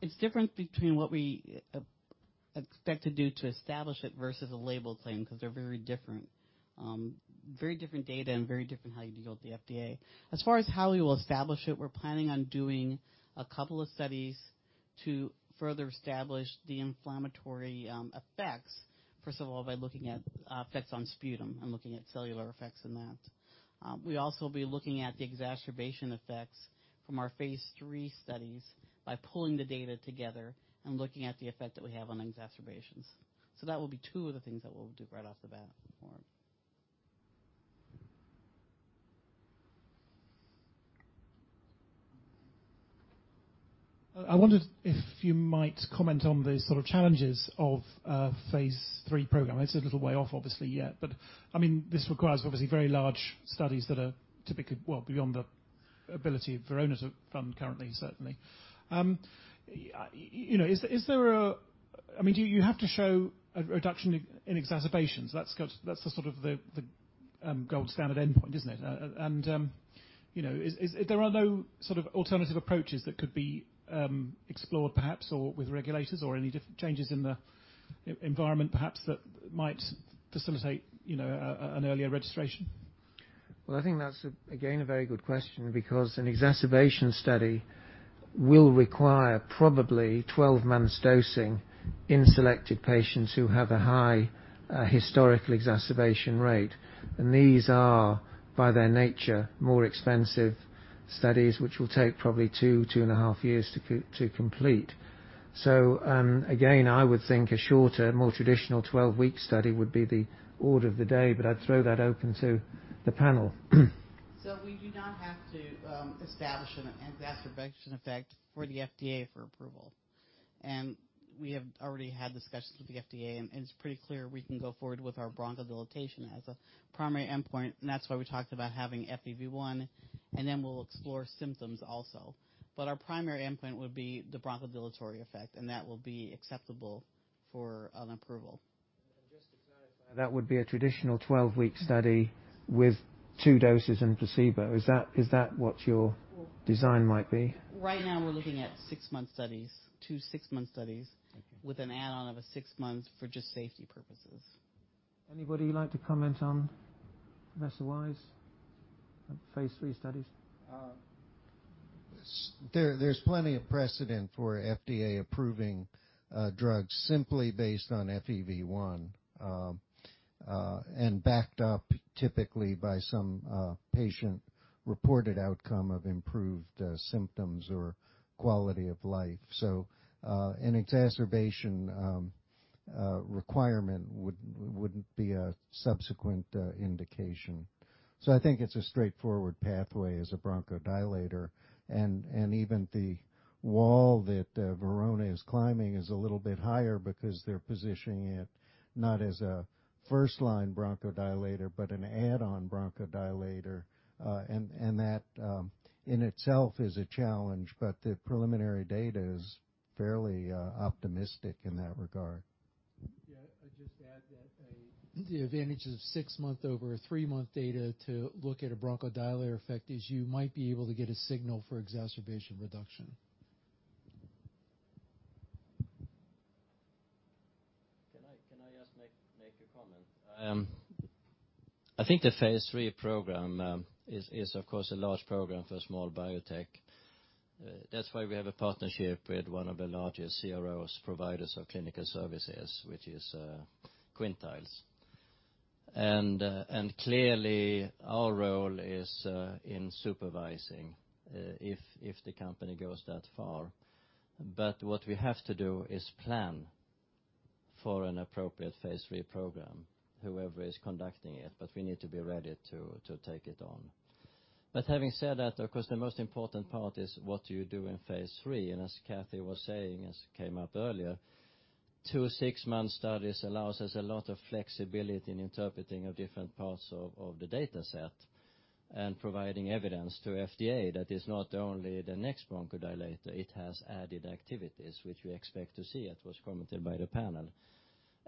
It's different between what we expect to do to establish it versus a label claim, because they're very different. Very different data and very different how you deal with the FDA. As far as how we will establish it, we're planning on doing a couple of studies to further establish the inflammatory effects. First of all, by looking at effects on sputum and looking at cellular effects in that. We also will be looking at the exacerbation effects from our phase III studies by pulling the data together and looking at the effect that we have on exacerbations. That will be two of the things that we'll do right off the bat. I wondered if you might comment on the sort of challenges of a phase III program. It's a little way off, obviously, yet. This requires obviously very large studies that are typically, well, beyond the ability of Verona to fund currently, certainly. You have to show a reduction in exacerbations. That's the sort of the gold standard endpoint, isn't it? There are no alternative approaches that could be explored, perhaps, or with regulators or any different changes in the environment, perhaps, that might facilitate an earlier registration? I think that's, again, a very good question, because an exacerbation study will require probably 12 months dosing in selected patients who have a high historical exacerbation rate. These are, by their nature, more expensive studies, which will take probably two and a half years to complete. Again, I would think a shorter, more traditional 12-week study would be the order of the day, but I'd throw that open to the panel. We do not have to establish an exacerbation effect for the FDA for approval. We have already had discussions with the FDA, and it's pretty clear we can go forward with our bronchodilation as a primary endpoint, and that's why we talked about having FEV1, and then we'll explore symptoms also. Our primary endpoint would be the bronchodilatory effect, and that will be acceptable for an approval. Just to clarify, that would be a traditional 12-week study with two doses and placebo. Is that what your design might be? Right now we're looking at six-month studies. Two six-month studies- Okay with an add-on of a six months for just safety purposes. Anybody like to comment on Professor Wise on phase III studies? There's plenty of precedent for FDA approving drugs simply based on FEV1, and backed up typically by some patient-reported outcome of improved symptoms or quality of life. An exacerbation requirement wouldn't be a subsequent indication. I think it's a straightforward pathway as a bronchodilator. Even the wall that Verona is climbing is a little bit higher because they're positioning it not as a first-line bronchodilator but an add-on bronchodilator. That in itself is a challenge, but the preliminary data is fairly optimistic in that regard. Yeah. I'd just add that the advantage of six-month over three-month data to look at a bronchodilator effect is you might be able to get a signal for exacerbation reduction. Can I just make a comment? I think the phase III program is, of course, a large program for a small biotech. That's why we have a partnership with one of the largest CROs, providers of clinical services, which is Quintiles. Clearly, our role is in supervising if the company goes that far. What we have to do is plan for an appropriate phase III program, whoever is conducting it, but we need to be ready to take it on. Having said that, of course, the most important part is what you do in phase III, and as Kathy was saying, as came up earlier, two six-month studies allows us a lot of flexibility in interpreting of different parts of the data set and providing evidence to FDA that is not only the next bronchodilator, it has added activities, which we expect to see. It was commented by the panel.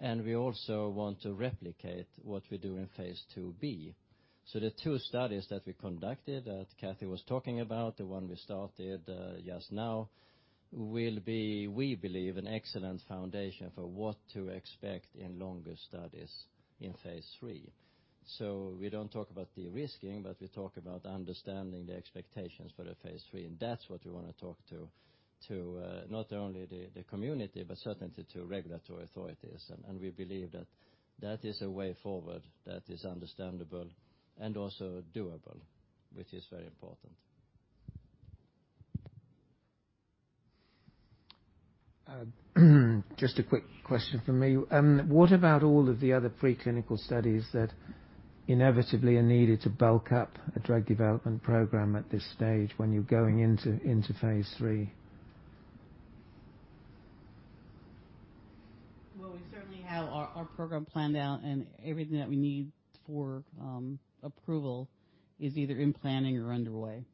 We also want to replicate what we do in phase IIB. The two studies that we conducted that Kathy was talking about, the one we started just now, will be, we believe, an excellent foundation for what to expect in longer studies in phase III. We don't talk about de-risking, but we talk about understanding the expectations for the phase III, and that's what we want to talk to not only the community, but certainly to regulatory authorities. We believe that that is a way forward that is understandable and also doable, which is very important. Just a quick question from me. What about all of the other preclinical studies that inevitably are needed to bulk up a drug development program at this stage when you're going into phase III? Well, we certainly have our program planned out, and everything that we need for approval is either in planning or underway.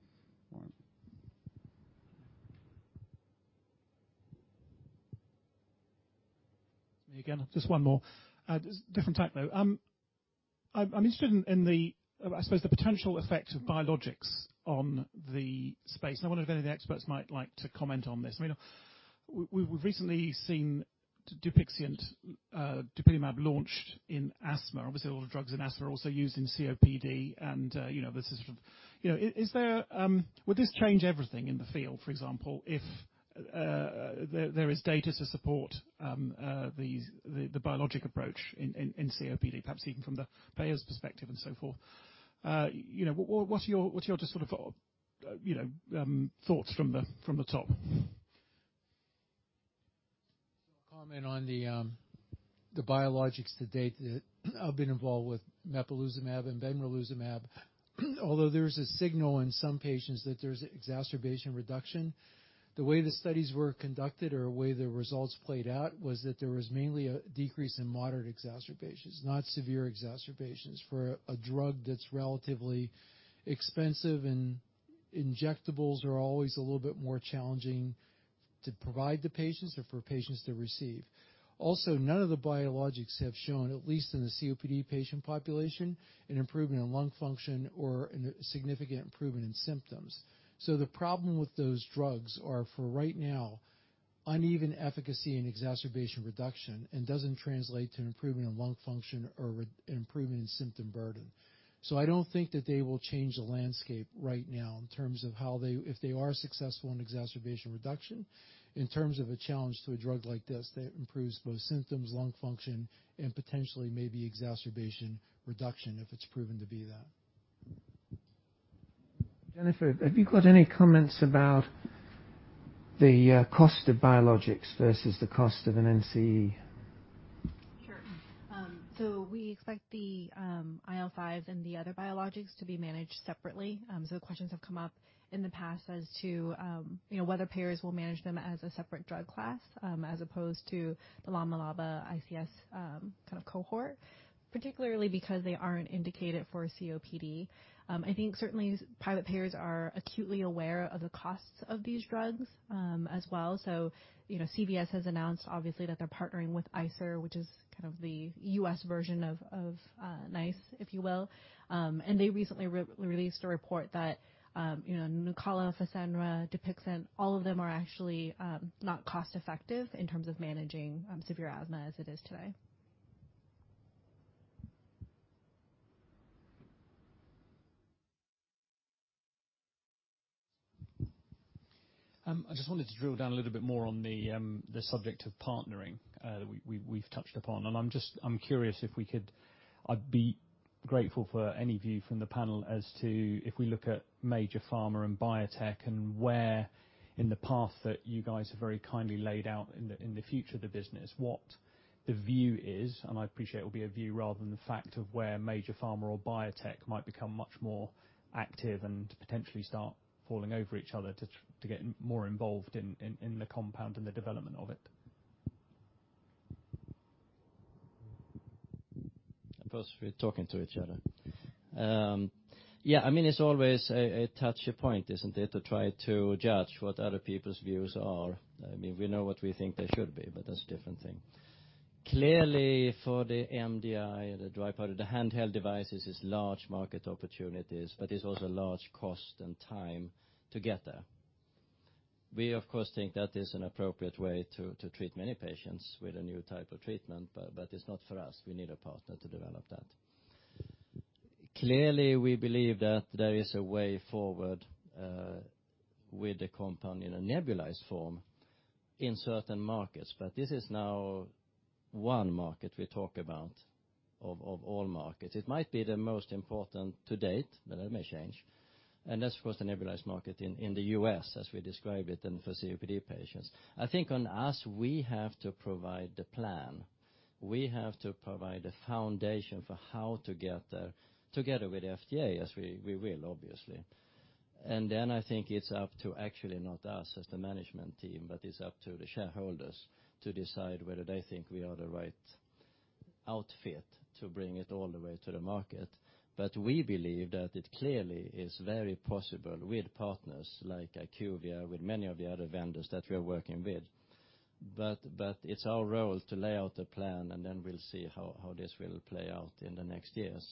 Me again. Just one more. Different type, though. I'm interested in the, I suppose, the potential effect of biologics on the space. I wonder if any of the experts might like to comment on this. We've recently seen DUPIXENT, dupilumab, launched in asthma. Obviously, a lot of drugs in asthma are also used in COPD, and this is sort of Would this change everything in the field, for example, if there is data to support the biologic approach in COPD, perhaps even from the payer's perspective and so forth? What are your just sort of thoughts from the top? I'll comment on the biologics to date that I've been involved with mepolizumab and benralizumab. Although there's a signal in some patients that there's exacerbation reduction, the way the studies were conducted or way the results played out was that there was mainly a decrease in moderate exacerbations, not severe exacerbations. For a drug that's relatively expensive, and injectables are always a little bit more challenging to provide to patients or for patients to receive. Also, none of the biologics have shown, at least in the COPD patient population, an improvement in lung function or a significant improvement in symptoms. The problem with those drugs are, for right now, uneven efficacy in exacerbation reduction and doesn't translate to an improvement in lung function or an improvement in symptom burden. I don't think that they will change the landscape right now in terms of If they are successful in exacerbation reduction, in terms of a challenge to a drug like this that improves both symptoms, lung function, and potentially maybe exacerbation reduction, if it's proven to be that. Jennifer, have you got any comments about the cost of biologics versus the cost of an NCE? Sure. We expect the IL-5s and the other biologics to be managed separately. Questions have come up in the past as to whether payers will manage them as a separate drug class as opposed to the LAMA LABA ICS cohort, particularly because they aren't indicated for COPD. I think certainly private payers are acutely aware of the costs of these drugs as well. CVS has announced, obviously, that they're partnering with ICER, which is the U.S. version of NICE, if you will. They recently released a report that NUCALA, FASENRA, DUPIXENT, all of them are actually not cost-effective in terms of managing severe asthma as it is today. I just wanted to drill down a little bit more on the subject of partnering that we've touched upon. I'm curious I'd be grateful for any view from the panel as to if we look at major pharma and biotech and where in the path that you guys have very kindly laid out in the future of the business, what the view is, and I appreciate it will be a view rather than the fact of where major pharma or biotech might become much more active and potentially start falling over each other to get more involved in the compound and the development of it. I suppose we're talking to each other. Yeah, it's always a touchy point, isn't it, to try to judge what other people's views are. We know what we think they should be, but that's a different thing. Clearly, for the MDI, the dry powder, the handheld devices, is large market opportunities, but it's also large cost and time to get there. We, of course, think that is an appropriate way to treat many patients with a new type of treatment, but it's not for us. We need a partner to develop that. Clearly, we believe that there is a way forward with the compound in a nebulized form in certain markets. This is now one market we talk about of all markets. It might be the most important to date, but that may change, and that's, of course, the nebulized market in the U.S. as we describe it and for COPD patients. I think on us, we have to provide the plan. We have to provide a foundation for how to get there together with FDA as we will, obviously. Then I think it's up to actually not us as the management team, but it's up to the shareholders to decide whether they think we are the right outfit to bring it all the way to the market. We believe that it clearly is very possible with partners like IQVIA, with many of the other vendors that we are working with. It's our role to lay out the plan, and then we'll see how this will play out in the next years.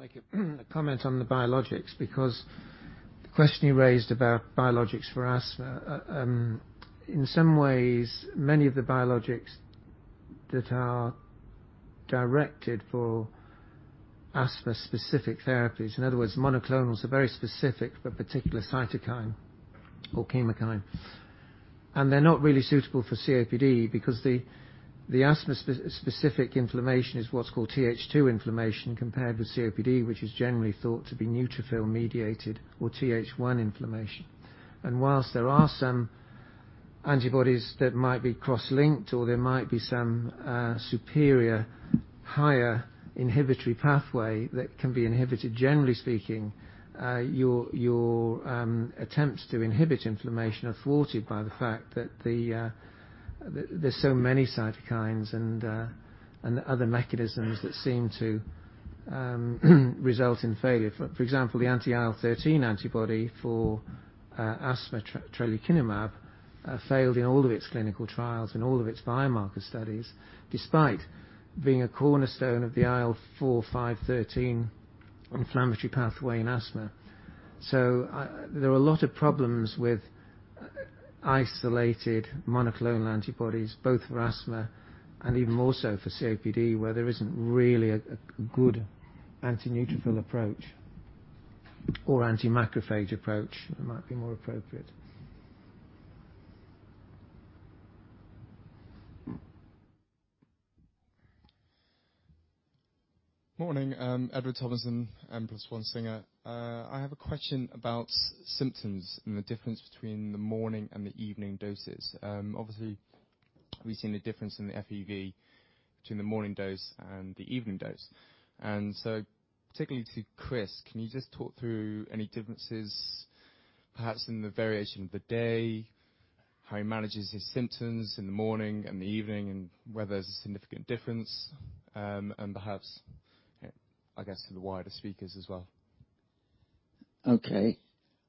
I'll just make a comment on the biologics, because the question you raised about biologics for asthma, in some ways, many of the biologics that are directed for asthma-specific therapies, in other words, monoclonals, are very specific for a particular cytokine or chemokine. They're not really suitable for COPD because the asthma-specific inflammation is what's called TH2 inflammation compared with COPD, which is generally thought to be neutrophil-mediated or TH1 inflammation. Whilst there are some antibodies that might be cross-linked, or there might be some superior, higher inhibitory pathway that can be inhibited, generally speaking, your attempts to inhibit inflammation are thwarted by the fact that there's so many cytokines and other mechanisms that seem to result in failure. For example, the anti-IL-13 antibody for asthma, tralokinumab, failed in all of its clinical trials, in all of its biomarker studies, despite being a cornerstone of the IL-4/5/13 inflammatory pathway in asthma. There are a lot of problems with isolated monoclonal antibodies, both for asthma and even more so for COPD, where there isn't really a good anti-neutrophil approach or anti-macrophage approach that might be more appropriate. Morning. Edward Thompson. I have a question about symptoms and the difference between the morning and the evening doses. Obviously, we've seen a difference in the FEV between the morning dose and the evening dose. Particularly to Chris, can you just talk through any differences, perhaps in the variation of the day, how he manages his symptoms in the morning and the evening, and whether there's a significant difference, and perhaps, I guess, to the wider speakers as well? Okay.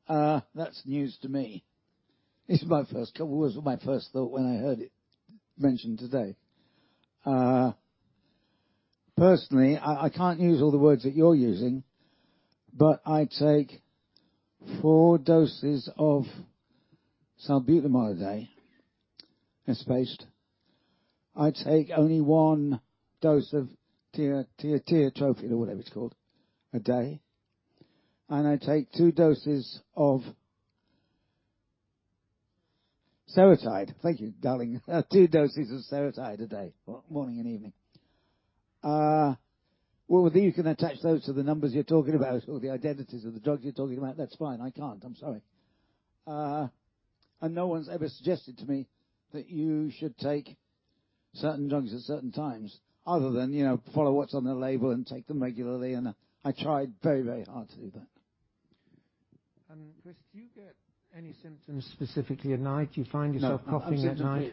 That's news to me. It's my first couple words or my first thought when I heard it mentioned today. Personally, I can't use all the words that you're using, I take four doses of salbutamol a day, it's spaced. I take only one dose of tiotropium, or whatever it's called, a day. I take two doses of Seretide. Thank you, darling. Two doses of Seretide a day, morning and evening. Whether you can attach those to the numbers you're talking about or the identities of the drugs you're talking about, that's fine. I can't. I'm sorry. No one's ever suggested to me that you should take certain drugs at certain times other than follow what's on the label and take them regularly, and I tried very hard to do that. Chris, do you get any symptoms specifically at night? Do you find yourself coughing at night? No, I'm symptom free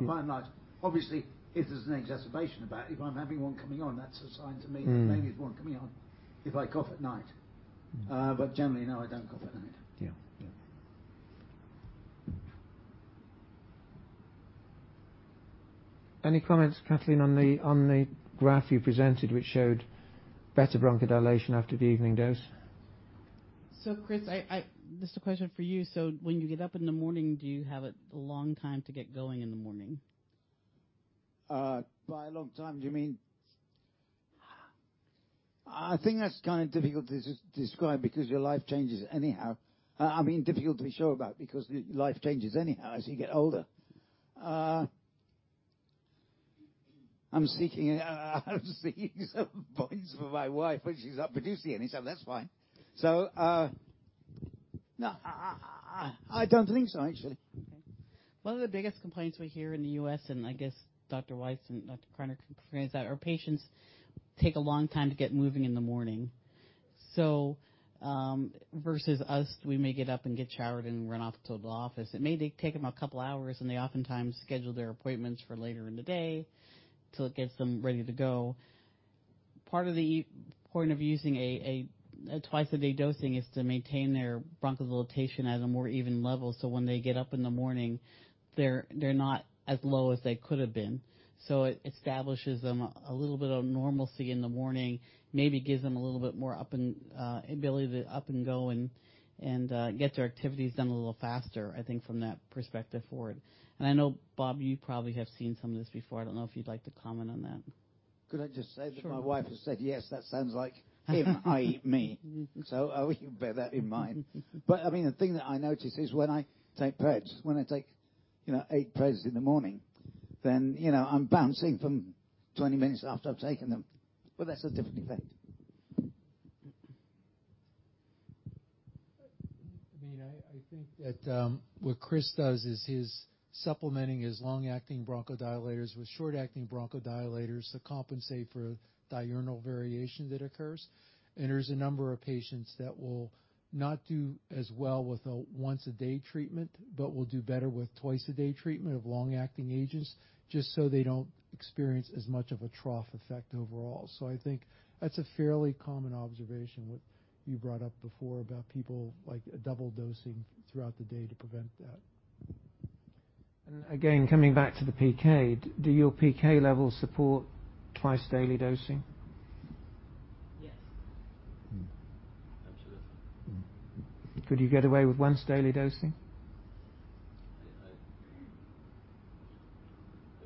at night. At night, obviously, if there's an exacerbation about it, if I'm having one coming on, that's a sign to me that maybe there's one coming on, if I cough at night. Generally, no, I don't cough at night. Yeah. Any comments, Kathleen, on the graph you presented which showed better bronchodilation after the evening dose? Chris, just a question for you. When you get up in the morning, do you have a long time to get going in the morning? By a long time, do you mean I think that's kind of difficult to describe because your life changes anyhow. I mean, difficult to be sure about because life changes anyhow as you get older. I'm seeking some points for my wife when she's up producing, that's fine. No, I don't think so, actually. Okay. One of the biggest complaints we hear in the U.S., I guess Dr. Wise and Gerard Criner can confirm is that our patients take a long time to get moving in the morning. Versus us, we may get up and get showered and run off to the office. It may take them a couple hours, and they oftentimes schedule their appointments for later in the day till it gets them ready to go. Part of the importance of using a twice-a-day dosing is to maintain their bronchodilation at a more even level, when they get up in the morning, they're not as low as they could have been. It establishes a little bit of normalcy in the morning, maybe gives them a little bit more ability to up and go, and get their activities done a little faster, I think, from that perspective forward. I know, Bob, you probably have seen some of this before. I don't know if you'd like to comment on that. Could I just say that my wife has said, yes, that sounds like him, i.e., me. Bear that in mind. The thing that I notice is when I take prednisone, when I take eight Preds in the morning, then I'm bouncing from 20 minutes after I've taken them. That's a different effect. I think that what Chris does is he's supplementing his long-acting bronchodilators with short-acting bronchodilators to compensate for diurnal variation that occurs. There's a number of patients that will not do as well with a once-a-day treatment, but will do better with twice-a-day treatment of long-acting agents, just so they don't experience as much of a trough effect overall. I think that's a fairly common observation, what you brought up before about people double dosing throughout the day to prevent that. Again, coming back to the PK, do your PK levels support twice-daily dosing? Yes. Absolutely. Could you get away with once-daily dosing?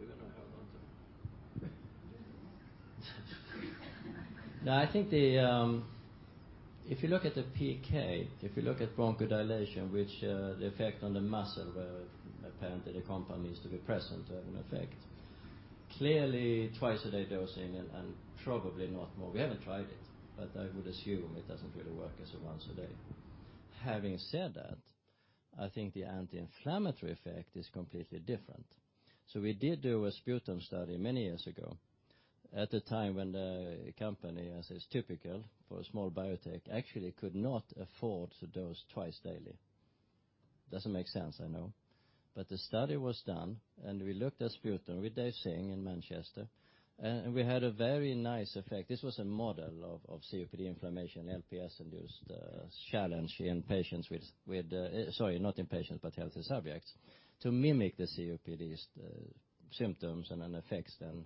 We're going to have lunch. No, I think if you look at the PK, if you look at bronchodilation, which, the effect on the muscle where apparently the compound needs to be present to have an effect. Clearly, twice-a-day dosing and probably not more. We haven't tried it, but I would assume it doesn't really work as a once-a-day. Having said that, I think the anti-inflammatory effect is completely different. We did do a sputum study many years ago, at the time when the company, as is typical for a small biotech, actually could not afford to dose twice daily. Doesn't make sense, I know. The study was done, and we looked at sputum with Dave Singh in Manchester, and we had a very nice effect. This was a model of COPD inflammation, LPS-induced challenge not in patients, but healthy subjects, to mimic the COPD symptoms and effects then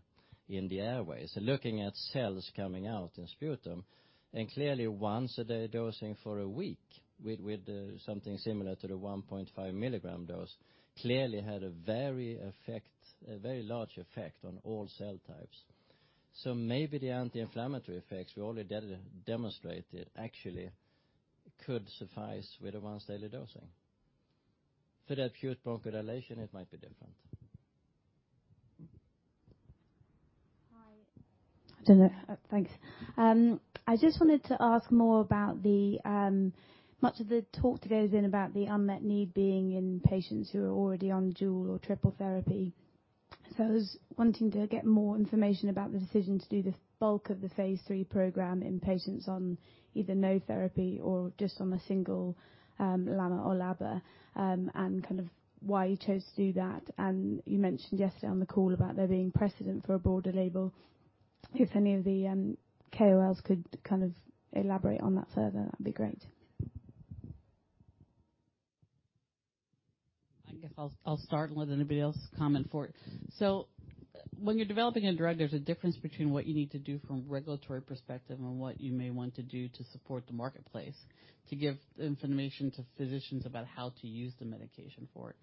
in the airways. Looking at cells coming out in sputum, clearly once-a-day dosing for a week with something similar to the 1.5 mg dose clearly had a very large effect on all cell types. Maybe the anti-inflammatory effects we already demonstrated actually could suffice with a once-daily dosing. For that pure bronchodilation, it might be different. Hi. Thanks. Much of the talk today has been about the unmet need being in patients who are already on dual or triple therapy. I was wanting to get more information about the decision to do the bulk of the phase III program in patients on either no therapy or just on a single LAMA or LABA, and why you chose to do that. You mentioned yesterday on the call about there being precedent for a broader label. If any of the KOLs could elaborate on that further, that would be great. I guess I'll start and let anybody else comment for it. When you're developing a drug, there's a difference between what you need to do from a regulatory perspective and what you may want to do to support the marketplace, to give information to physicians about how to use the medication for it.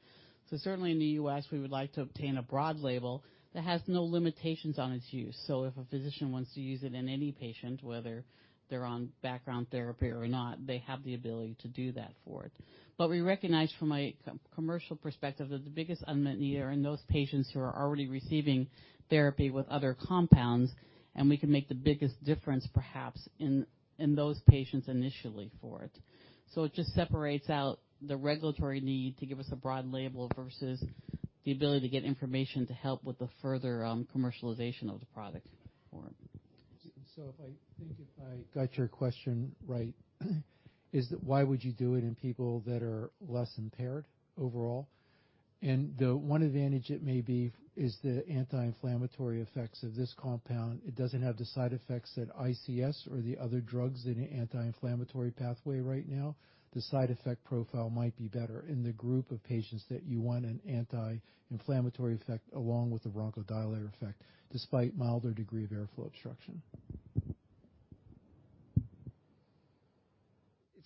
Certainly in the U.S., we would like to obtain a broad label that has no limitations on its use. If a physician wants to use it in any patient, whether they're on background therapy or not, they have the ability to do that for it. We recognize from a commercial perspective that the biggest unmet need are in those patients who are already receiving therapy with other compounds, and we can make the biggest difference perhaps in those patients initially for it. It just separates out the regulatory need to give us a broad label versus the ability to get information to help with the further commercialization of the product for it. I think if I got your question right, is that why would you do it in people that are less impaired overall? The one advantage it may be is the anti-inflammatory effects of this compound. It doesn't have the side effects that ICS or the other drugs in the anti-inflammatory pathway right now. The side effect profile might be better in the group of patients that you want an anti-inflammatory effect along with the bronchodilator effect, despite milder degree of airflow obstruction.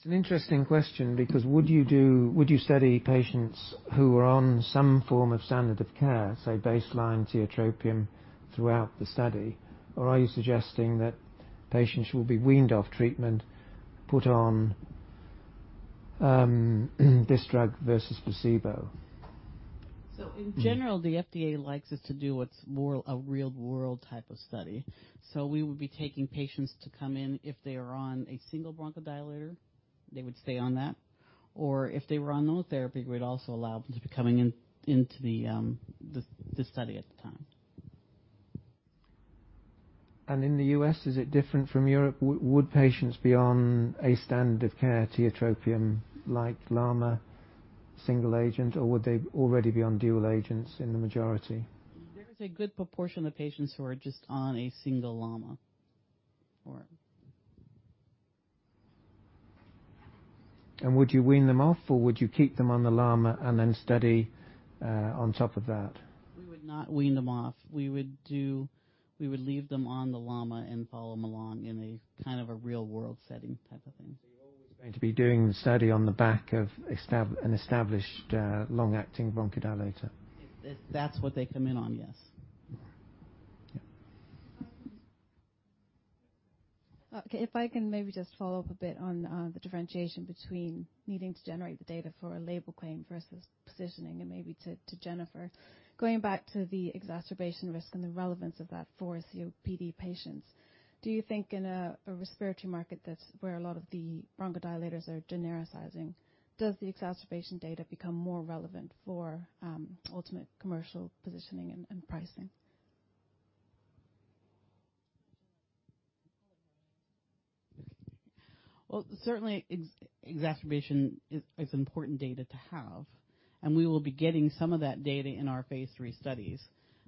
It's an interesting question, because would you study patients who are on some form of standard of care, say, baseline tiotropium throughout the study? Or are you suggesting that patients will be weaned off treatment put on this drug versus placebo? In general, the FDA likes us to do what's a real world type of study. We would be taking patients to come in if they are on a single bronchodilator, they would stay on that. If they were on monotherapy, we'd also allow them to be coming into the study at the time. In the U.S., is it different from Europe? Would patients be on a standard of care, tiotropium like LAMA single agent, or would they already be on dual agents in the majority? There is a good proportion of patients who are just on a single LAMA. Would you wean them off, or would you keep them on the LAMA and then study on top of that? We would not wean them off. We would leave them on the LAMA and follow them along in a kind of a real world setting type of thing. You're always going to be doing the study on the back of an established long-acting bronchodilator. If that's what they come in on, yes. Yeah. If I can maybe just follow up a bit on the differentiation between needing to generate the data for a label claim versus positioning and maybe to Jennifer. Going back to the exacerbation risk and the relevance of that for COPD patients, do you think in a respiratory market where a lot of the bronchodilators are genericizing, does the exacerbation data become more relevant for ultimate commercial positioning and pricing? Well, certainly exacerbation is important data to have. We will be getting some of that data in our phase III studies.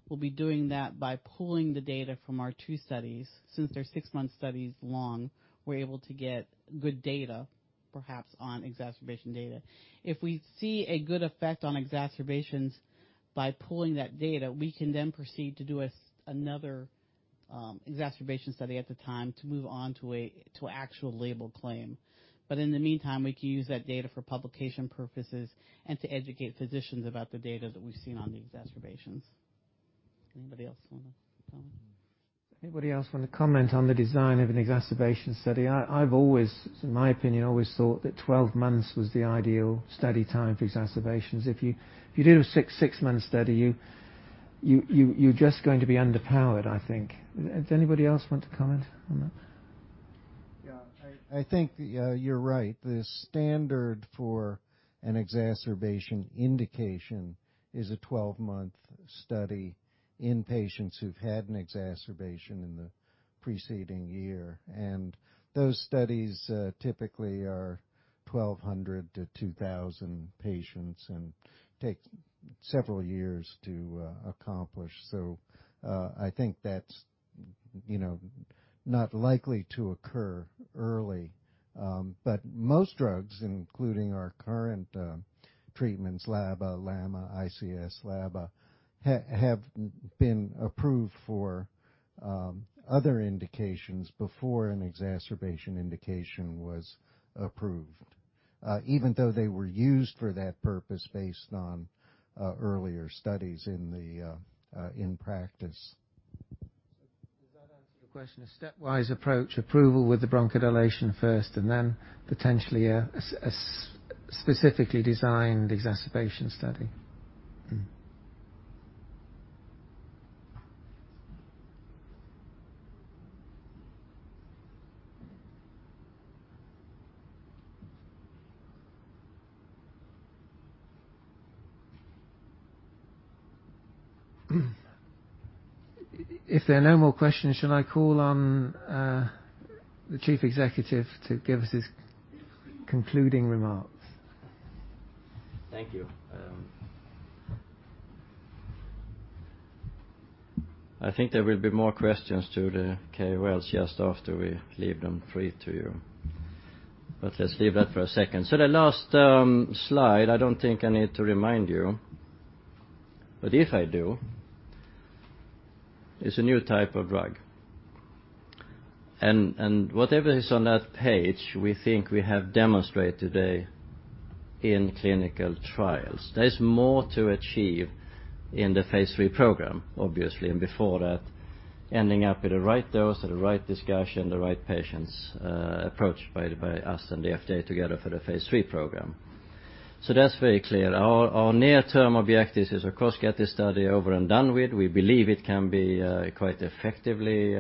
We'll be doing that by pulling the data from our two studies. Since they're six months studies long, we're able to get good data, perhaps on exacerbation data. If we see a good effect on exacerbations by pulling that data, we can then proceed to do another exacerbation study at the time to move on to actual label claim. In the meantime, we can use that data for publication purposes and to educate physicians about the data that we've seen on the exacerbations. Anybody else want to comment? Anybody else want to comment on the design of an exacerbation study? I've always, in my opinion, always thought that 12 months was the ideal study time for exacerbations. If you do a six-month study, you're just going to be underpowered, I think. Does anybody else want to comment on that? Yeah, I think you're right. The standard for an exacerbation indication is a 12-month study in patients who've had an exacerbation in the preceding year. Those studies typically are 1,200 to 2,000 patients and take several years to accomplish. I think that's not likely to occur early. Most drugs, including our current treatments, LABA/LAMA, ICS/LABA, have been approved for other indications before an exacerbation indication was approved, even though they were used for that purpose based on earlier studies in practice. Does that answer your question? A stepwise approach, approval with the bronchodilation first, and then potentially a specifically designed exacerbation study. If there are no more questions, should I call on the Chief Executive to give us his concluding remarks? Thank you. I think there will be more questions to the KOLs just after we leave them free to you. Let's leave that for a second. The last slide, I don't think I need to remind you, but if I do, it's a new type of drug. Whatever is on that page, we think we have demonstrated today in clinical trials. There is more to achieve in the phase III program, obviously, and before that, ending up with the right dose or the right discussion, the right patients approached by us and the FDA together for the phase III program. That's very clear. Our near-term objective is, of course, get this study over and done with. We believe it can be quite effectively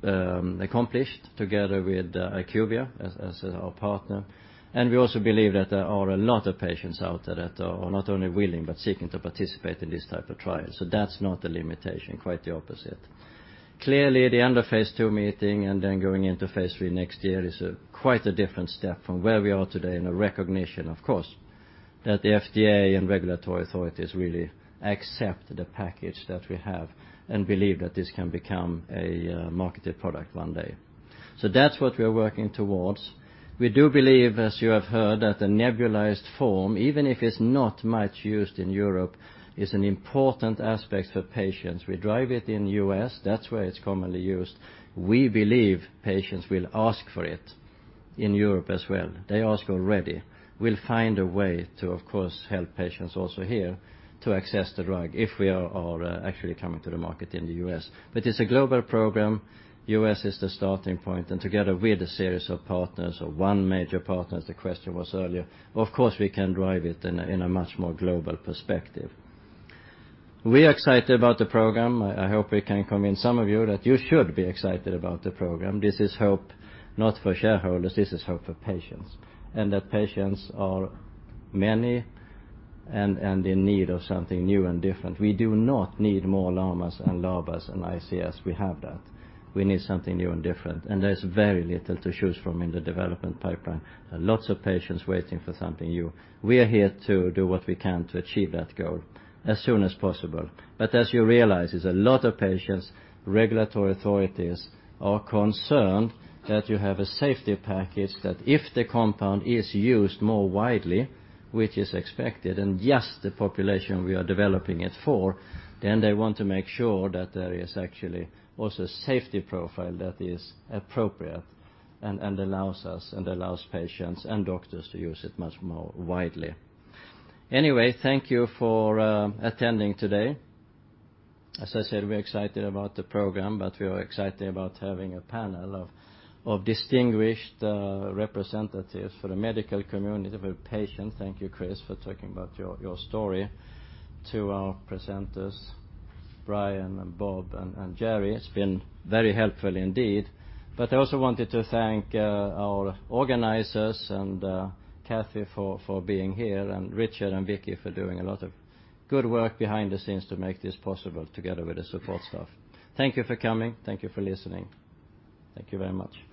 accomplished together with IQVIA as our partner. We also believe that there are a lot of patients out there that are not only willing but seeking to participate in this type of trial. That's not a limitation, quite the opposite. Clearly, the end of phase II meeting and then going into phase III next year is quite a different step from where we are today in a recognition, of course, that the FDA and regulatory authorities really accept the package that we have and believe that this can become a marketed product one day. That's what we are working towards. We do believe, as you have heard, that the nebulized form, even if it's not much used in Europe, is an important aspect for patients. We drive it in the U.S., that's where it's commonly used. We believe patients will ask for it in Europe as well. They ask already. We'll find a way to, of course, help patients also here to access the drug if we are actually coming to the market in the U.S. It's a global program. U.S. is the starting point, and together with a series of partners or one major partner, as the question was earlier, of course, we can drive it in a much more global perspective. We are excited about the program. I hope we can convince some of you that you should be excited about the program. This is hope, not for shareholders. This is hope for patients, and that patients are many and in need of something new and different. We do not need more LAMAs and LABAs and ICS. We have that. We need something new and different, and there's very little to choose from in the development pipeline. There are lots of patients waiting for something new. We are here to do what we can to achieve that goal as soon as possible. As you realize, it's a lot of patients. Regulatory authorities are concerned that you have a safety package that if the compound is used more widely, which is expected, in just the population we are developing it for, then they want to make sure that there is actually also a safety profile that is appropriate and allows us, and allows patients and doctors to use it much more widely. Thank you for attending today. As I said, we're excited about the program, we are excited about having a panel of distinguished representatives for the medical community, for patients. Thank you, Chris, for talking about your story. To our presenters, Brian and Bob and Gerry, it's been very helpful indeed. I also wanted to thank our organizers and Kathy for being here, and Richard and Vicky for doing a lot of good work behind the scenes to make this possible together with the support staff. Thank you for coming. Thank you for listening. Thank you very much.